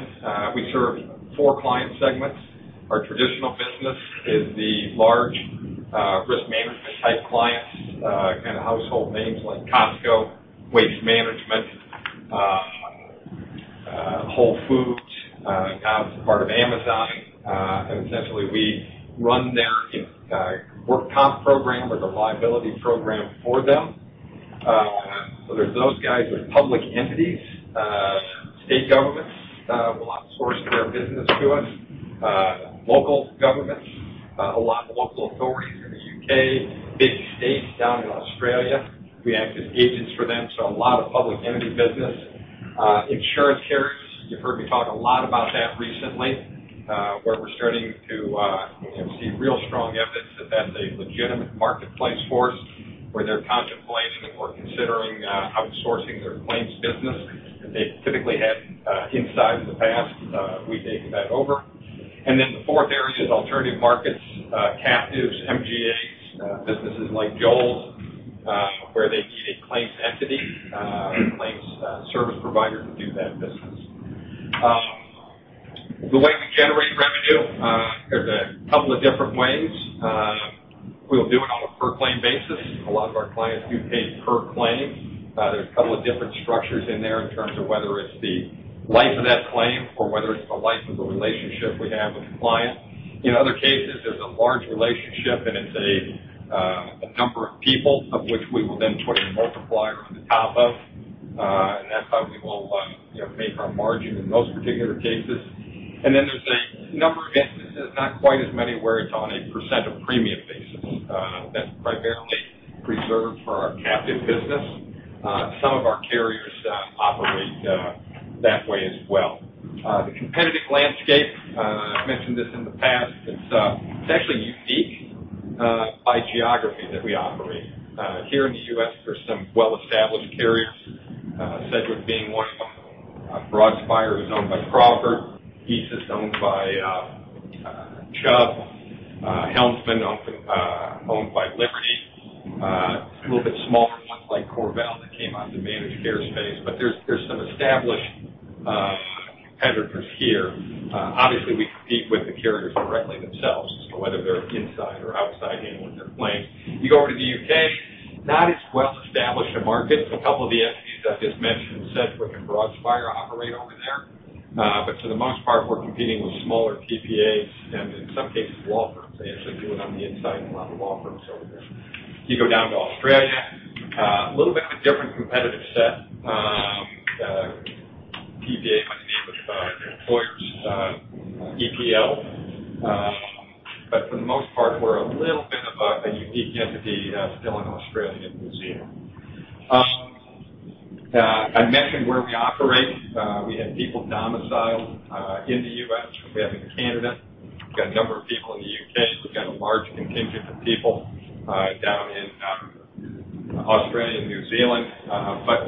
We serve four client segments. Our traditional business is the large risk management type clients. Kind of household names like Costco, Waste Management, Whole Foods, now it's a part of Amazon. Essentially we run their work comp program or the liability program for them. There's those guys. There's public entities. State governments have a lot sourced their business to us. Local governments. A lot of local authorities in the U.K. Big states down in Australia. We act as agents for them. A lot of public entity business. Insurance carriers. You've heard me talk a lot about that recently. Where we're starting to see real strong evidence that's a legitimate marketplace for us. Where they're contemplating or considering outsourcing their claims business that they typically had inside in the past. We've taken that over. Then the fourth area is alternative markets. Captives, MGAs, businesses like Joel's where they need a claims entity, a claims service provider to do that business. The way we generate revenue. There's a couple of different ways. We'll do it on a per claim basis. A lot of our clients do pay per claim. There's a couple of different structures in there in terms of whether it's the life of that claim or whether it's the life of the relationship we have with the client. In other cases, there's a large relationship, and it's a number of people of which we will then put a multiplier on the top of. That's how we will make our margin in those particular cases. Then there's a number of instances, not quite as many, where it's on a % of premium basis. That's primarily reserved for our captive business. Some of our carriers operate that way as well. The competitive landscape. I've mentioned this in the past. It's actually unique by geography that we operate. Here in the U.S., there's some well-established carriers. Sedgwick being one of them. Broadspire, who's owned by Crawford & Company. ESIS, owned by Chubb. Helmsman, owned by Liberty Mutual. A little bit smaller ones like CorVel that came out in the managed care space. There's some established competitors here. Obviously, we compete with the carriers directly themselves as to whether they're inside or outside handling their claims. You go over to the U.K., not as well established a market. A couple of the entities I just mentioned, Sedgwick and Broadspire, operate over there. For the most part, we're competing with smaller TPAs, and in some cases, law firms. They actually do it on the inside and will have a law firm service. You go down to Australia. A little bit of a different competitive set. TPA might be with employers, EPL. For the most part, we're a little bit of a unique entity still in Australia and New Zealand. I mentioned where we operate. We have people domiciled in the U.S. We have them in Canada. We've got a number of people in the U.K. We've got a large contingent of people down in Australia and New Zealand.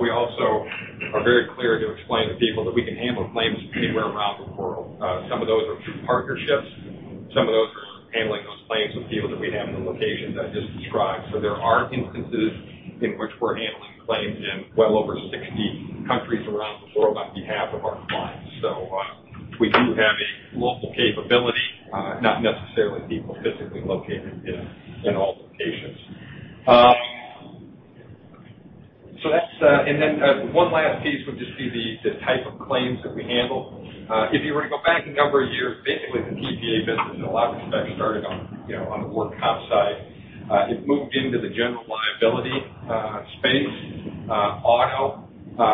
We also are very clear to explain to people that we can handle claims anywhere around the world. Some of those are through partnerships, some of those are handling those claims with people that we have in the locations I just described. There are instances in which we're handling claims in well over 60 countries around the world on behalf of our clients. We do have a local capability. Not necessarily people physically located in all locations. One last piece would just be the type of claims that we handle. If you were to go back a number of years, basically the TPA business, in a lot of respects, started on the work comp side. It moved into the general liability space. Auto.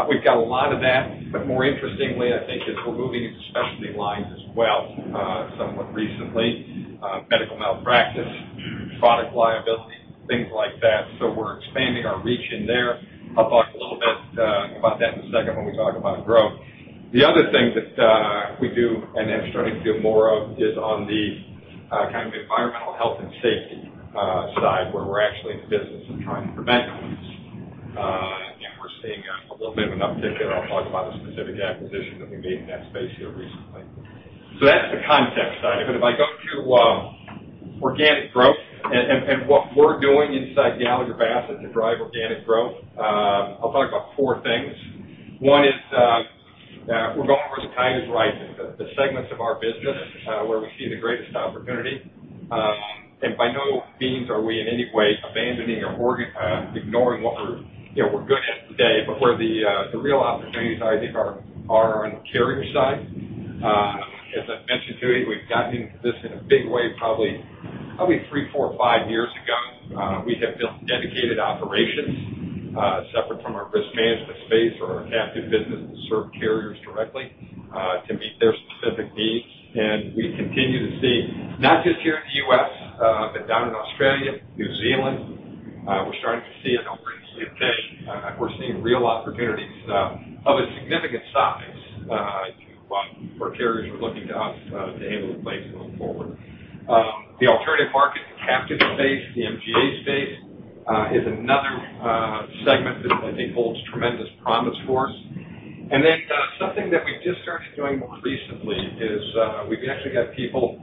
We've got a lot of that. More interestingly, I think, is we're moving into specialty lines as well somewhat recently. Medical malpractice, product liability, things like that. We're expanding our reach in there. I'll talk a little bit about that in a second when we talk about growth. The other thing that we do, starting to do more of, is on the kind of environmental health and safety side, where we're actually in the business of trying to prevent claims. We're seeing a little bit of an uptick, and I'll talk about a specific acquisition that we made in that space here recently. That's the context side of it. If I go to organic growth, what we're doing inside Gallagher Bassett to drive organic growth, I'll talk about four things. One is we're going where the tide is rising, the segments of our business where we see the greatest opportunity. By no means are we in any way abandoning or ignoring what we're good at today. Where the real opportunities are, I think, are on the carrier side. As I've mentioned to you, we've gotten into this in a big way, probably three, four, five years ago. We have built dedicated operations separate from our risk management space or our captive business to serve carriers directly to meet their specific needs. We continue to see, not just here in the U.S., but down in Australia, New Zealand. We're starting to see it over in the U.K. We're seeing real opportunities of a significant size where carriers are looking to us to handle the claims going forward. The alternative market, the captive space, the MGA space is another segment that I think holds tremendous promise for us. Something that we've just started doing more recently is we've actually got people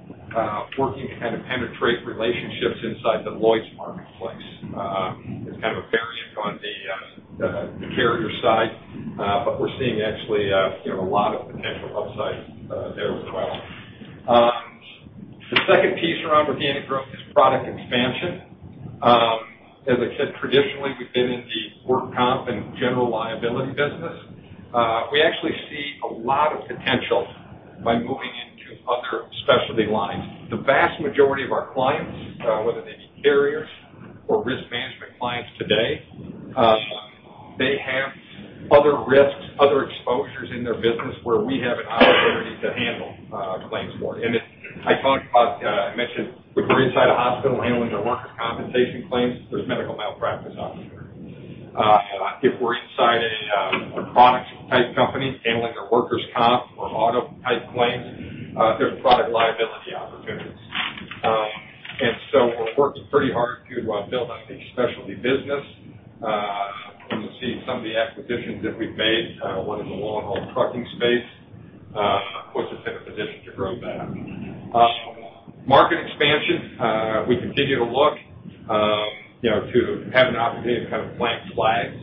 working to kind of penetrate relationships inside the Lloyd's marketplace. It's kind of a variation on the carrier side. We're seeing actually a lot of potential upside there as well. The second piece around organic growth is product expansion. As I said, traditionally, we've been in the work comp and general liability business. We actually see a lot of potential by moving into other specialty lines. The vast majority of our clients, whether they be carriers or risk management clients today, they have other risks, other exposures in their business where we have an opportunity to handle claims for. I mentioned if we're inside a hospital handling their workers' compensation claims, there's medical malpractice opportunities. If we're inside a products type company handling their workers' comp or auto type claims, there's product liability opportunities. We're working pretty hard to build out the specialty business. You'll see some of the acquisitions that we've made, one in the long-haul trucking space. Of course, it's in a position to grow that. Market expansion. We continue to look to have an opportunity to kind of plant flags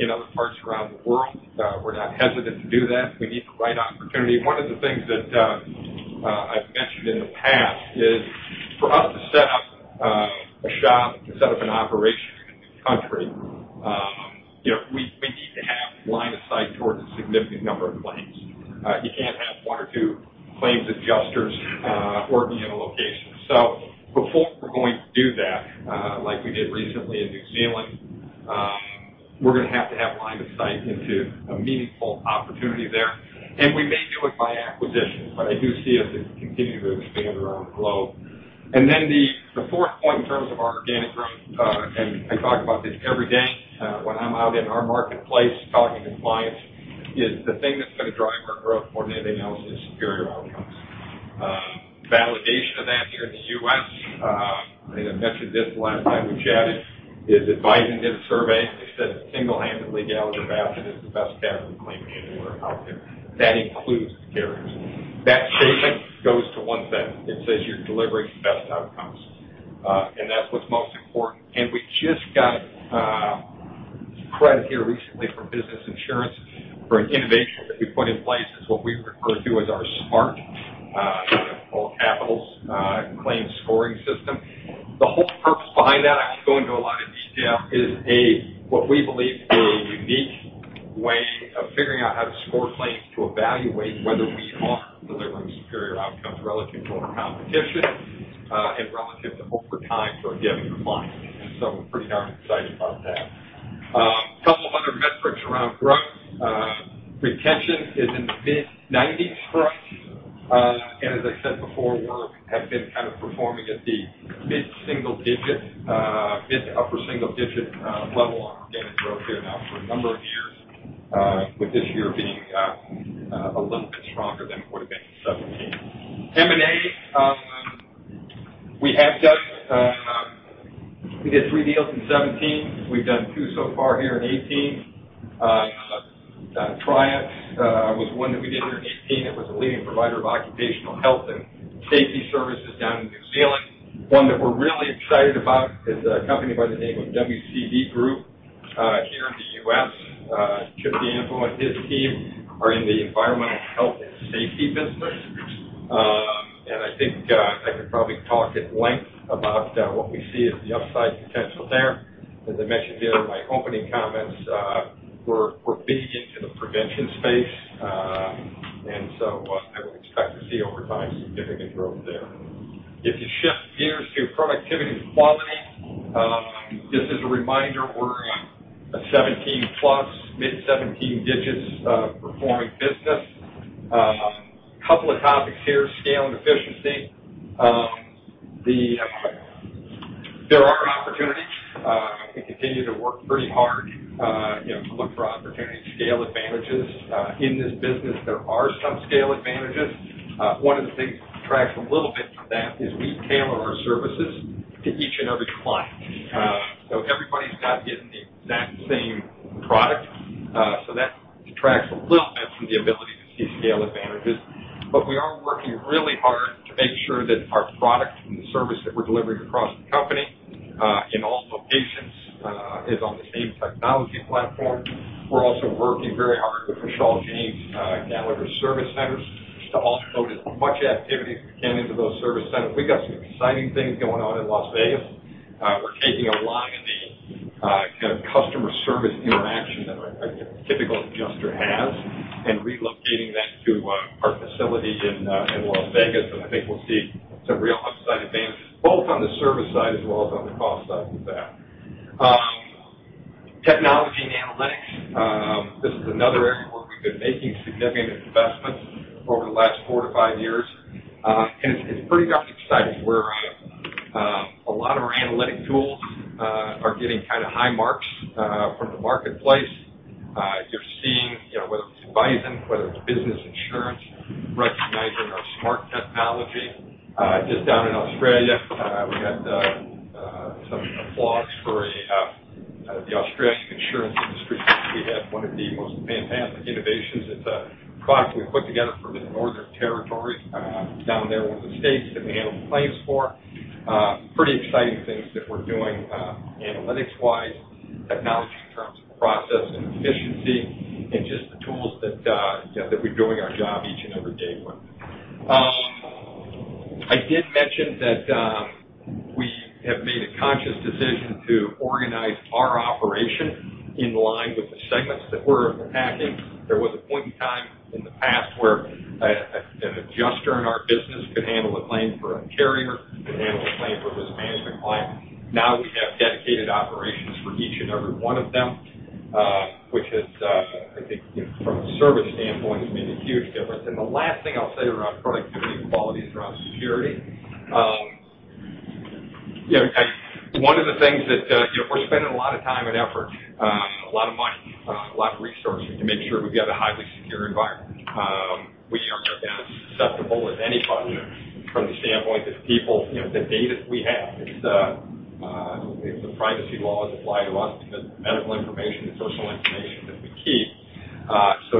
in other parts around the world. We're not hesitant to do that. We need the right opportunity. One of the things that I've mentioned in the past is for us to set up a shop, to set up an operation in a country, we need to have line of sight towards a significant number of claims. You can't have one or two claims adjusters working in a location. Before we're going to do that, like we did recently in New Zealand, we're going to have to have line of sight into a meaningful opportunity there. We may do it by acquisition. I do see us continue to expand around the globe. The fourth point in terms of our organic growth, and I talk about this every day when I'm out in our marketplace talking to clients, is the thing that's going to drive our growth more than anything else is superior outcomes. Validation of that here in the U.S., I think I mentioned this the last time we chatted, is if I did a survey that said single-handedly Gallagher Bassett is the best claims handler out there, that includes carriers. That statement goes to one thing. It says you're delivering the best outcomes. That's what's most important. We just got credit here recently for Business Insurance for an innovation that we put in place. It's what we refer to as our SMART claims scoring system. The whole purpose behind that, I won't go into a lot of detail, is what we believe is a unique way of figuring out how to score claims to evaluate whether we are delivering superior outcomes relative to our competition and relative to over time to a given client. We're pretty darn excited about that. Couple of other metrics around growth. Retention is in the mid-90s for us. As I said before, we have been kind of performing at the mid-single digit, mid to upper single digit level on organic growth here now for a number of years, with this year being a little bit stronger than it would have been in 2017. M&A. We did three deals in 2017. We've done two so far here in 2018. Triax was one that we did here in 2018. It was a leading provider of occupational health and safety services down in New Zealand. One that we're really excited about is a company by the name of WCD Group here in the U.S. Chip D'Angelo and his team are in the environmental health and safety business. I think I could probably talk at length about what we see as the upside potential there. As I mentioned here in my opening comments, we're big into the prevention space. I would expect to see over time significant growth there. If you shift gears to productivity and quality, just as a reminder, we're a 17-+, mid-17 digits performing business. Couple of topics here, scale and efficiency. Continue to work pretty hard to look for opportunities to scale advantages. In this business, there are some scale advantages. One of the things that detracts a little bit from that is we tailor our services to each and every client. Everybody's not getting the exact same product. That detracts a little bit from the ability to see scale advantages. We are working really hard to make sure that our product and the service that we're delivering across the company, in all locations, is on the same technology platform. We're also working very hard with Michelle and James Gallagher's service centers to offload as much activity as we can into those service centers. We've got some exciting things going on in Las Vegas. We're taking a lot of the customer service interaction that a typical adjuster has and relocating that to our facility in Las Vegas. I think we'll see some real upside advantages, both on the service side as well as on the cost side with that. Technology and analytics. This is another area where we've been making significant investments over the last four to five years. It's pretty darn exciting. A lot of our analytic tools are getting high marks from the marketplace. You're seeing, whether it's BISON, whether it's Business Insurance, recognizing our SMART technology. Just down in Australia, we got some applause for the Australian insurance industry. We had one of the most fantastic innovations. It's a product we put together for the Northern Territory down there, one of the states that we handle claims for. Pretty exciting things that we're doing analytics-wise, technology in terms of process and efficiency, just the tools that we're doing our job each and every day with. I did mention that we have made a conscious decision to organize our operation in line with the segments that we're attacking. There was a point in time in the past where an adjuster in our business could handle a claim for a carrier, could handle a claim for risk management client. Now we have dedicated operations for each and every one of them, which has, I think, from a service standpoint, has made a huge difference. The last thing I'll say around productivity and quality is around security. One of the things that we're spending a lot of time and effort, a lot of money, a lot of resources to make sure we've got a highly secure environment. We are as susceptible as anybody from the standpoint that people the data that we have. The privacy laws apply to us because medical information is personal information that we keep.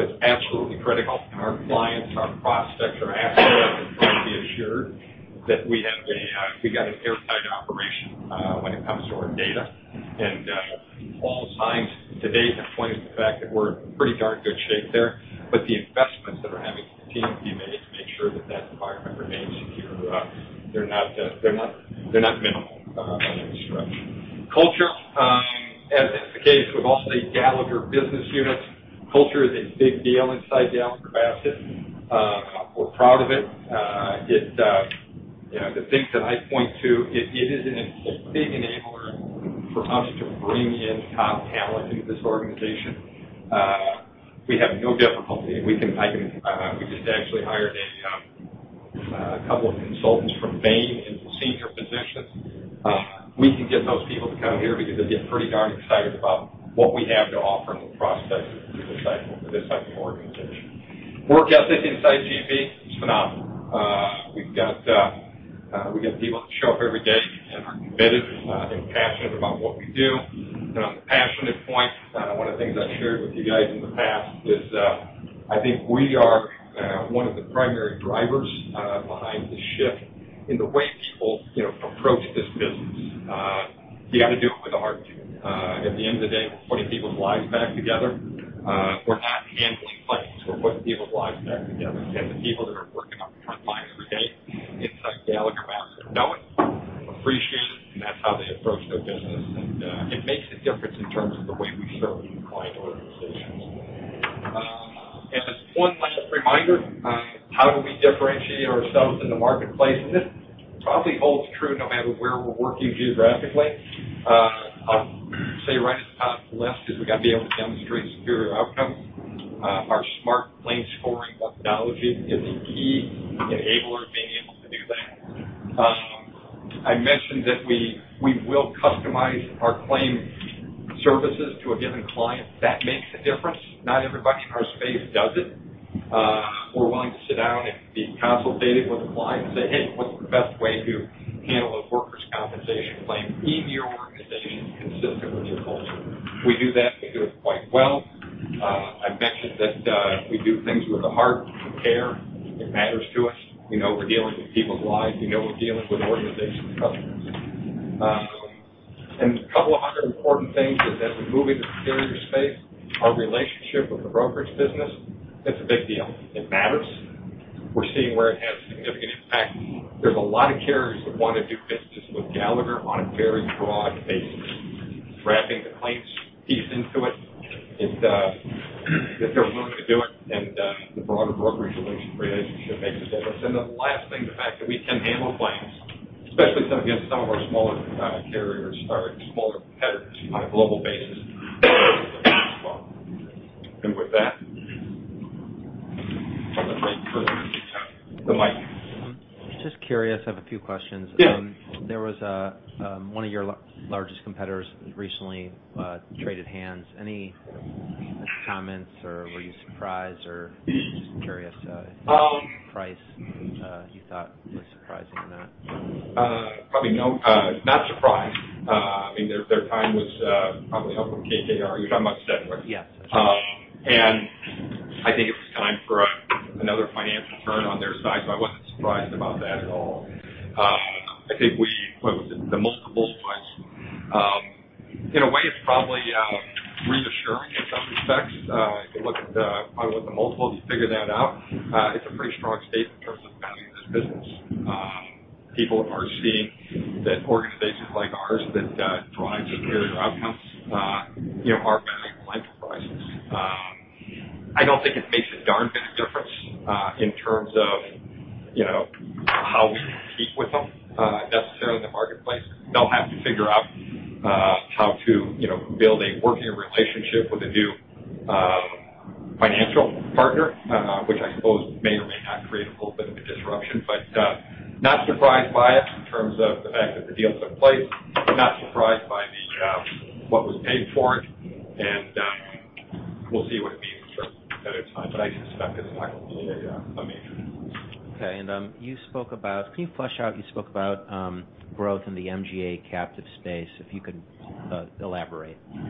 It's absolutely critical, our clients, our prospects are absolutely assured that we got an airtight operation when it comes to our data. All signs to date have pointed to the fact that we're in pretty darn good shape there. The investments that are having to continue to be made to make sure that that environment remains secure, they're not minimal by any stretch. Culture. As is the case with all state Gallagher business units, culture is a big deal inside Gallagher Bassett. We're proud of it. The things that I point to, it is a big enabler for us to bring in top talent into this organization. We have no difficulty. We just actually hired a couple of consultants from Bain into senior positions. We can get those people to come here because they get pretty darn excited about what we have to offer in the prospect recruitment cycle for this type of organization. Work ethic inside GB is phenomenal. We've got people that show up every day and are committed and passionate about what we do. On the passionate point, one of the things I've shared with you guys in the past is I think we are one of the primary drivers behind the shift in the way people approach this business. You got to do it with a heart. At the end of the day, we're putting people's lives back together. We're not handling claims. We're putting people's lives back together. The people that are working on the front lines every day inside Gallagher Bassett know it, appreciate it, and that's how they approach their business. It makes a difference in terms of the way we serve client organizations. As one last reminder, how do we differentiate ourselves in the marketplace? This probably holds true no matter where we're working geographically. I'll say right at the top of the list is we got to be able to demonstrate superior outcomes. Our SMART claims scoring methodology is a key enabler of being able to do that. I mentioned that we will customize our claim services to a given client. That makes a difference. Not everybody in our space does it. We're willing to sit down and be consultative with a client and say, "Hey, what's the best way to handle a workers' compensation claim in your organization consistent with your culture?" We do that, we do it quite well. I mentioned that we do things with the heart, care. It matters to us. We know we're dealing with people's lives. We know we're dealing with organization customers. A couple of other important things is as we move into the carrier space, our relationship with the brokerage business, it's a big deal. It matters. We're seeing where it has significant impact. There's a lot of carriers that want to do business with Gallagher on a very broad basis. Wrapping the claims piece into it, if they're willing to do it, then the broader brokerage relationship makes a difference. The last thing, the fact that we can handle claims, especially against some of our smaller carriers or smaller competitors on a global basis. Just curious, I have a few questions. Yeah. One of your largest competitors recently traded hands. Any comments, or were you surprised, or just curious if the price you thought was surprising or not? Probably not surprised. Their time was probably up with KKR. You're talking about Sedgwick? Yes. I think it was time for another financial turn on their side, so I wasn't surprised about that at all. I think the multiple points. In a way it's probably reassuring in some respects. If you look at the multiple, you figure that out, it's a pretty strong statement in terms of valuing this business. People are seeing that organizations like ours that drive superior outcomes are valuable enterprises. I don't think it makes a darn bit of difference in terms of how we compete with them necessarily in the marketplace. They'll have to figure out how to build a working relationship with a new financial partner, which I suppose may or may not create a little bit of a disruption. Not surprised by it in terms of the fact that the deal took place. Not surprised by what was paid for it, we'll see what it means for another time, I suspect it'll have a major. Okay. Can you flesh out, you spoke about growth in the MGA captive space, if you could elaborate. If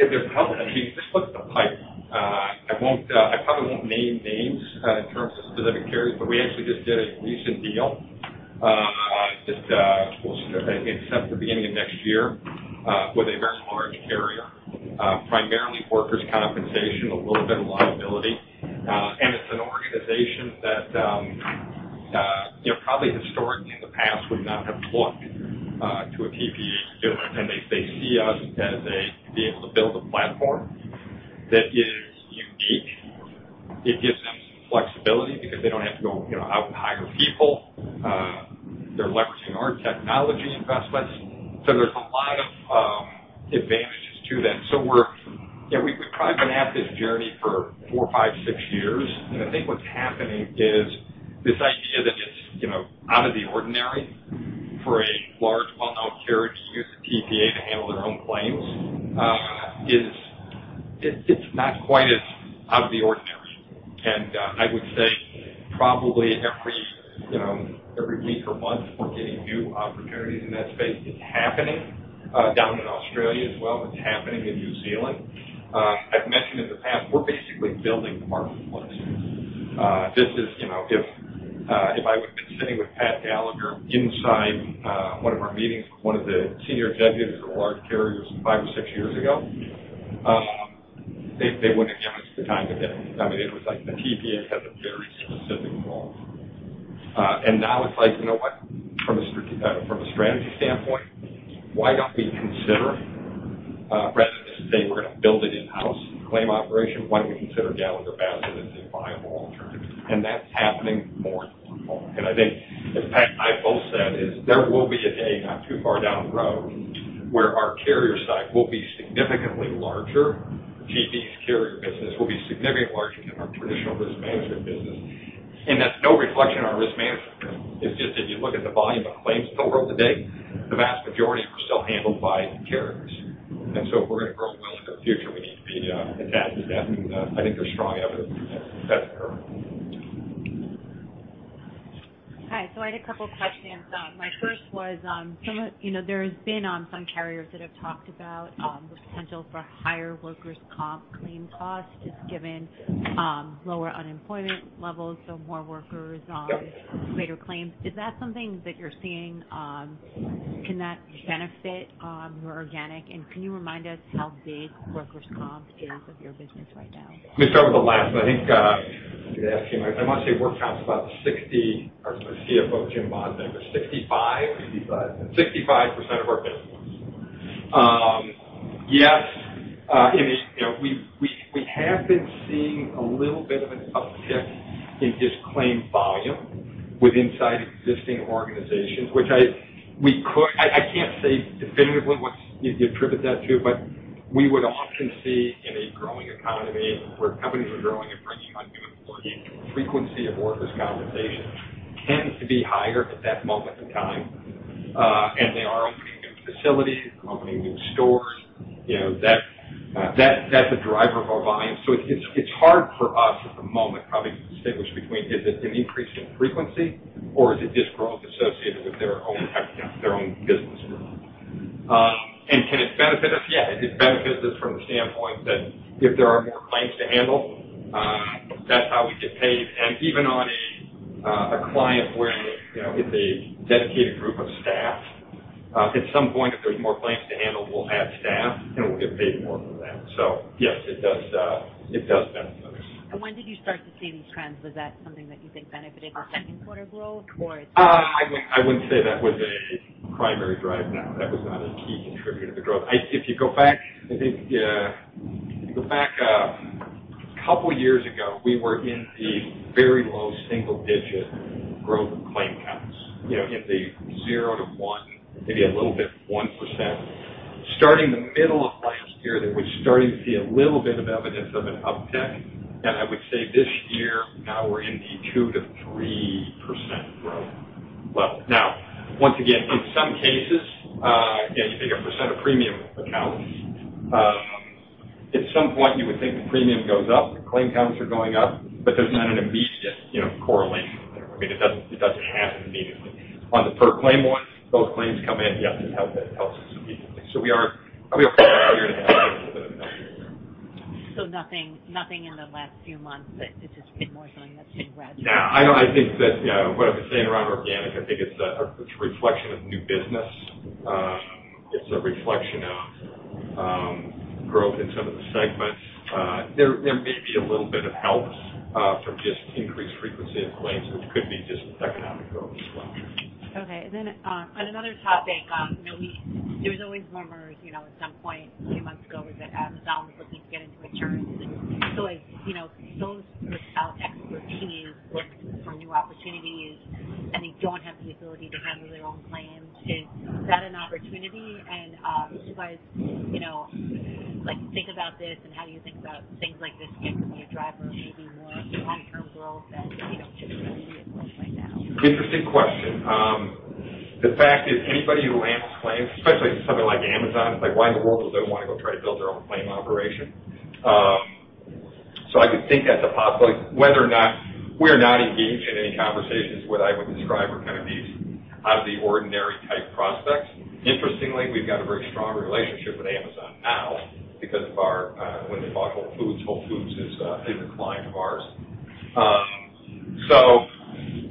you just look at the pipe. I probably won't name names in terms of specific carriers, we actually just did a recent deal that will accept the beginning of next year with a very large carrier. Primarily workers' compensation, a little bit of liability. It's an organization that probably historically in the past would not have looked to a TPA dealer. They see us as being able to build a platform that is unique. It gives them some flexibility because they don't have to go out and hire people. They're leveraging our technology investments. There's a lot of advantages to them. We've probably been at this journey for four, five, six years, I think what's happening is this idea that it's out of the ordinary for a large, well-known carrier to use a TPA to handle their own claims, it's not quite as out of the ordinary. I would say probably every week or month, we're getting new opportunities in that space. It's happening down in Australia as well. It's happening in New Zealand. I've mentioned in the past, we're basically building the marketplace. If I would've been sitting with Pat Gallagher inside one of our meetings with one of the senior executives of large carriers five or six years ago, they wouldn't have given us the time of day. It was like the TPA has a very specific role. Now it's like, you know what? From a strategy standpoint, why don't we consider, rather than say we're going to build an in-house claim operation, why don't we consider Gallagher Bassett as a viable alternative? That's happening more and more. I think as Pat and I both said is there will be a day not too far down the road where our carrier side will be significantly larger. GB's carrier business will be significantly larger than our traditional risk management business. That's no reflection on risk management. It's just if you look at the volume of claims filled today, the vast majority are still handled by carriers. If we're going to grow and will in the future, we need to be attached to them, and I think there's strong evidence that that's occurring. Hi. I had a couple questions. My first was there's been some carriers that have talked about the potential for higher workers' comp claim costs, just given lower unemployment levels, more workers- Yep greater claims. Is that something that you're seeing? Can that benefit your organic, can you remind us how big workers' comp is of your business right now? Let me start with the last one. I think I must say work comp's about 60, or our CFO, Jim Bond, said it was 65? 65. 65% of our business. Yes. We have been seeing a little bit of an uptick in just claim volume with inside existing organizations. I can't say definitively what you'd attribute that to, but we would often see in a growing economy where companies are growing and bringing on new employees, frequency of workers' compensation tends to be higher at that moment in time. They are opening new facilities, opening new stores. That's a driver of our volume. It's hard for us at the moment probably to distinguish between is it an increase in frequency, or is it just growth associated with their own headcount, their own business growth. Can it benefit us? Yes. It benefits us from the standpoint that if there are more claims to handle, that's how we get paid. Even on a client where it's a dedicated group of staff, at some point, if there's more claims to handle, we'll add staff, and we'll get paid more for that. Yes, it does benefit us. When did you start to see these trends? Was that something that you think benefited the second quarter growth? I wouldn't say that was a primary driver, no. That was not a key contributor to growth. If you go back a couple years ago, we were in the very low single digit growth claim counts. In the 0% to 1%, maybe a little bit 1%. Starting the middle of last year, we're starting to see a little bit of evidence of an uptick. I would say this year now we're in the 2%-3% growth level. Once again, in some cases, again, you think of percent of premium counts. At some point you would think the premium goes up, the claim counts are going up, but there's not an immediate correlation there. It doesn't happen immediately. On the per claim one, those claims come in, yes, it helps us immediately. We are probably up year-to-date a little bit. Nothing in the last few months, but this has been more something that's been gradual. I think that what I've been saying around organic, I think it's a reflection of new business. It's a reflection of growth in some of the segments. There may be a little bit of help from just increased frequency of claims, which could be just economic growth as well. On another topic. There was always murmurs at some point a few months ago was that Amazon was looking to get into insurance. As those sort of tech expertise look for new opportunities and they don't have the ability to handle their own claims, is that an opportunity? Just as think about this and how you think about things like this can be a driver of maybe more long-term growth than just immediate growth right now. Interesting question. The fact is, anybody who amps claims, especially for something like Amazon, it's like, why in the world would they want to go try to build their own claim operation? I could think that's a possibility. We're not engaged in any conversations what I would describe are these out of the ordinary type prospects. Interestingly, we've got a very strong relationship with Amazon now because when they bought Whole Foods, Whole Foods is a client of ours.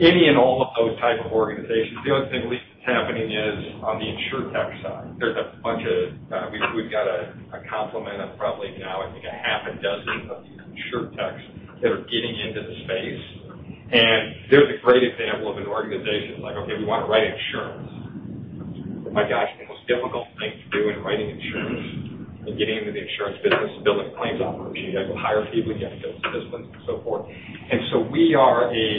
Any and all of those type of organizations. The only thing we see happening is on the InsurTech side. We've got a complement of probably now, I think a half a dozen of these InsurTechs that are getting into the space. They're the great example of an organization like, okay, we want to write insurance. My gosh, the most difficult thing to do in writing insurance and getting into the insurance business and build a claims operation. You have to hire people, you have to build systems and so forth. We are a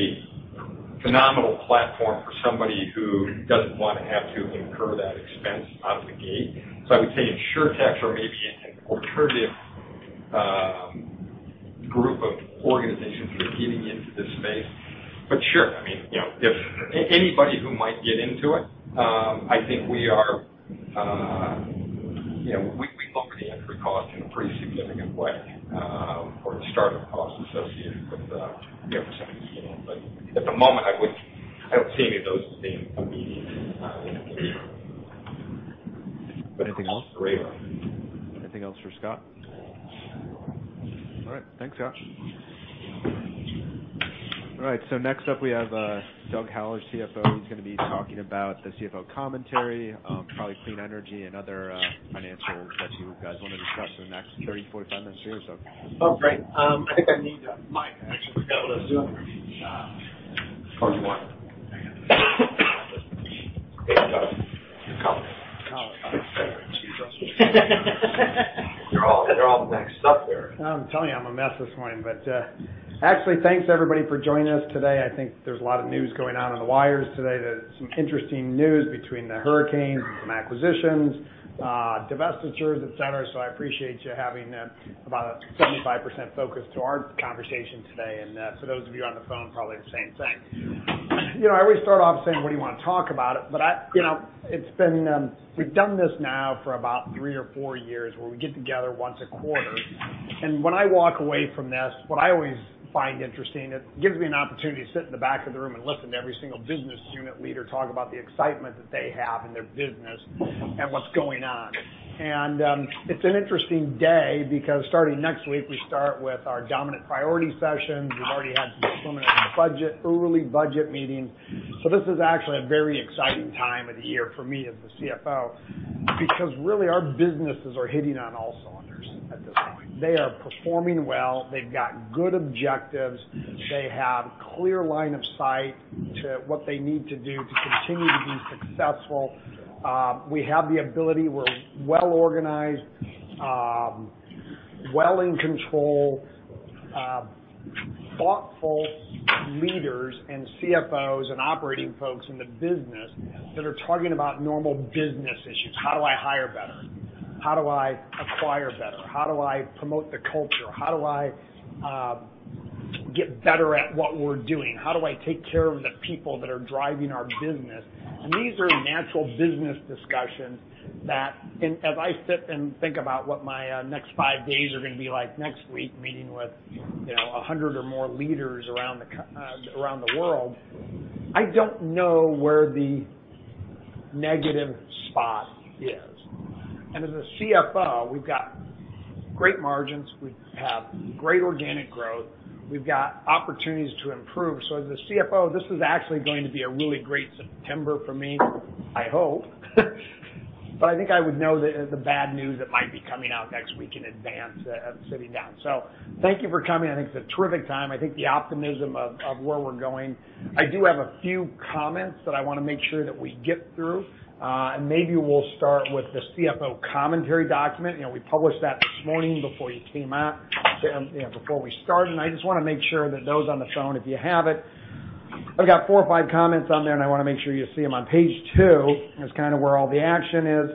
phenomenal platform for somebody who doesn't want to have to incur that expense out of the gate. I would say InsurTechs are maybe an alternative group of organizations that are getting into this space. Sure, if anybody who might get into it, I think we lower the entry cost in a pretty significant way for the startup costs associated with representing. At the moment, I don't see any of those as being immediate indicators. Anything else? Anything else for Scott? All right. Thanks, Scott. Next up we have Doug Howell, our CFO. He's going to be talking about the CFO commentary, probably clean energy and other financials that you guys want to discuss in the next 30, 45 minutes here. Oh, great. I think I need a mic. I actually forgot about Zoom. Of course you are. Hey, Doug. Comment. Oh, okay. They're all next up there. I'm telling you, I'm a mess this morning. Actually, thanks everybody for joining us today. I think there's a lot of news going on in the wires today. There's some interesting news between the hurricanes, some acquisitions, divestitures, et cetera. I appreciate you having about a 75% focus to our conversation today. For those of you on the phone, probably the same thing. I always start off saying, what do you want to talk about? We've done this now for about three or four years, where we get together once a quarter. When I walk away from this, what I always find interesting, it gives me an opportunity to sit in the back of the room and listen to every single business unit leader talk about the excitement that they have in their business and what's going on. It's an interesting day because starting next week, we start with our dominant priority sessions. We've already had some preliminary budget, early budget meetings. This is actually a very exciting time of the year for me as the CFO, because really our businesses are hitting on all cylinders at this point. They are performing well. They've got good objectives. They have clear line of sight to what they need to do to continue to be successful. We have the ability, we're well-organized, well in control, thoughtful leaders and CFOs and operating folks in the business that are talking about normal business issues. How do I hire better? How do I acquire better? How do I promote the culture? How do I get better at what we're doing? How do I take care of the people that are driving our business? These are natural business discussions that as I sit and think about what my next five days are going to be like next week, meeting with 100 or more leaders around the world, I don't know where the negative spot is. As a CFO, we've got great margins, we have great organic growth, we've got opportunities to improve. As a CFO, this is actually going to be a really great September for me, I hope. I think I would know the bad news that might be coming out next week in advance of sitting down. Thank you for coming. I think it's a terrific time. I think the optimism of where we're going. I do have a few comments that I want to make sure that we get through. Maybe we'll start with the CFO Commentary Document. We published that this morning before you came out, before we started. I just want to make sure that those on the phone, if you have it. I've got four or five comments on there, and I want to make sure you see them. On page two is kind of where all the action is.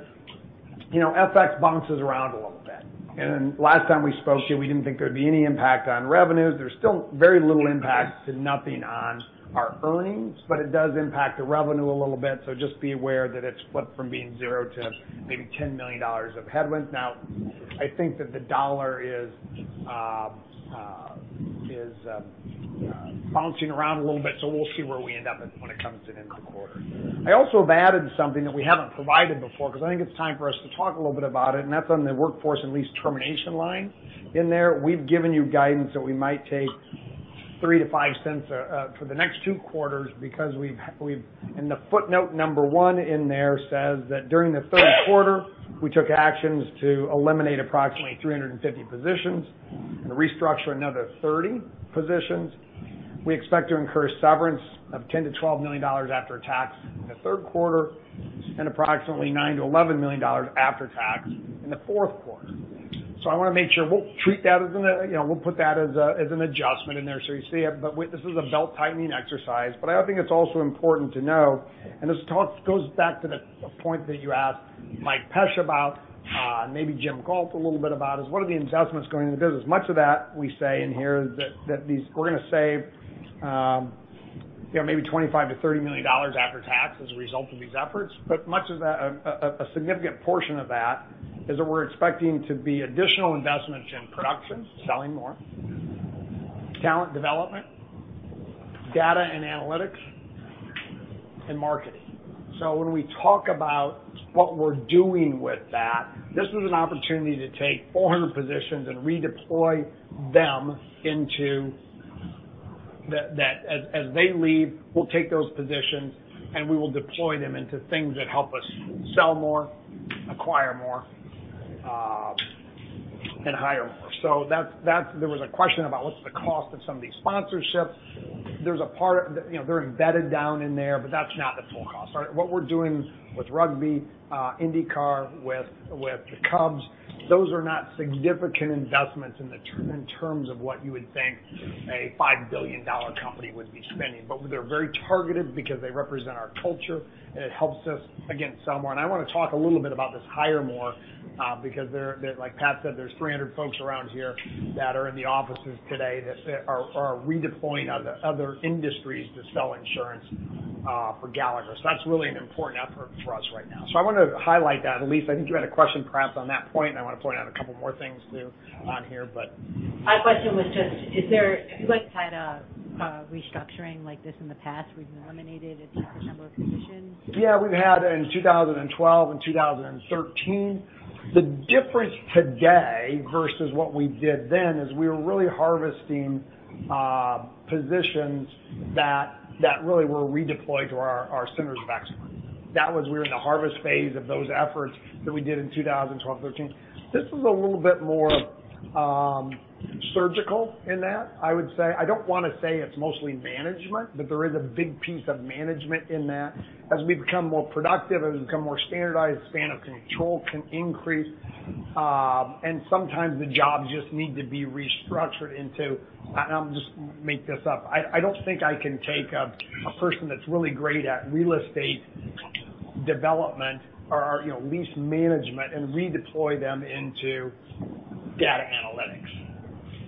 FX bounces around a little bit. Last time we spoke here, we didn't think there'd be any impact on revenues. There's still very little impact to nothing on our earnings, but it does impact the revenue a little bit. Just be aware that it's flipped from being zero to maybe $10 million of headwind. I think that the dollar is bouncing around a little bit, so we'll see where we end up when it comes to the end of the quarter. I also have added something that we haven't provided before because I think it's time for us to talk a little bit about it, and that's on the workforce and lease termination line in there. We've given you guidance that we might take $0.03-$0.05 for the next two quarters because In the footnote number one in there says that during the third quarter, we took actions to eliminate approximately 350 positions and restructure another 30 positions. We expect to incur severance of $10 million-$12 million after tax in the third quarter and approximately $9 million-$11 million after tax in the fourth quarter. I want to make sure we'll put that as an adjustment in there so you see it, this is a belt-tightening exercise. I think it's also important to know, and this goes back to the point that you asked Mike Pesch about, maybe Jim Gault a little bit about, is what are the investments going into the business? Much of that we say in here is that we're going to save maybe $25 million-$30 million after tax as a result of these efforts. A significant portion of that is that we're expecting to be additional investments in production, selling more, talent development, data and analytics, and marketing. When we talk about what we're doing with that, this was an opportunity to take 400 positions and redeploy them into that as they leave, we'll take those positions, and we will deploy them into things that help us sell more, acquire more, and hire more. There was a question about what's the cost of some of these sponsorships. They're embedded down in there, that's not the full cost. What we're doing with rugby, IndyCar, with the Chicago Cubs, those are not significant investments in terms of what you would think a $5 billion company would be spending. They're very targeted because they represent our culture, and it helps us, again, sell more. I want to talk a little bit about this hire more, because like Pat said, there's 300 folks around here that are in the offices today that are redeploying other industries to sell insurance for Gallagher. That's really an important effort for us right now. I want to highlight that. Elyse, I think you had a question perhaps on that point. I want to point out a couple more things too on here. My question was just have you guys had a restructuring like this in the past where you've eliminated a significant number of positions? We've had in 2012 and 2013. The difference today versus what we did then is we were really harvesting positions that really were redeployed to our centers of excellence. That was we were in the harvest phase of those efforts that we did in 2012, 2013. This is a little bit more surgical in that, I would say. I don't want to say it's mostly management, but there is a big piece of management in that. As we become more productive, as we become more standardized, span of control can increase. Sometimes the jobs just need to be restructured into I'm just making this up. I don't think I can take a person that's really great at real estate development or lease management and redeploy them into data analytics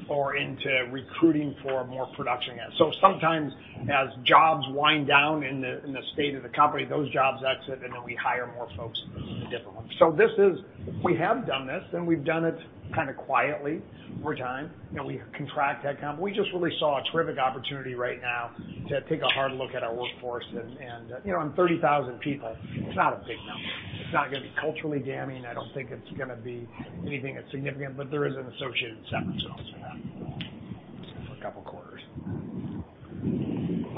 or into recruiting for more production. Sometimes as jobs wind down in the state of the company, those jobs exit, and then we hire more folks in different ones. We have done this, and we've done it kind of quietly over time. We contract that company. We just really saw a terrific opportunity right now to take a hard look at our workforce and on 30,000 people, it's not a big number. It's not going to be culturally damning. I don't think it's going to be anything that's significant, but there is an associated severance, obviously, for that for a couple of quarters.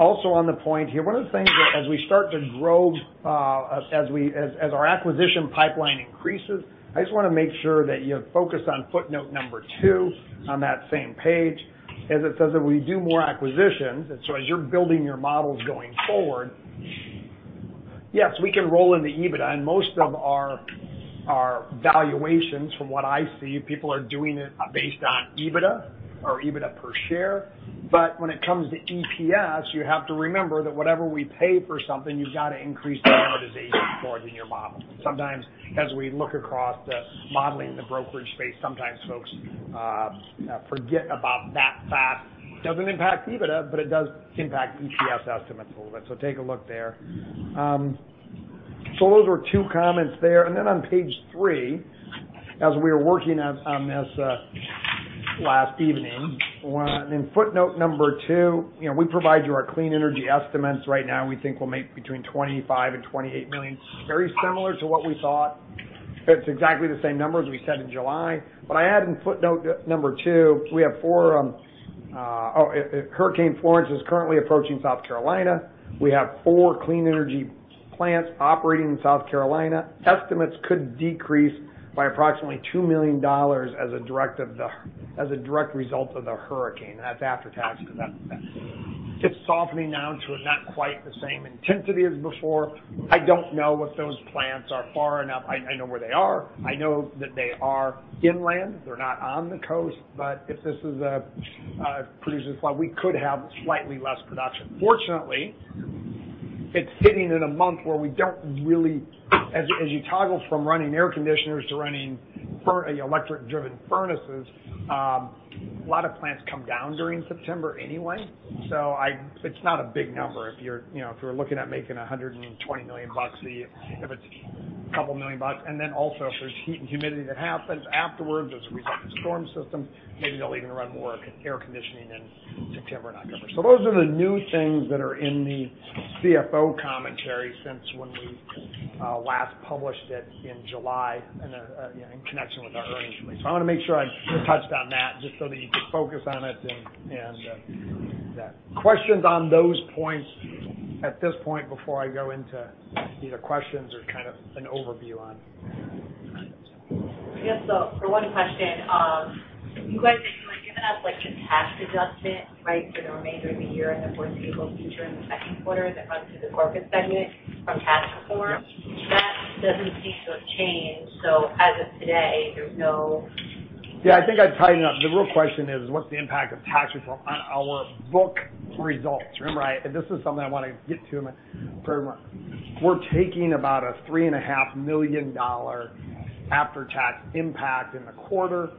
Also on the point here, one of the things as our acquisition pipeline increases, I just want to make sure that you focus on footnote number two on that same page. As it says that we do more acquisitions, as you're building your models going forward, yes, we can roll in the EBITDA. Most of our valuations, from what I see, people are doing it based on EBITDA or EBITDA per share. When it comes to EPS, you have to remember that whatever we pay for something, you've got to increase the amortization for it in your model. Sometimes as we look across the modeling in the brokerage space, sometimes folks forget about that fact. Doesn't impact EBITDA, but it does impact EPS estimates a little bit. Take a look there. Those were two comments there. On page three, as we were working on this last evening, in footnote number two, we provide you our clean energy estimates. Right now, we think we'll make between $25 million and $28 million. Very similar to what we thought. It's exactly the same numbers we said in July. I add in footnote number two, Hurricane Florence is currently approaching South Carolina. We have four clean energy plants operating in South Carolina. Estimates could decrease by approximately $2 million as a direct result of the hurricane. That's after tax because it's softening now to not quite the same intensity as before. I don't know if those plants are far enough. I know where they are. I know that they are inland. They're not on the coast. If this produces a flood, we could have slightly less production. Fortunately, it's sitting in a month where we don't really. As you toggle from running air conditioners to running electric-driven furnaces, a lot of plants come down during September anyway. It's not a big number if you're looking at making $120 million. If it's a couple of million bucks, if there's heat and humidity that happens afterwards as a result of the storm system, maybe they'll even run more air conditioning in September and October. Those are the new things that are in the CFO commentary since when we last published it in July in connection with our earnings release. I want to make sure I touched on that just so that you could focus on it and yeah. Questions on those points at this point before I go into either questions or kind of an overview on. For one question, you guys had given us the tax adjustment for the remainder of the year and the foreseeable future in the second quarter that runs through the corporate segment from tax reform. That doesn't seem to have changed. As of today, there's no. I think I'd tighten it up. The real question is what's the impact of tax reform on our book results? Remember, this is something I want to get to in my program. We're taking about a $3.5 million after-tax impact in the quarter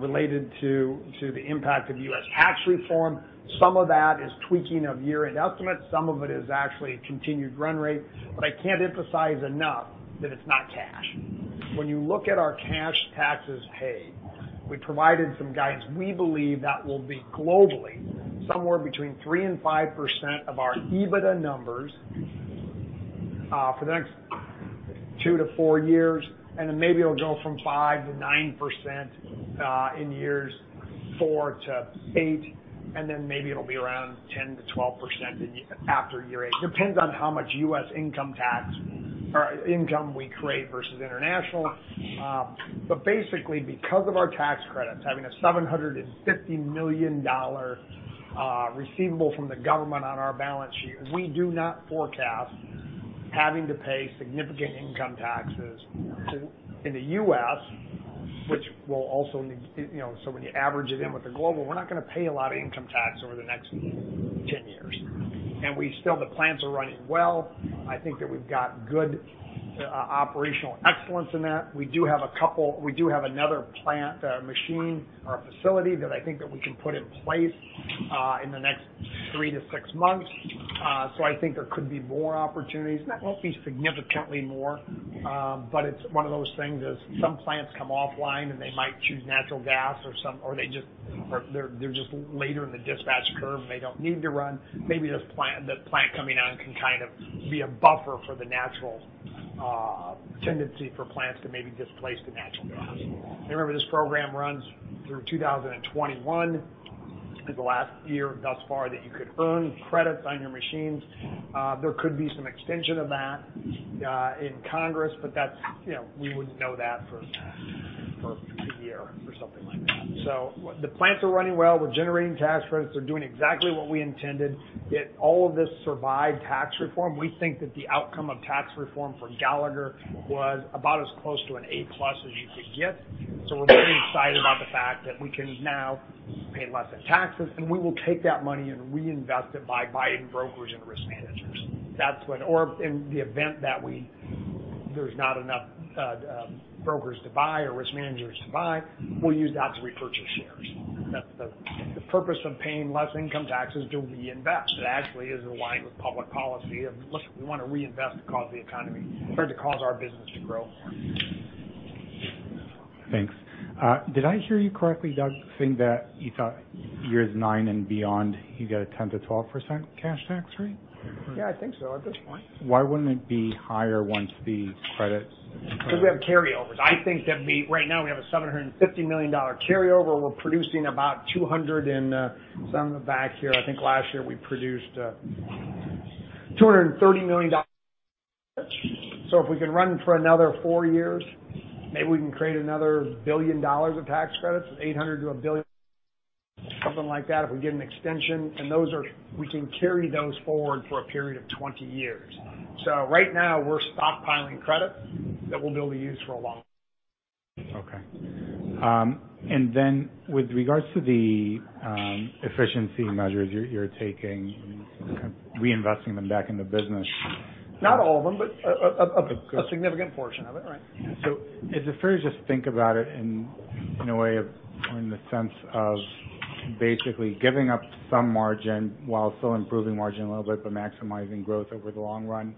related to the impact of U.S. tax reform. Some of that is tweaking of year-end estimates. Some of it is actually continued run rate. I can't emphasize enough that it's not cash. When you look at our cash taxes paid, we provided some guidance. We believe that will be globally somewhere between 3% and 5% of our EBITDA numbers for the next two to four years, and then maybe it'll go from 5% to 9% in years four to eight, and then maybe it'll be around 10% to 12% after year eight. Depends on how much U.S. income we create versus international. Basically, because of our tax credits, having a $750 million receivable from the government on our balance sheet, we do not forecast having to pay significant income taxes in the U.S., so when you average it in with the global, we're not going to pay a lot of income tax over the next 10 years. Still the plants are running well. I think that we've got good operational excellence in that. We do have another plant, machine, or facility that I think that we can put in place in the next three to six months. I think there could be more opportunities. That won't be significantly more. It's one of those things as some plants come offline and they might choose natural gas or they're just later in the dispatch curve and they don't need to run. Maybe the plant coming on can kind of be a buffer for the natural tendency for plants to maybe displace to natural gas. Remember, this program runs through 2021, is the last year thus far that you could earn credits on your machines. There could be some extension of that in Congress, but we wouldn't know that for a year or something like that. The plants are running well. We're generating tax credits. They're doing exactly what we intended, yet all of this survived tax reform. We think that the outcome of tax reform for Gallagher was about as close to an A+ as you could get. We're pretty excited about the fact that we can now pay less in taxes, and we will take that money and reinvest it by buying brokers and risk managers. In the event that there's not enough brokers to buy or risk managers to buy, we'll use that to repurchase shares. That's the purpose of paying less income taxes to reinvest. It actually is aligned with public policy of, look, we want to reinvest to cause our business to grow more. Thanks. Did I hear you correctly, Doug, saying that you thought years nine and beyond, you get a 10%-12% cash tax rate? Yeah, I think so at this point. Why wouldn't it be higher once the credits kind of- We have carryovers. I think that right now we have a $750 million carryover. We're producing about 200 and some back here. I think last year we produced $230 million. If we can run for another four years, maybe we can create another billion dollars of tax credits, 800 to a billion, something like that, if we get an extension. We can carry those forward for a period of 20 years. Right now, we're stockpiling credit that we'll be able to use for a long- Okay. With regards to the efficiency measures you're taking and kind of reinvesting them back in the business- Not all of them, a significant portion of it, right. Is it fair to just think about it in the sense of basically giving up some margin while still improving margin a little bit, but maximizing growth over the long run?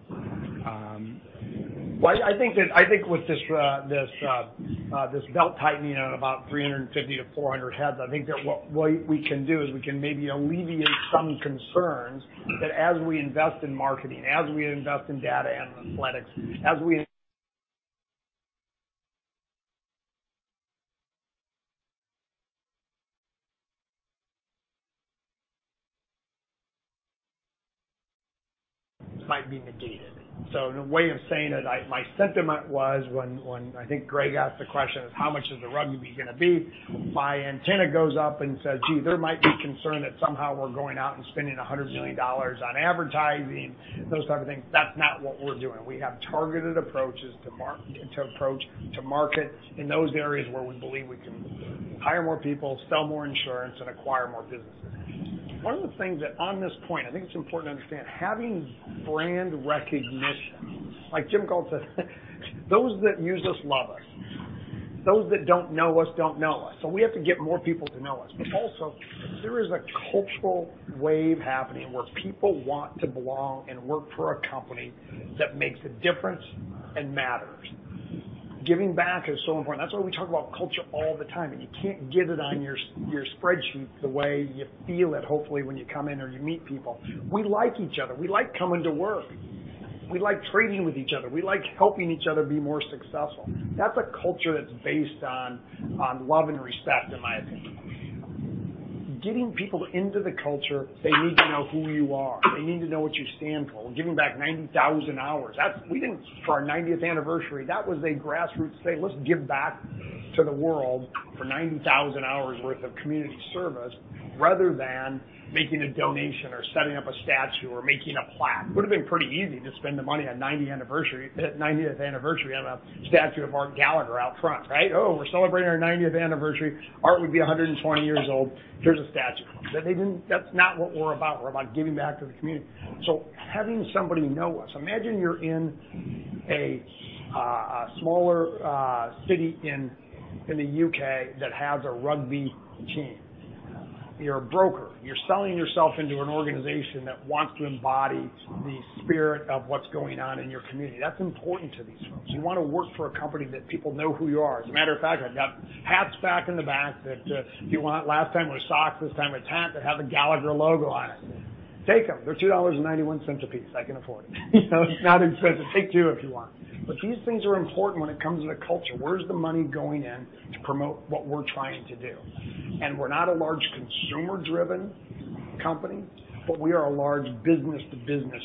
I think with this belt-tightening of about 350-400 heads, I think that what we can do is we can maybe alleviate some concerns that as we invest in marketing, as we invest in data and analytics, as we might be negated. In a way of saying it, my sentiment was when I think Greg asked the question of how much is the rugby going to be, my antenna goes up and says, gee, there might be concern that somehow we're going out and spending $100 million on advertising, those type of things. That's not what we're doing. We have targeted approaches to market in those areas where we believe we can hire more people, sell more insurance, and acquire more businesses. One of the things that on this point, I think it's important to understand having brand recognition, like Jim Gault said. Those that use us love us. Those that don't know us, don't know us. We have to get more people to know us. Also, there is a cultural wave happening where people want to belong and work for a company that makes a difference and matters. Giving back is so important. That's why we talk about culture all the time, and you can't get it on your spreadsheet the way you feel it, hopefully, when you come in or you meet people. We like each other. We like coming to work. We like training with each other. We like helping each other be more successful. That's a culture that's based on love and respect, in my opinion. Getting people into the culture, they need to know who you are. They need to know what you stand for. We're giving back 90,000 hours. For our 90th anniversary, that was a grassroots thing. Let's give back to the world for 90,000 hours worth of community service rather than making a donation or setting up a statue or making a plaque. Would've been pretty easy to spend the money on 90th anniversary on a statue of Art Gallagher out front, right? Oh, we're celebrating our 90th anniversary. Art would be 120 years old. Here's a statue of him. That's not what we're about. We're about giving back to the community. Having somebody know us. Imagine you're in a smaller city in the U.K. that has a rugby team. You're a broker. You're selling yourself into an organization that wants to embody the spirit of what's going on in your community. That's important to these folks. You want to work for a company that people know who you are. As a matter of fact, I've got hats back in the back that if you want. Last time it was socks, this time it's hats that have a Gallagher logo on it. Take them. They're $2.91 a piece. I can afford it. It's not expensive. Take two if you want. These things are important when it comes to the culture. Where's the money going in to promote what we're trying to do? We're not a large consumer-driven company, but we are a large business-to-business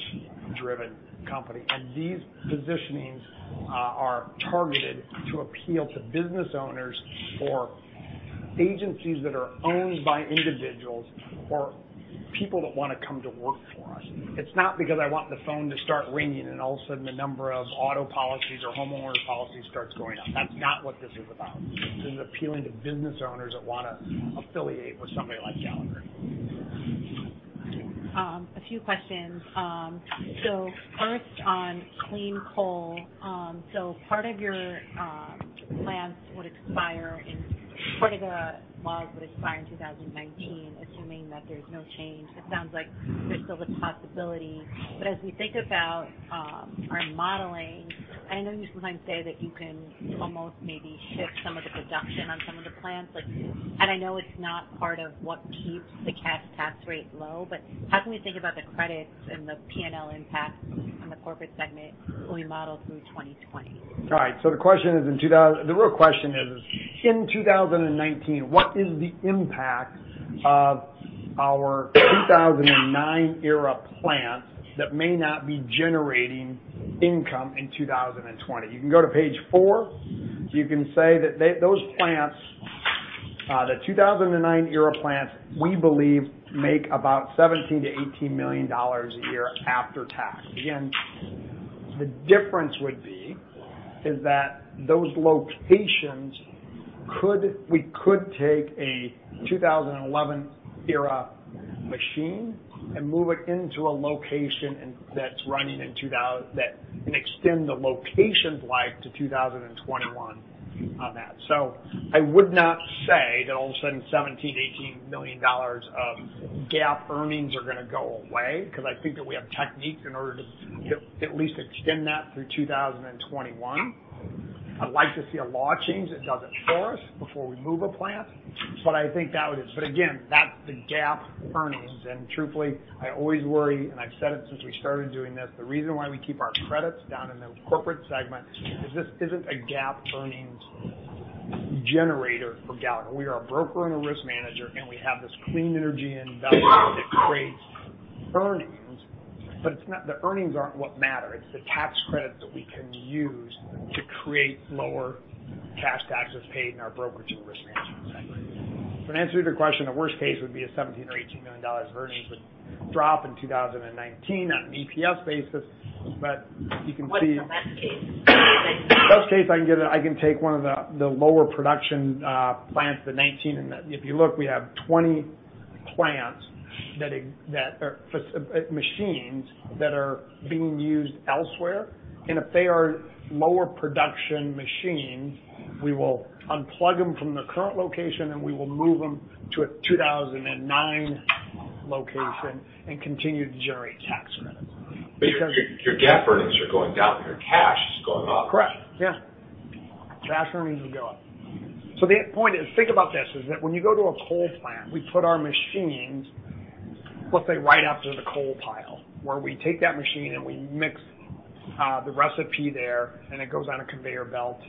driven company, and these positionings are targeted to appeal to business owners or agencies that are owned by individuals or people that want to come to work for us. It's not because I want the phone to start ringing, and all of a sudden, the number of auto policies or homeowner policies starts going up. That's not what this is about. This is appealing to business owners that want to affiliate with somebody like Gallagher. A few questions. First on clean coal. Part of the laws would expire in 2019, assuming that there's no change. It sounds like there's still the possibility. As we think about our modeling, I know you sometimes say that you can almost maybe shift some of the production on some of the plants. I know it's not part of what keeps the cash tax rate low, but how can we think about the credits and the P&L impact on the corporate segment when we model through 2020? All right, the real question is, in 2019, what is the impact of our 2009 era plants that may not be generating income in 2020? You can go to page four. You can say that those plants, the 2009 era plants, we believe, make about $17 million-$18 million a year after tax. Again, the difference would be is that those locations, we could take a 2011 era machine and move it into a location that's running and extend the location's life to 2021 on that. I would not say that all of a sudden $17 million-$18 million of GAAP earnings are going to go away because I think that we have techniques in order to at least extend that through 2021. I'd like to see a law change that does it for us before we move a plant. But again, that's the GAAP earnings. Truthfully, I always worry, and I've said it since we started doing this, the reason why we keep our credits down in the corporate segment is this isn't a GAAP earnings generator for Gallagher. We are a broker and a risk manager, and we have this clean energy investment that creates earnings, but the earnings aren't what matter. It's the tax credits that we can use to create lower cash taxes paid in our brokerage and risk management segment. In answer to your question, the worst case would be a $17 million-$18 million earnings would drop in 2019 on an EPS basis. You can see. What's the best case? Best case, I can take one of the lower production plants, the 19. If you look, we have 20 plants, machines that are being used elsewhere, and if they are lower production machines, we will unplug them from the current location, and we will move them to a 2009 location and continue to generate tax credits. Your GAAP earnings are going down, and your cash is going up. Correct. Yeah. Cash earnings will go up. The point is, think about this, is that when you go to a coal plant, we put our machines, let's say, right after the coal pile, where we take that machine and we mix the recipe there, and it goes on a conveyor belt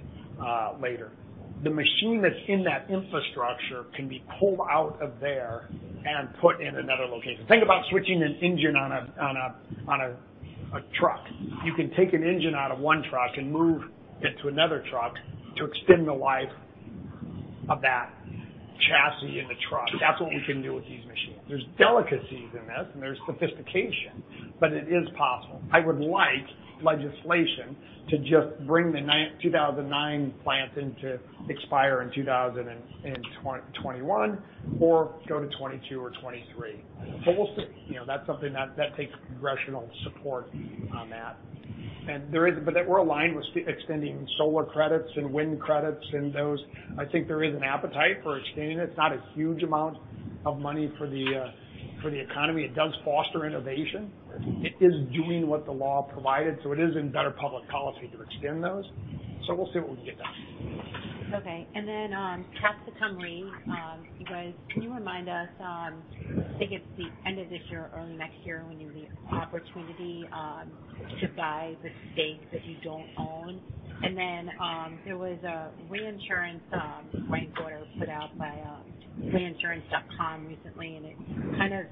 later. The machine that's in that infrastructure can be pulled out of there and put in another location. Think about switching an engine on a truck. You can take an engine out of one truck and move it to another truck to extend the life of that chassis in the truck. That's what we can do with these machines. There's delicacies in this, and there's sophistication. It is possible. I would like legislation to just bring the 2009 plants in to expire in 2021 or go to 2022 or 2023. We'll see. That's something that takes Congressional support on that. We're aligned with extending solar credits and wind credits and those. I think there is an appetite for extending it. It's not a huge amount of money for the economy. It does foster innovation. It is doing what the law provided, so it is in better public policy to extend those. We'll see what we can get done. Okay. Then, Capsicum Re, can you remind us, I think it's the end of this year or early next year when you have the opportunity to buy the stake that you don't own. Then, there was a reinsurance rank order put out by reinsurance.com recently, it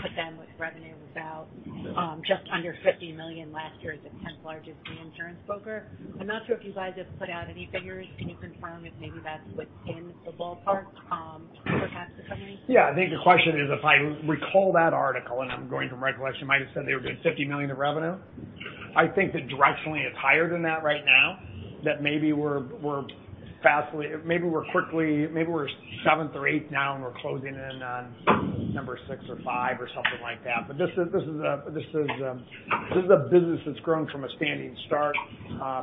put them with revenue was out just under $50 million last year as the 10th largest reinsurance broker. I'm not sure if you guys have put out any figures. Can you confirm if maybe that's within the ballpark for Capsicum Re? Yeah, I think the question is, if I recall that article, I'm going from recollection, might've said they were doing $50 million in revenue. I think that directionally it's higher than that right now. That maybe we're seventh or eighth now, we're closing in on number six or five or something like that. But this is a business that's grown from a standing start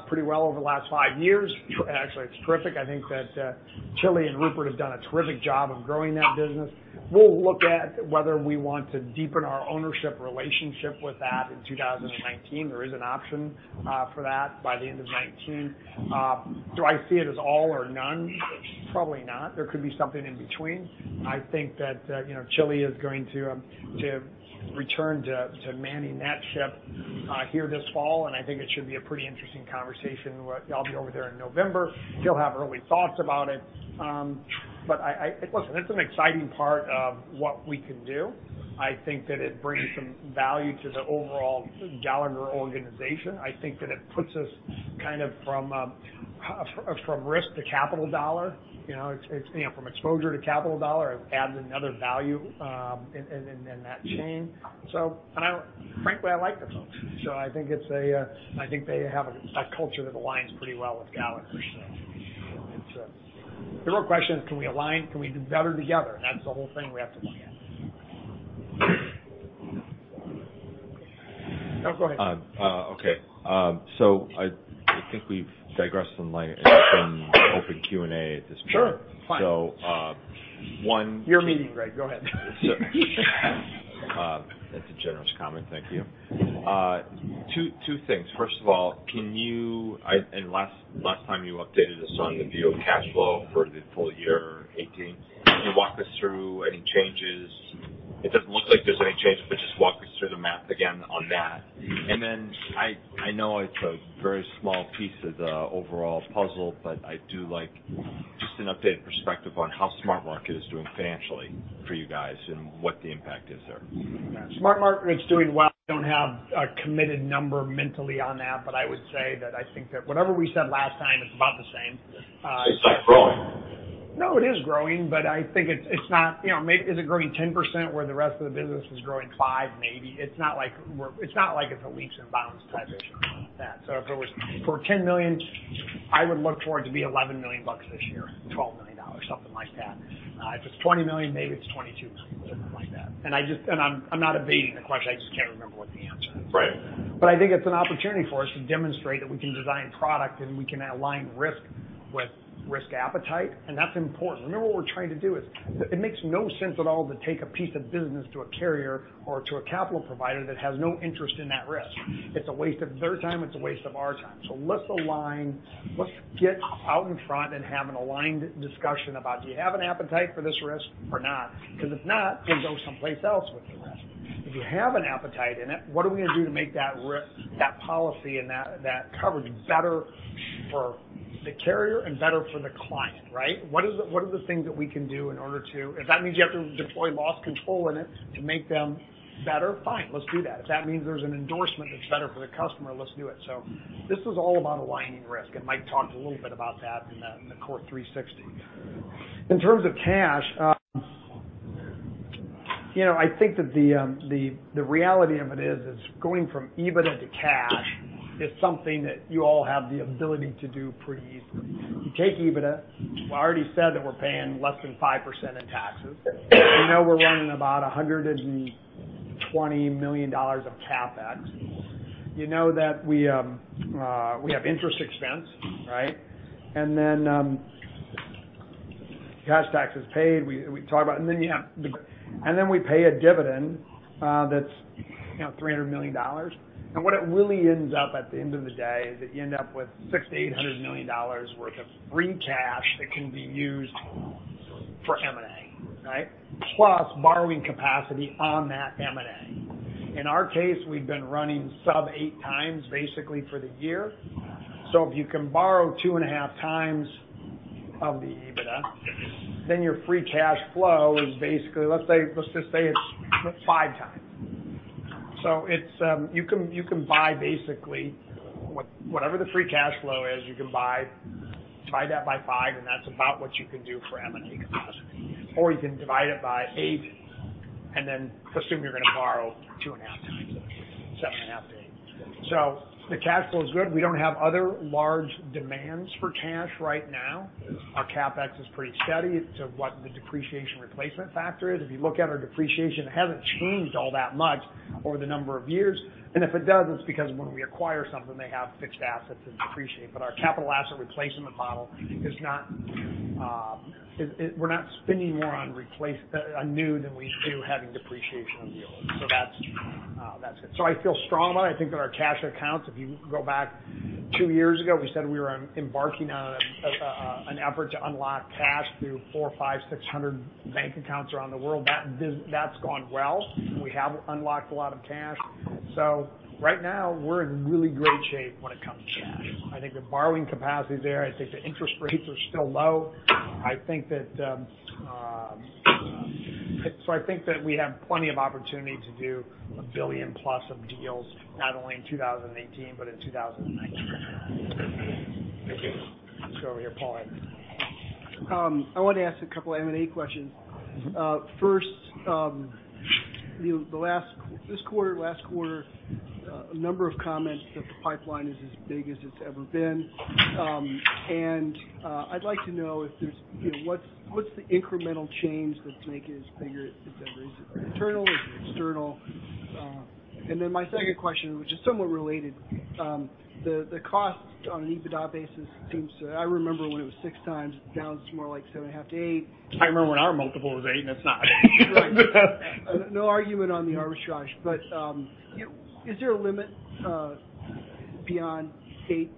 pretty well over the last 5 years. Actually, it's terrific. I think that Chily and Rupert have done a terrific job of growing that business. We'll look at whether we want to deepen our ownership relationship with that in 2019. There is an option for that by the end of 2019. Do I see it as all or none? Probably not. There could be something in between. I think that Chily is going to return to manning that ship here this fall, I think it should be a pretty interesting conversation. I'll be over there in November. He'll have early thoughts about it. But listen, it's an exciting part of what we can do. I think that it brings some value to the overall Gallagher organization. I think that it puts us from risk to capital dollar. From exposure to capital dollar, it adds another value in that chain. Frankly, I like the folks. I think they have a culture that aligns pretty well with Gallagher. The real question is: Can we align? Can we do better together? That's the whole thing we have to look at. No, go ahead. Okay. I think we've digressed from open Q&A at this point. Sure, fine. So one- Your meeting, Greg, go ahead. That's a generous comment. Thank you. Two things. First of all, last time you updated us on the view of cash flow for the full year 2018. Can you walk us through any changes? It doesn't look like there's any change, but just walk us through the math again on that. I know it's a very small piece of the overall puzzle, but I'd do like just an updated perspective on how SmartMarket is doing financially for you guys and what the impact is there. SmartMarket is doing well. I don't have a committed number mentally on that, but I would say that I think that whatever we said last time, it's about the same. It's not growing. No, it is growing, but I think is it growing 10% where the rest of the business is growing five maybe. It's not like it's a leaps and bounds type issue like that. If it was for $10 million, I would look for it to be $11 million this year, $12 million, something like that. If it's $20 million, maybe it's $22 million, something like that. I'm not evading the question, I just can't remember what the answer is. Right. I think it's an opportunity for us to demonstrate that we can design product and we can align risk with risk appetite, and that's important. Remember what we're trying to do is, it makes no sense at all to take a piece of business to a carrier or to a capital provider that has no interest in that risk. It's a waste of their time. It's a waste of our time. Let's align. Let's get out in front and have an aligned discussion about do you have an appetite for this risk or not? If not, then go someplace else with the risk. If you have an appetite in it, what are we going to do to make that policy and that coverage better for the carrier and better for the client, right? If that means you have to deploy loss control in it to make them better, fine, let's do that. If that means there's an endorsement that's better for the customer, let's do it. This is all about aligning risk, and Mike talked a little bit about that in the CORE360. In terms of cash, I think that the reality of it is going from EBITDA to cash is something that you all have the ability to do pretty easily. You take EBITDA. I already said that we're paying less than 5% in taxes. You know we're running about $120 million of CapEx. You know that we have interest expense, right? Then cash taxes paid, we talked about, and then we pay a dividend that's $300 million. What it really ends up at the end of the day is that you end up with $600 million-$800 million worth of free cash that can be used for M&A, right? Plus borrowing capacity on that M&A. In our case, we've been running sub 8 times basically for the year. If you can borrow 2.5 times of the EBITDA, then your free cash flow is basically, let's just say it's 5 times. You can buy basically whatever the free cash flow is, you can buy Divide that by 5, and that's about what you can do for M&A capacity. Or you can divide it by 8 and then presume you're going to borrow 2.5 times it, 7.5 to 8. The cash flow is good. We don't have other large demands for cash right now. Our CapEx is pretty steady to what the depreciation replacement factor is. If you look at our depreciation, it hasn't changed all that much over the number of years, and if it does, it's because when we acquire something, they have fixed assets that depreciate. Our capital asset replacement model, we're not spending more on new than we do having depreciation on the old. That's it. I feel strong about it. I think that our cash accounts, if you go back two years ago, we said we were embarking on an effort to unlock cash through 400, 500, 600 bank accounts around the world. That's gone well. We have unlocked a lot of cash. Right now, we're in really great shape when it comes to cash. I think the borrowing capacity is there. I think the interest rates are still low. I think that we have plenty of opportunity to do a billion+ of deals, not only in 2018 but in 2019. Thank you. Let's go over here. Paul, hi. I wanted to ask a couple of M&A questions. First, this quarter, last quarter, a number of comments that the pipeline is as big as it's ever been. I'd like to know what's the incremental change that's making it as big as it ever is. Is it internal? Is it external? My second question, which is somewhat related, the cost on an EBITDA basis seems to I remember when it was 6x. Now it's more like 7.5x-8x. I remember when our multiple was 8x, and it's not. Right. No argument on the arbitrage, is there a limit beyond eight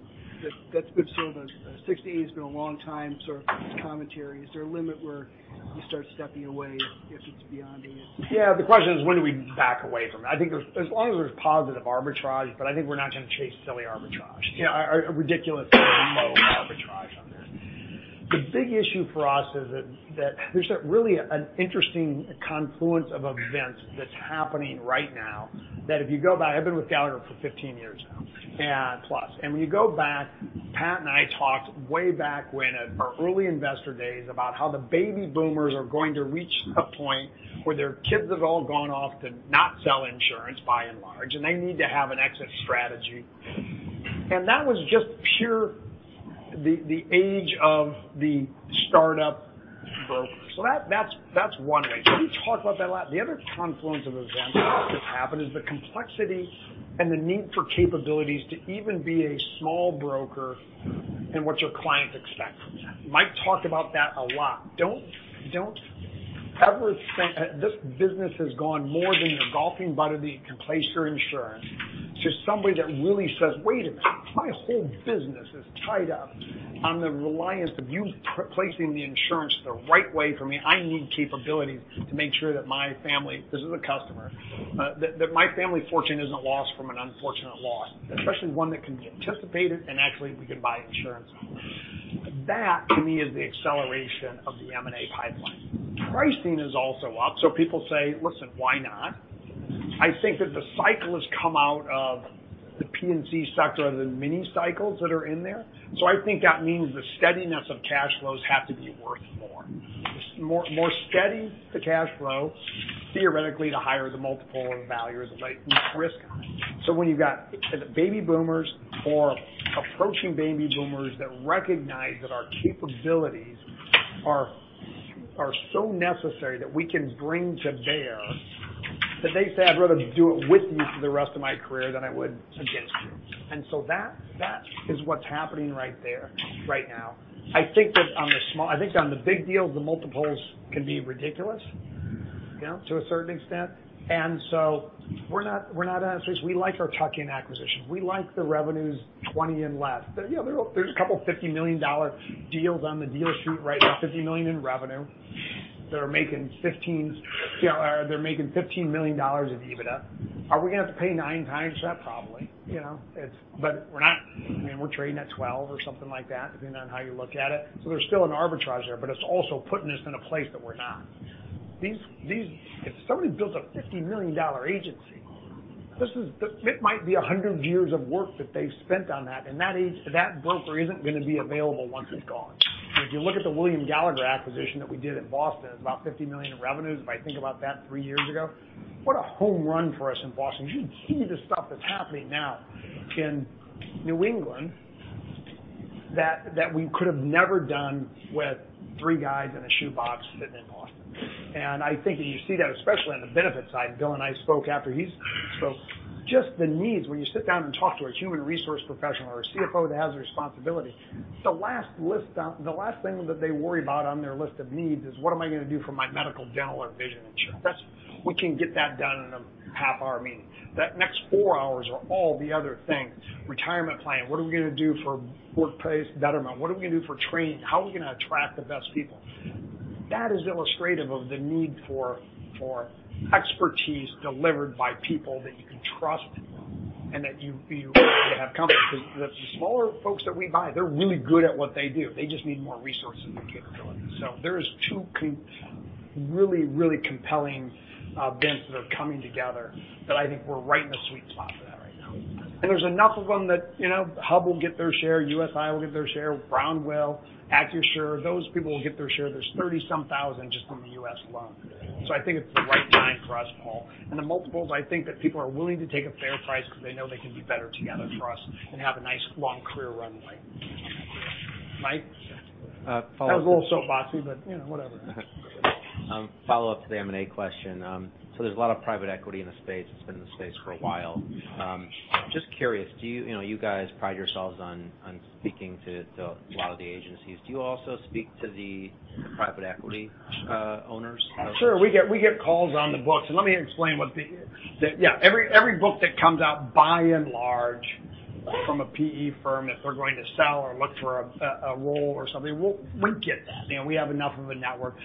that's good? The six to eight has been a long time, sort of this commentary. Is there a limit where you start stepping away if it's beyond eight? Yeah. The question is, when do we back away from it? I think as long as there's positive arbitrage, I think we're not going to chase silly arbitrage. A ridiculous silly low arbitrage on there. The big issue for us is that there's a really an interesting confluence of events that's happening right now, that if you go back, I've been with Gallagher for 15 years now plus. When you go back, Pat and I talked way back when at our early investor days about how the baby boomers are going to reach the point where their kids have all gone off to not sell insurance by and large, and they need to have an exit strategy. That was just pure, the age of the startup broker. That's one way. We talk about that a lot. The other confluence of events that's just happened is the complexity and the need for capabilities to even be a small broker in what your clients expect from you. Mike talked about that a lot. This business has gone more than your golfing buddy that can place your insurance to somebody that really says, "Wait a minute, my whole business is tied up on the reliance of you placing the insurance the right way for me. I need capabilities to make sure that my family," this is a customer, "that my family fortune isn't lost from an unfortunate loss, especially one that can be anticipated, and actually we can buy insurance on." That to me is the acceleration of the M&A pipeline. Pricing is also up. People say, "Listen, why not?" I think that the cycle has come out of the P&C sector, the mini cycles that are in there. I think that means the steadiness of cash flows have to be worth more. The more steady the cash flow, theoretically, the higher the multiple and the value is, and less risk. When you've got baby boomers or approaching baby boomers that recognize that our capabilities are so necessary that we can bring to bear, that they say, "I'd rather do it with you for the rest of my career than I would against you." That is what's happening right there right now. I think on the big deals, the multiples can be ridiculous to a certain extent. We're not adversaries. We like our tuck-in acquisitions. We like the revenues 20 and less. There's a couple $50 million deals on the deal sheet right now, $50 million in revenue, that are making $15 million of EBITDA. Are we going to have to pay nine times for that? Probably. We're trading at 12 or something like that, depending on how you look at it. There's still an arbitrage there, but it's also putting us in a place that we're not. If somebody builds a $50 million agency, it might be 100 years of work that they've spent on that, and that broker isn't going to be available once it's gone. If you look at the William Gallagher acquisition that we did in Boston, it was about $50 million in revenues, if I think about that three years ago. What a home run for us in Boston. You see the stuff that's happening now in New England that we could have never done with three guys in a shoebox sitting in Boston. I think you see that, especially on the benefits side. Bill and I spoke after he spoke. Just the needs when you sit down and talk to a human resource professional or a CFO that has a responsibility, the last thing that they worry about on their list of needs is what am I going to do for my medical, dental, and vision insurance? We can get that done in a half-hour meeting. That next four hours are all the other things. Retirement plan. What are we going to do for workplace betterment? What are we going to do for training? How are we going to attract the best people? That is illustrative of the need for expertise delivered by people that you can trust and that you have confidence in. The smaller folks that we buy, they're really good at what they do. They just need more resources and capabilities. There's two really compelling events that are coming together that I think we're right in the sweet spot for that right now. There's enough of them that Hub will get their share, USI will get their share. Brown will, Acrisure, those people will get their share. There's 30-some thousand just in the U.S. alone. I think it's the right time for us, Paul, and the multiples, I think that people are willing to take a fair price because they know they can be better together for us and have a nice long career runway. Mike? Follow up. That was a little soapboxy, but whatever. Follow-up to the M&A question. There's a lot of private equity in the space. It's been in the space for a while. Just curious, you guys pride yourselves on speaking to a lot of the agencies. Do you also speak to the private equity owners? Sure. We get calls on the books and let me explain. Every book that comes out, by and large, from a PE firm, if they're going to sell or look for a role or something, we get that. We have enough of a network.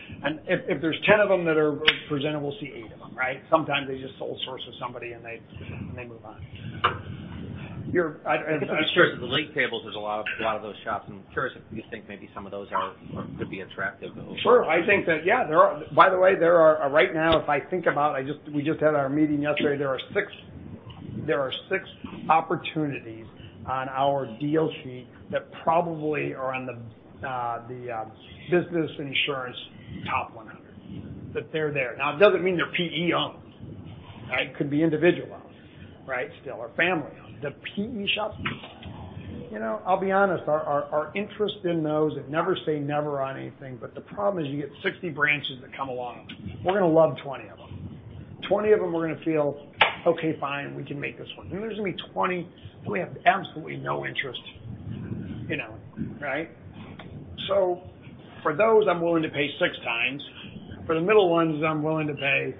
If there's 10 of them that are presentable, we'll see eight of them, right? Sometimes they just sole source with somebody, and they move on. I'm curious, at the late tables, there's a lot of those shops. I'm curious if you think maybe some of those could be attractive. Sure. By the way, there are right now, if I think about it, we just had our meeting yesterday. There are six opportunities on our deal sheet that probably are on the Business Insurance Top 100. That they're there. It doesn't mean they're PE-owned. It could be individual-owned still, or family-owned. The PE shops, I'll be honest, our interest in those, never say never on anything, the problem is you get 60 branches that come along. We're going to love 20 of them. 20 of them we're going to feel, okay, fine, we can make this one. There's going to be 20 that we have absolutely no interest in. For those, I'm willing to pay six times. For the middle ones, I'm willing to pay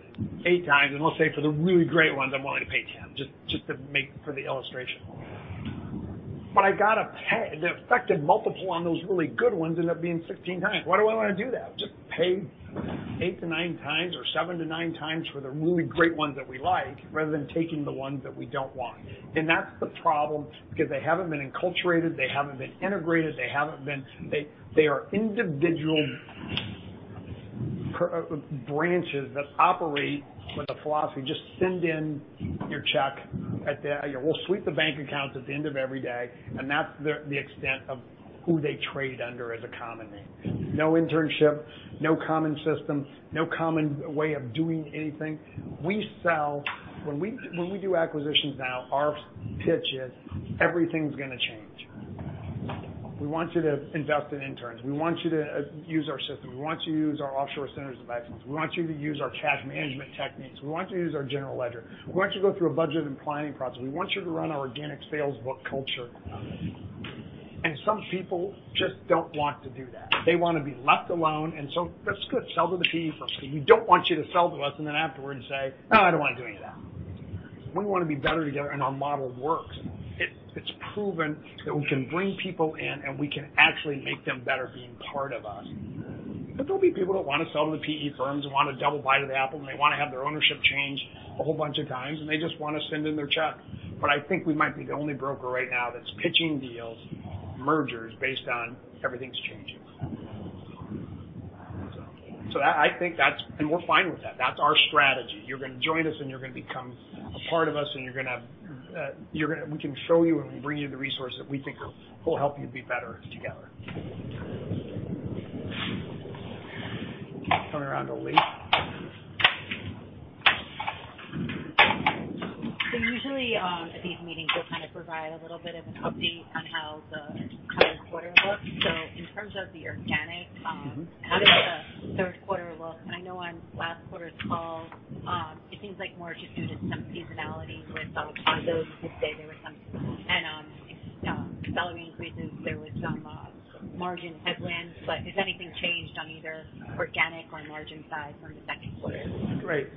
eight times. We'll say for the really great ones, I'm willing to pay 10, just for the illustration. The effective multiple on those really good ones end up being 16 times. Why do I want to do that? Just pay eight to nine times or seven to nine times for the really great ones that we like, rather than taking the ones that we don't want. That's the problem because they haven't been enculturated, they haven't been integrated. They are individual branches that operate with a philosophy. Just send in your check. We'll sweep the bank accounts at the end of every day. That's the extent of who they trade under as a common name. No internship, no common system, no common way of doing anything. When we do acquisitions now, our pitch is everything's going to change. We want you to invest in interns. We want you to use our system. We want you to use our offshore centers of excellence. We want you to use our cash management techniques. We want you to use our general ledger. We want you to go through a budget and planning process. We want you to run our organic sales book culture. Some people just don't want to do that. They want to be left alone. That's good. Sell to the PE firms. We don't want you to sell to us afterwards say, "No, I don't want to do any of that." We want to be better together, our model works. It's proven that we can bring people in, we can actually make them better being part of us. There'll be people that want to sell to the PE firms want a double bite of the apple, they want to have their ownership changed a whole bunch of times, they just want to send in their check. I think we might be the only broker right now that's pitching deals, mergers based on everything's changing. We're fine with that. That's our strategy. You're going to join us, you're going to become a part of us. We can show you we can bring you the resource that we think will help you be better together. Turn it around to Elyse. Usually at these meetings, we'll provide a little bit of an update on how the current quarter looks. In terms of the organic, how does the third quarter look? I know on last quarter's call, it seems like more just due to some seasonality with some bonuses, there were some salary increases, there was some margin headwinds. Has anything changed on either organic or margin side from the second quarter?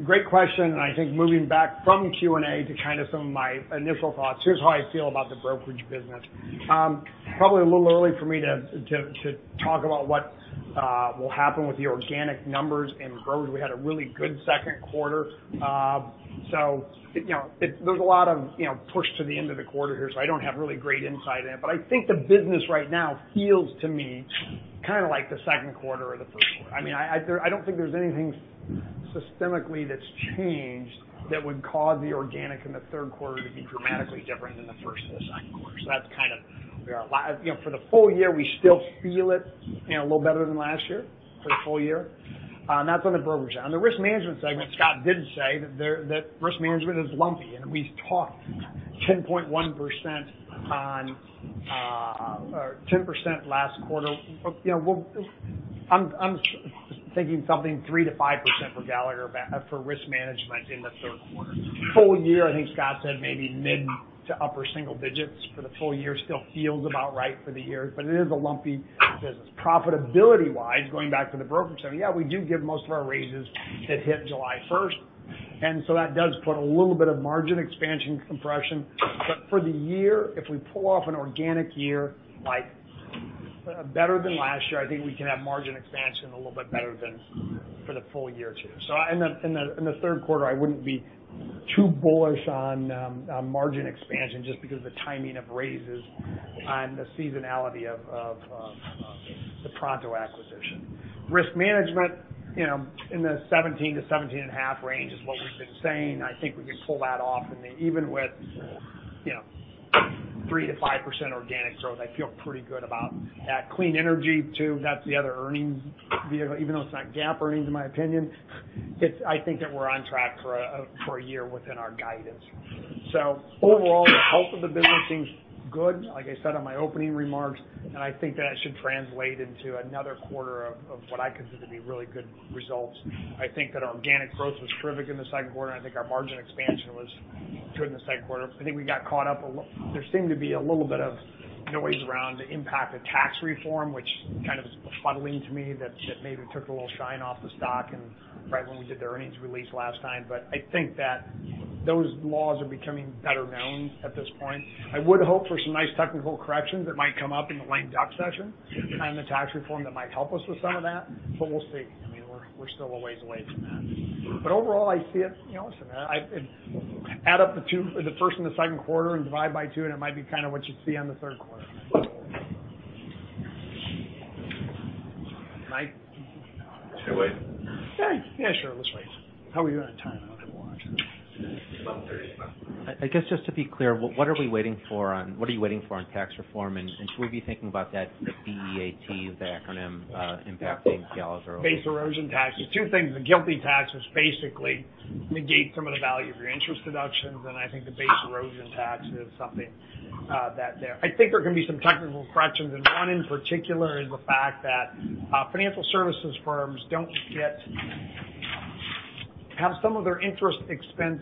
Great question. I think moving back from Q&A to some of my initial thoughts, here's how I feel about the brokerage business. Probably a little early for me to talk about what will happen with the organic numbers in brokerage. We had a really good second quarter. There's a lot of push to the end of the quarter here, so I don't have really great insight in. I think the business right now feels to me like the second quarter or the first quarter. I don't think there's anything systemically that's changed that would cause the organic in the third quarter to be dramatically different than the first and the second quarter. For the full year, we still feel it a little better than last year for the full year. That's on the brokerage side. On the Risk Management segment, Scott did say that Risk Management is lumpy, and we talked 10% last quarter. I'm thinking something 3%-5% for Gallagher for Risk Management in the third quarter. Full year, I think Scott said maybe mid to upper single digits for the full year still feels about right for the year, but it is a lumpy business. Profitability-wise, going back to the brokerage side, yeah, we do give most of our raises that hit July 1st. That does put a little bit of margin expansion compression. For the year, if we pull off an organic year better than last year, I think we can have margin expansion a little bit better for the full year too. In the third quarter, I wouldn't be too bullish on margin expansion just because of the timing of raises on the seasonality of the Pronto acquisition. Risk Management, in the 17%-17.5% range is what we've been saying. I think we can pull that off. Even with 3%-5% organic growth, I feel pretty good about that. Clean energy too. That's the other earnings vehicle. Even though it's not GAAP earnings, in my opinion, I think that we're on track for a year within our guidance. Overall, the health of the business seems good, like I said on my opening remarks, and I think that should translate into another quarter of what I consider to be really good results. I think that our organic growth was terrific in the second quarter, and I think our margin expansion was good in the second quarter. I think we got caught up. There seemed to be a little bit of noise around the impact of tax reform, which kind of is befuddling to me, that maybe took a little shine off the stock and right when we did the earnings release last time. I think that those laws are becoming better known at this point. I would hope for some nice technical corrections that might come up in the lame duck session on the tax reform that might help us with some of that. We're still a ways away from that. Overall, I see it Listen, add up the first and the second quarter and divide by two and it might be kind of what you'd see on the third quarter. Mike? Should I wait? Yeah. Sure. Let's wait. How are we on time? I don't have a watch. It's 11:30. I guess just to be clear, what are you waiting for on tax reform? Should we be thinking about that BEAT, the acronym, impacting Gallagher at all? Base Erosion Tax. There's two things. The GILTI Tax, which basically negates some of the value of your interest deductions. I think the Base Erosion Tax is something that there. I think there are going to be some technical corrections, one in particular is the fact that financial services firms have some of their interest expense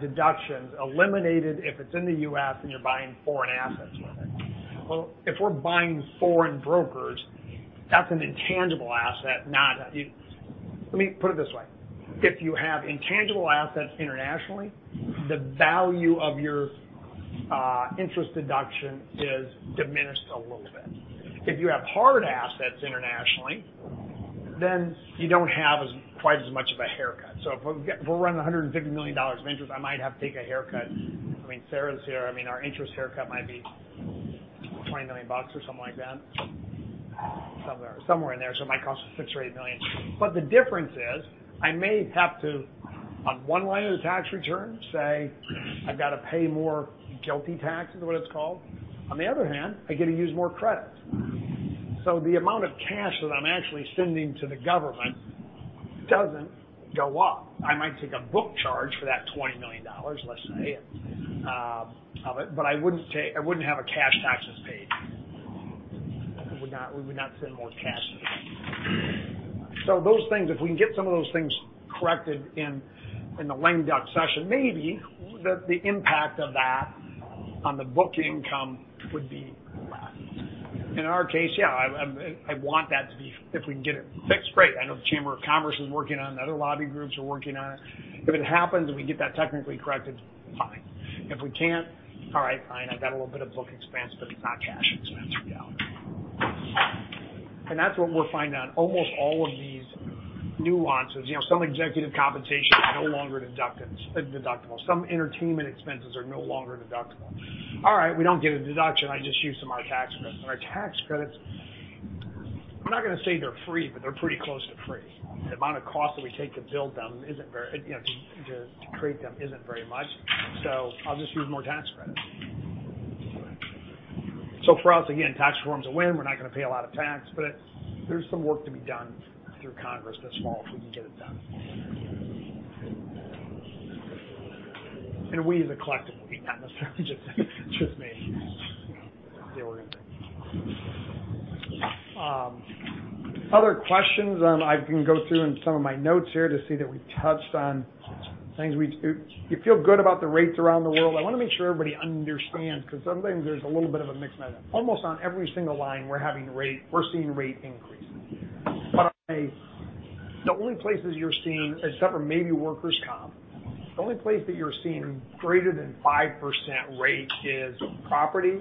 deductions eliminated if it's in the U.S. and you're buying foreign assets with it. Well, if we're buying foreign brokers, that's an intangible asset. Let me put it this way. If you have intangible assets internationally, the value of your interest deduction is diminished a little bit. If you have hard assets internationally, you don't have quite as much of a haircut. If we're running $150 million of interest, I might have to take a haircut. I mean, Sarah's here. I mean, our interest haircut might be $20 million or something like that. Somewhere in there. It might cost us six or eight million. The difference is, I may have to, on one line of the tax return, say I've got to pay more GILTI Tax, is what it's called. On the other hand, I get to use more credits. The amount of cash that I'm actually sending to the government doesn't go up. I might take a book charge for that $20 million, let's say, of it, but I wouldn't have a cash taxes paid. We would not send more cash to the government. Those things, if we can get some of those things corrected in the lame duck session, maybe the impact of that on the book income would be less. I want that to be, if we can get it fixed, great. I know the U.S. Chamber of Commerce is working on it, and other lobby groups are working on it. If it happens, and we get that technically corrected, fine. If we can't, all right, fine. I've got a little bit of book expense, but it's not cash expense we got. That's what we'll find on almost all of these nuances. Some executive compensation is no longer deductible. Some entertainment expenses are no longer deductible. All right, we don't get a deduction. I just use some of our tax credits. Our tax credits, I'm not going to say they're free, but they're pretty close to free. The amount of cost that we take to create them isn't very much. I'll just use more tax credits. For us, again, tax reform's a win. We're not going to pay a lot of tax, but there's some work to be done through Congress this fall if we can get it done. We as a collective, not necessarily just me. Other questions. I can go through in some of my notes here to see that we touched on things. You feel good about the rates around the world. I want to make sure everybody understands because sometimes there's a little bit of a mix on that. Almost on every single line, we're seeing rate increases. The only places you're seeing, except for maybe workers' comp, the only place that you're seeing greater than 5% rate is property,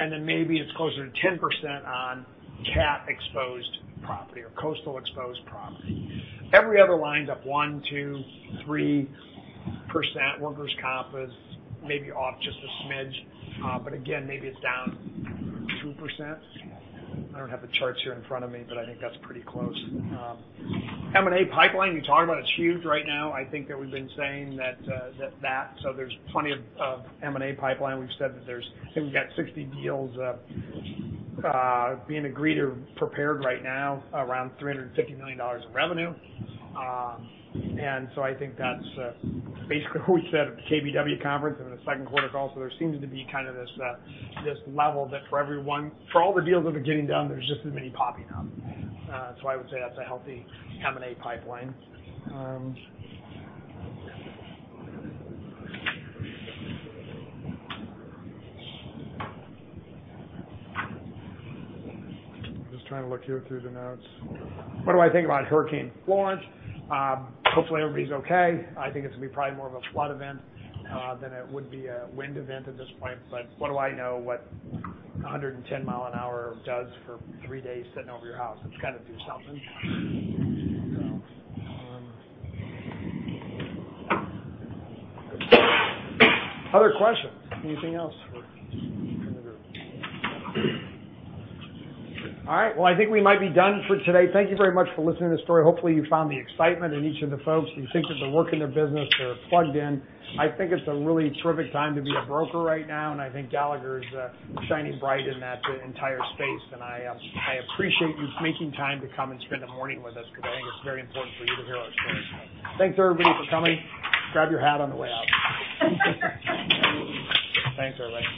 and then maybe it's closer to 10% on cat-exposed property or coastal-exposed property. Every other line is up 1%, 2%, 3%. Workers' comp is maybe off just a smidge. Again, maybe it's down 2%. I don't have the charts here in front of me, but I think that's pretty close. M&A pipeline you talked about. It's huge right now. I think that we've been saying that. There's plenty of M&A pipeline. We've said that I think we've got 60 deals being agreed or prepared right now, around $350 million of revenue. I think that's basically what we said at the KBW conference and the second quarter call. There seems to be kind of this level that for all the deals that are getting done, there's just as many popping up. I would say that's a healthy M&A pipeline. I'm just trying to look here through the notes. What do I think about Hurricane Florence? Hopefully, everybody's okay. I think it's going to be probably more of a flood event than it would be a wind event at this point. What do I know what 110 mile an hour does for three days sitting over your house? It's got to do something. Other questions? Anything else from the group? All right. I think we might be done for today. Thank you very much for listening to the story. Hopefully, you found the excitement in each of the folks. You think that they're working their business. They're plugged in. I think it's a really terrific time to be a broker right now, and I think Gallagher's shining bright in that entire space. I appreciate you making time to come and spend the morning with us because I think it's very important for you to hear our story today. Thanks to everybody for coming. Grab your hat on the way out. Thanks, everybody.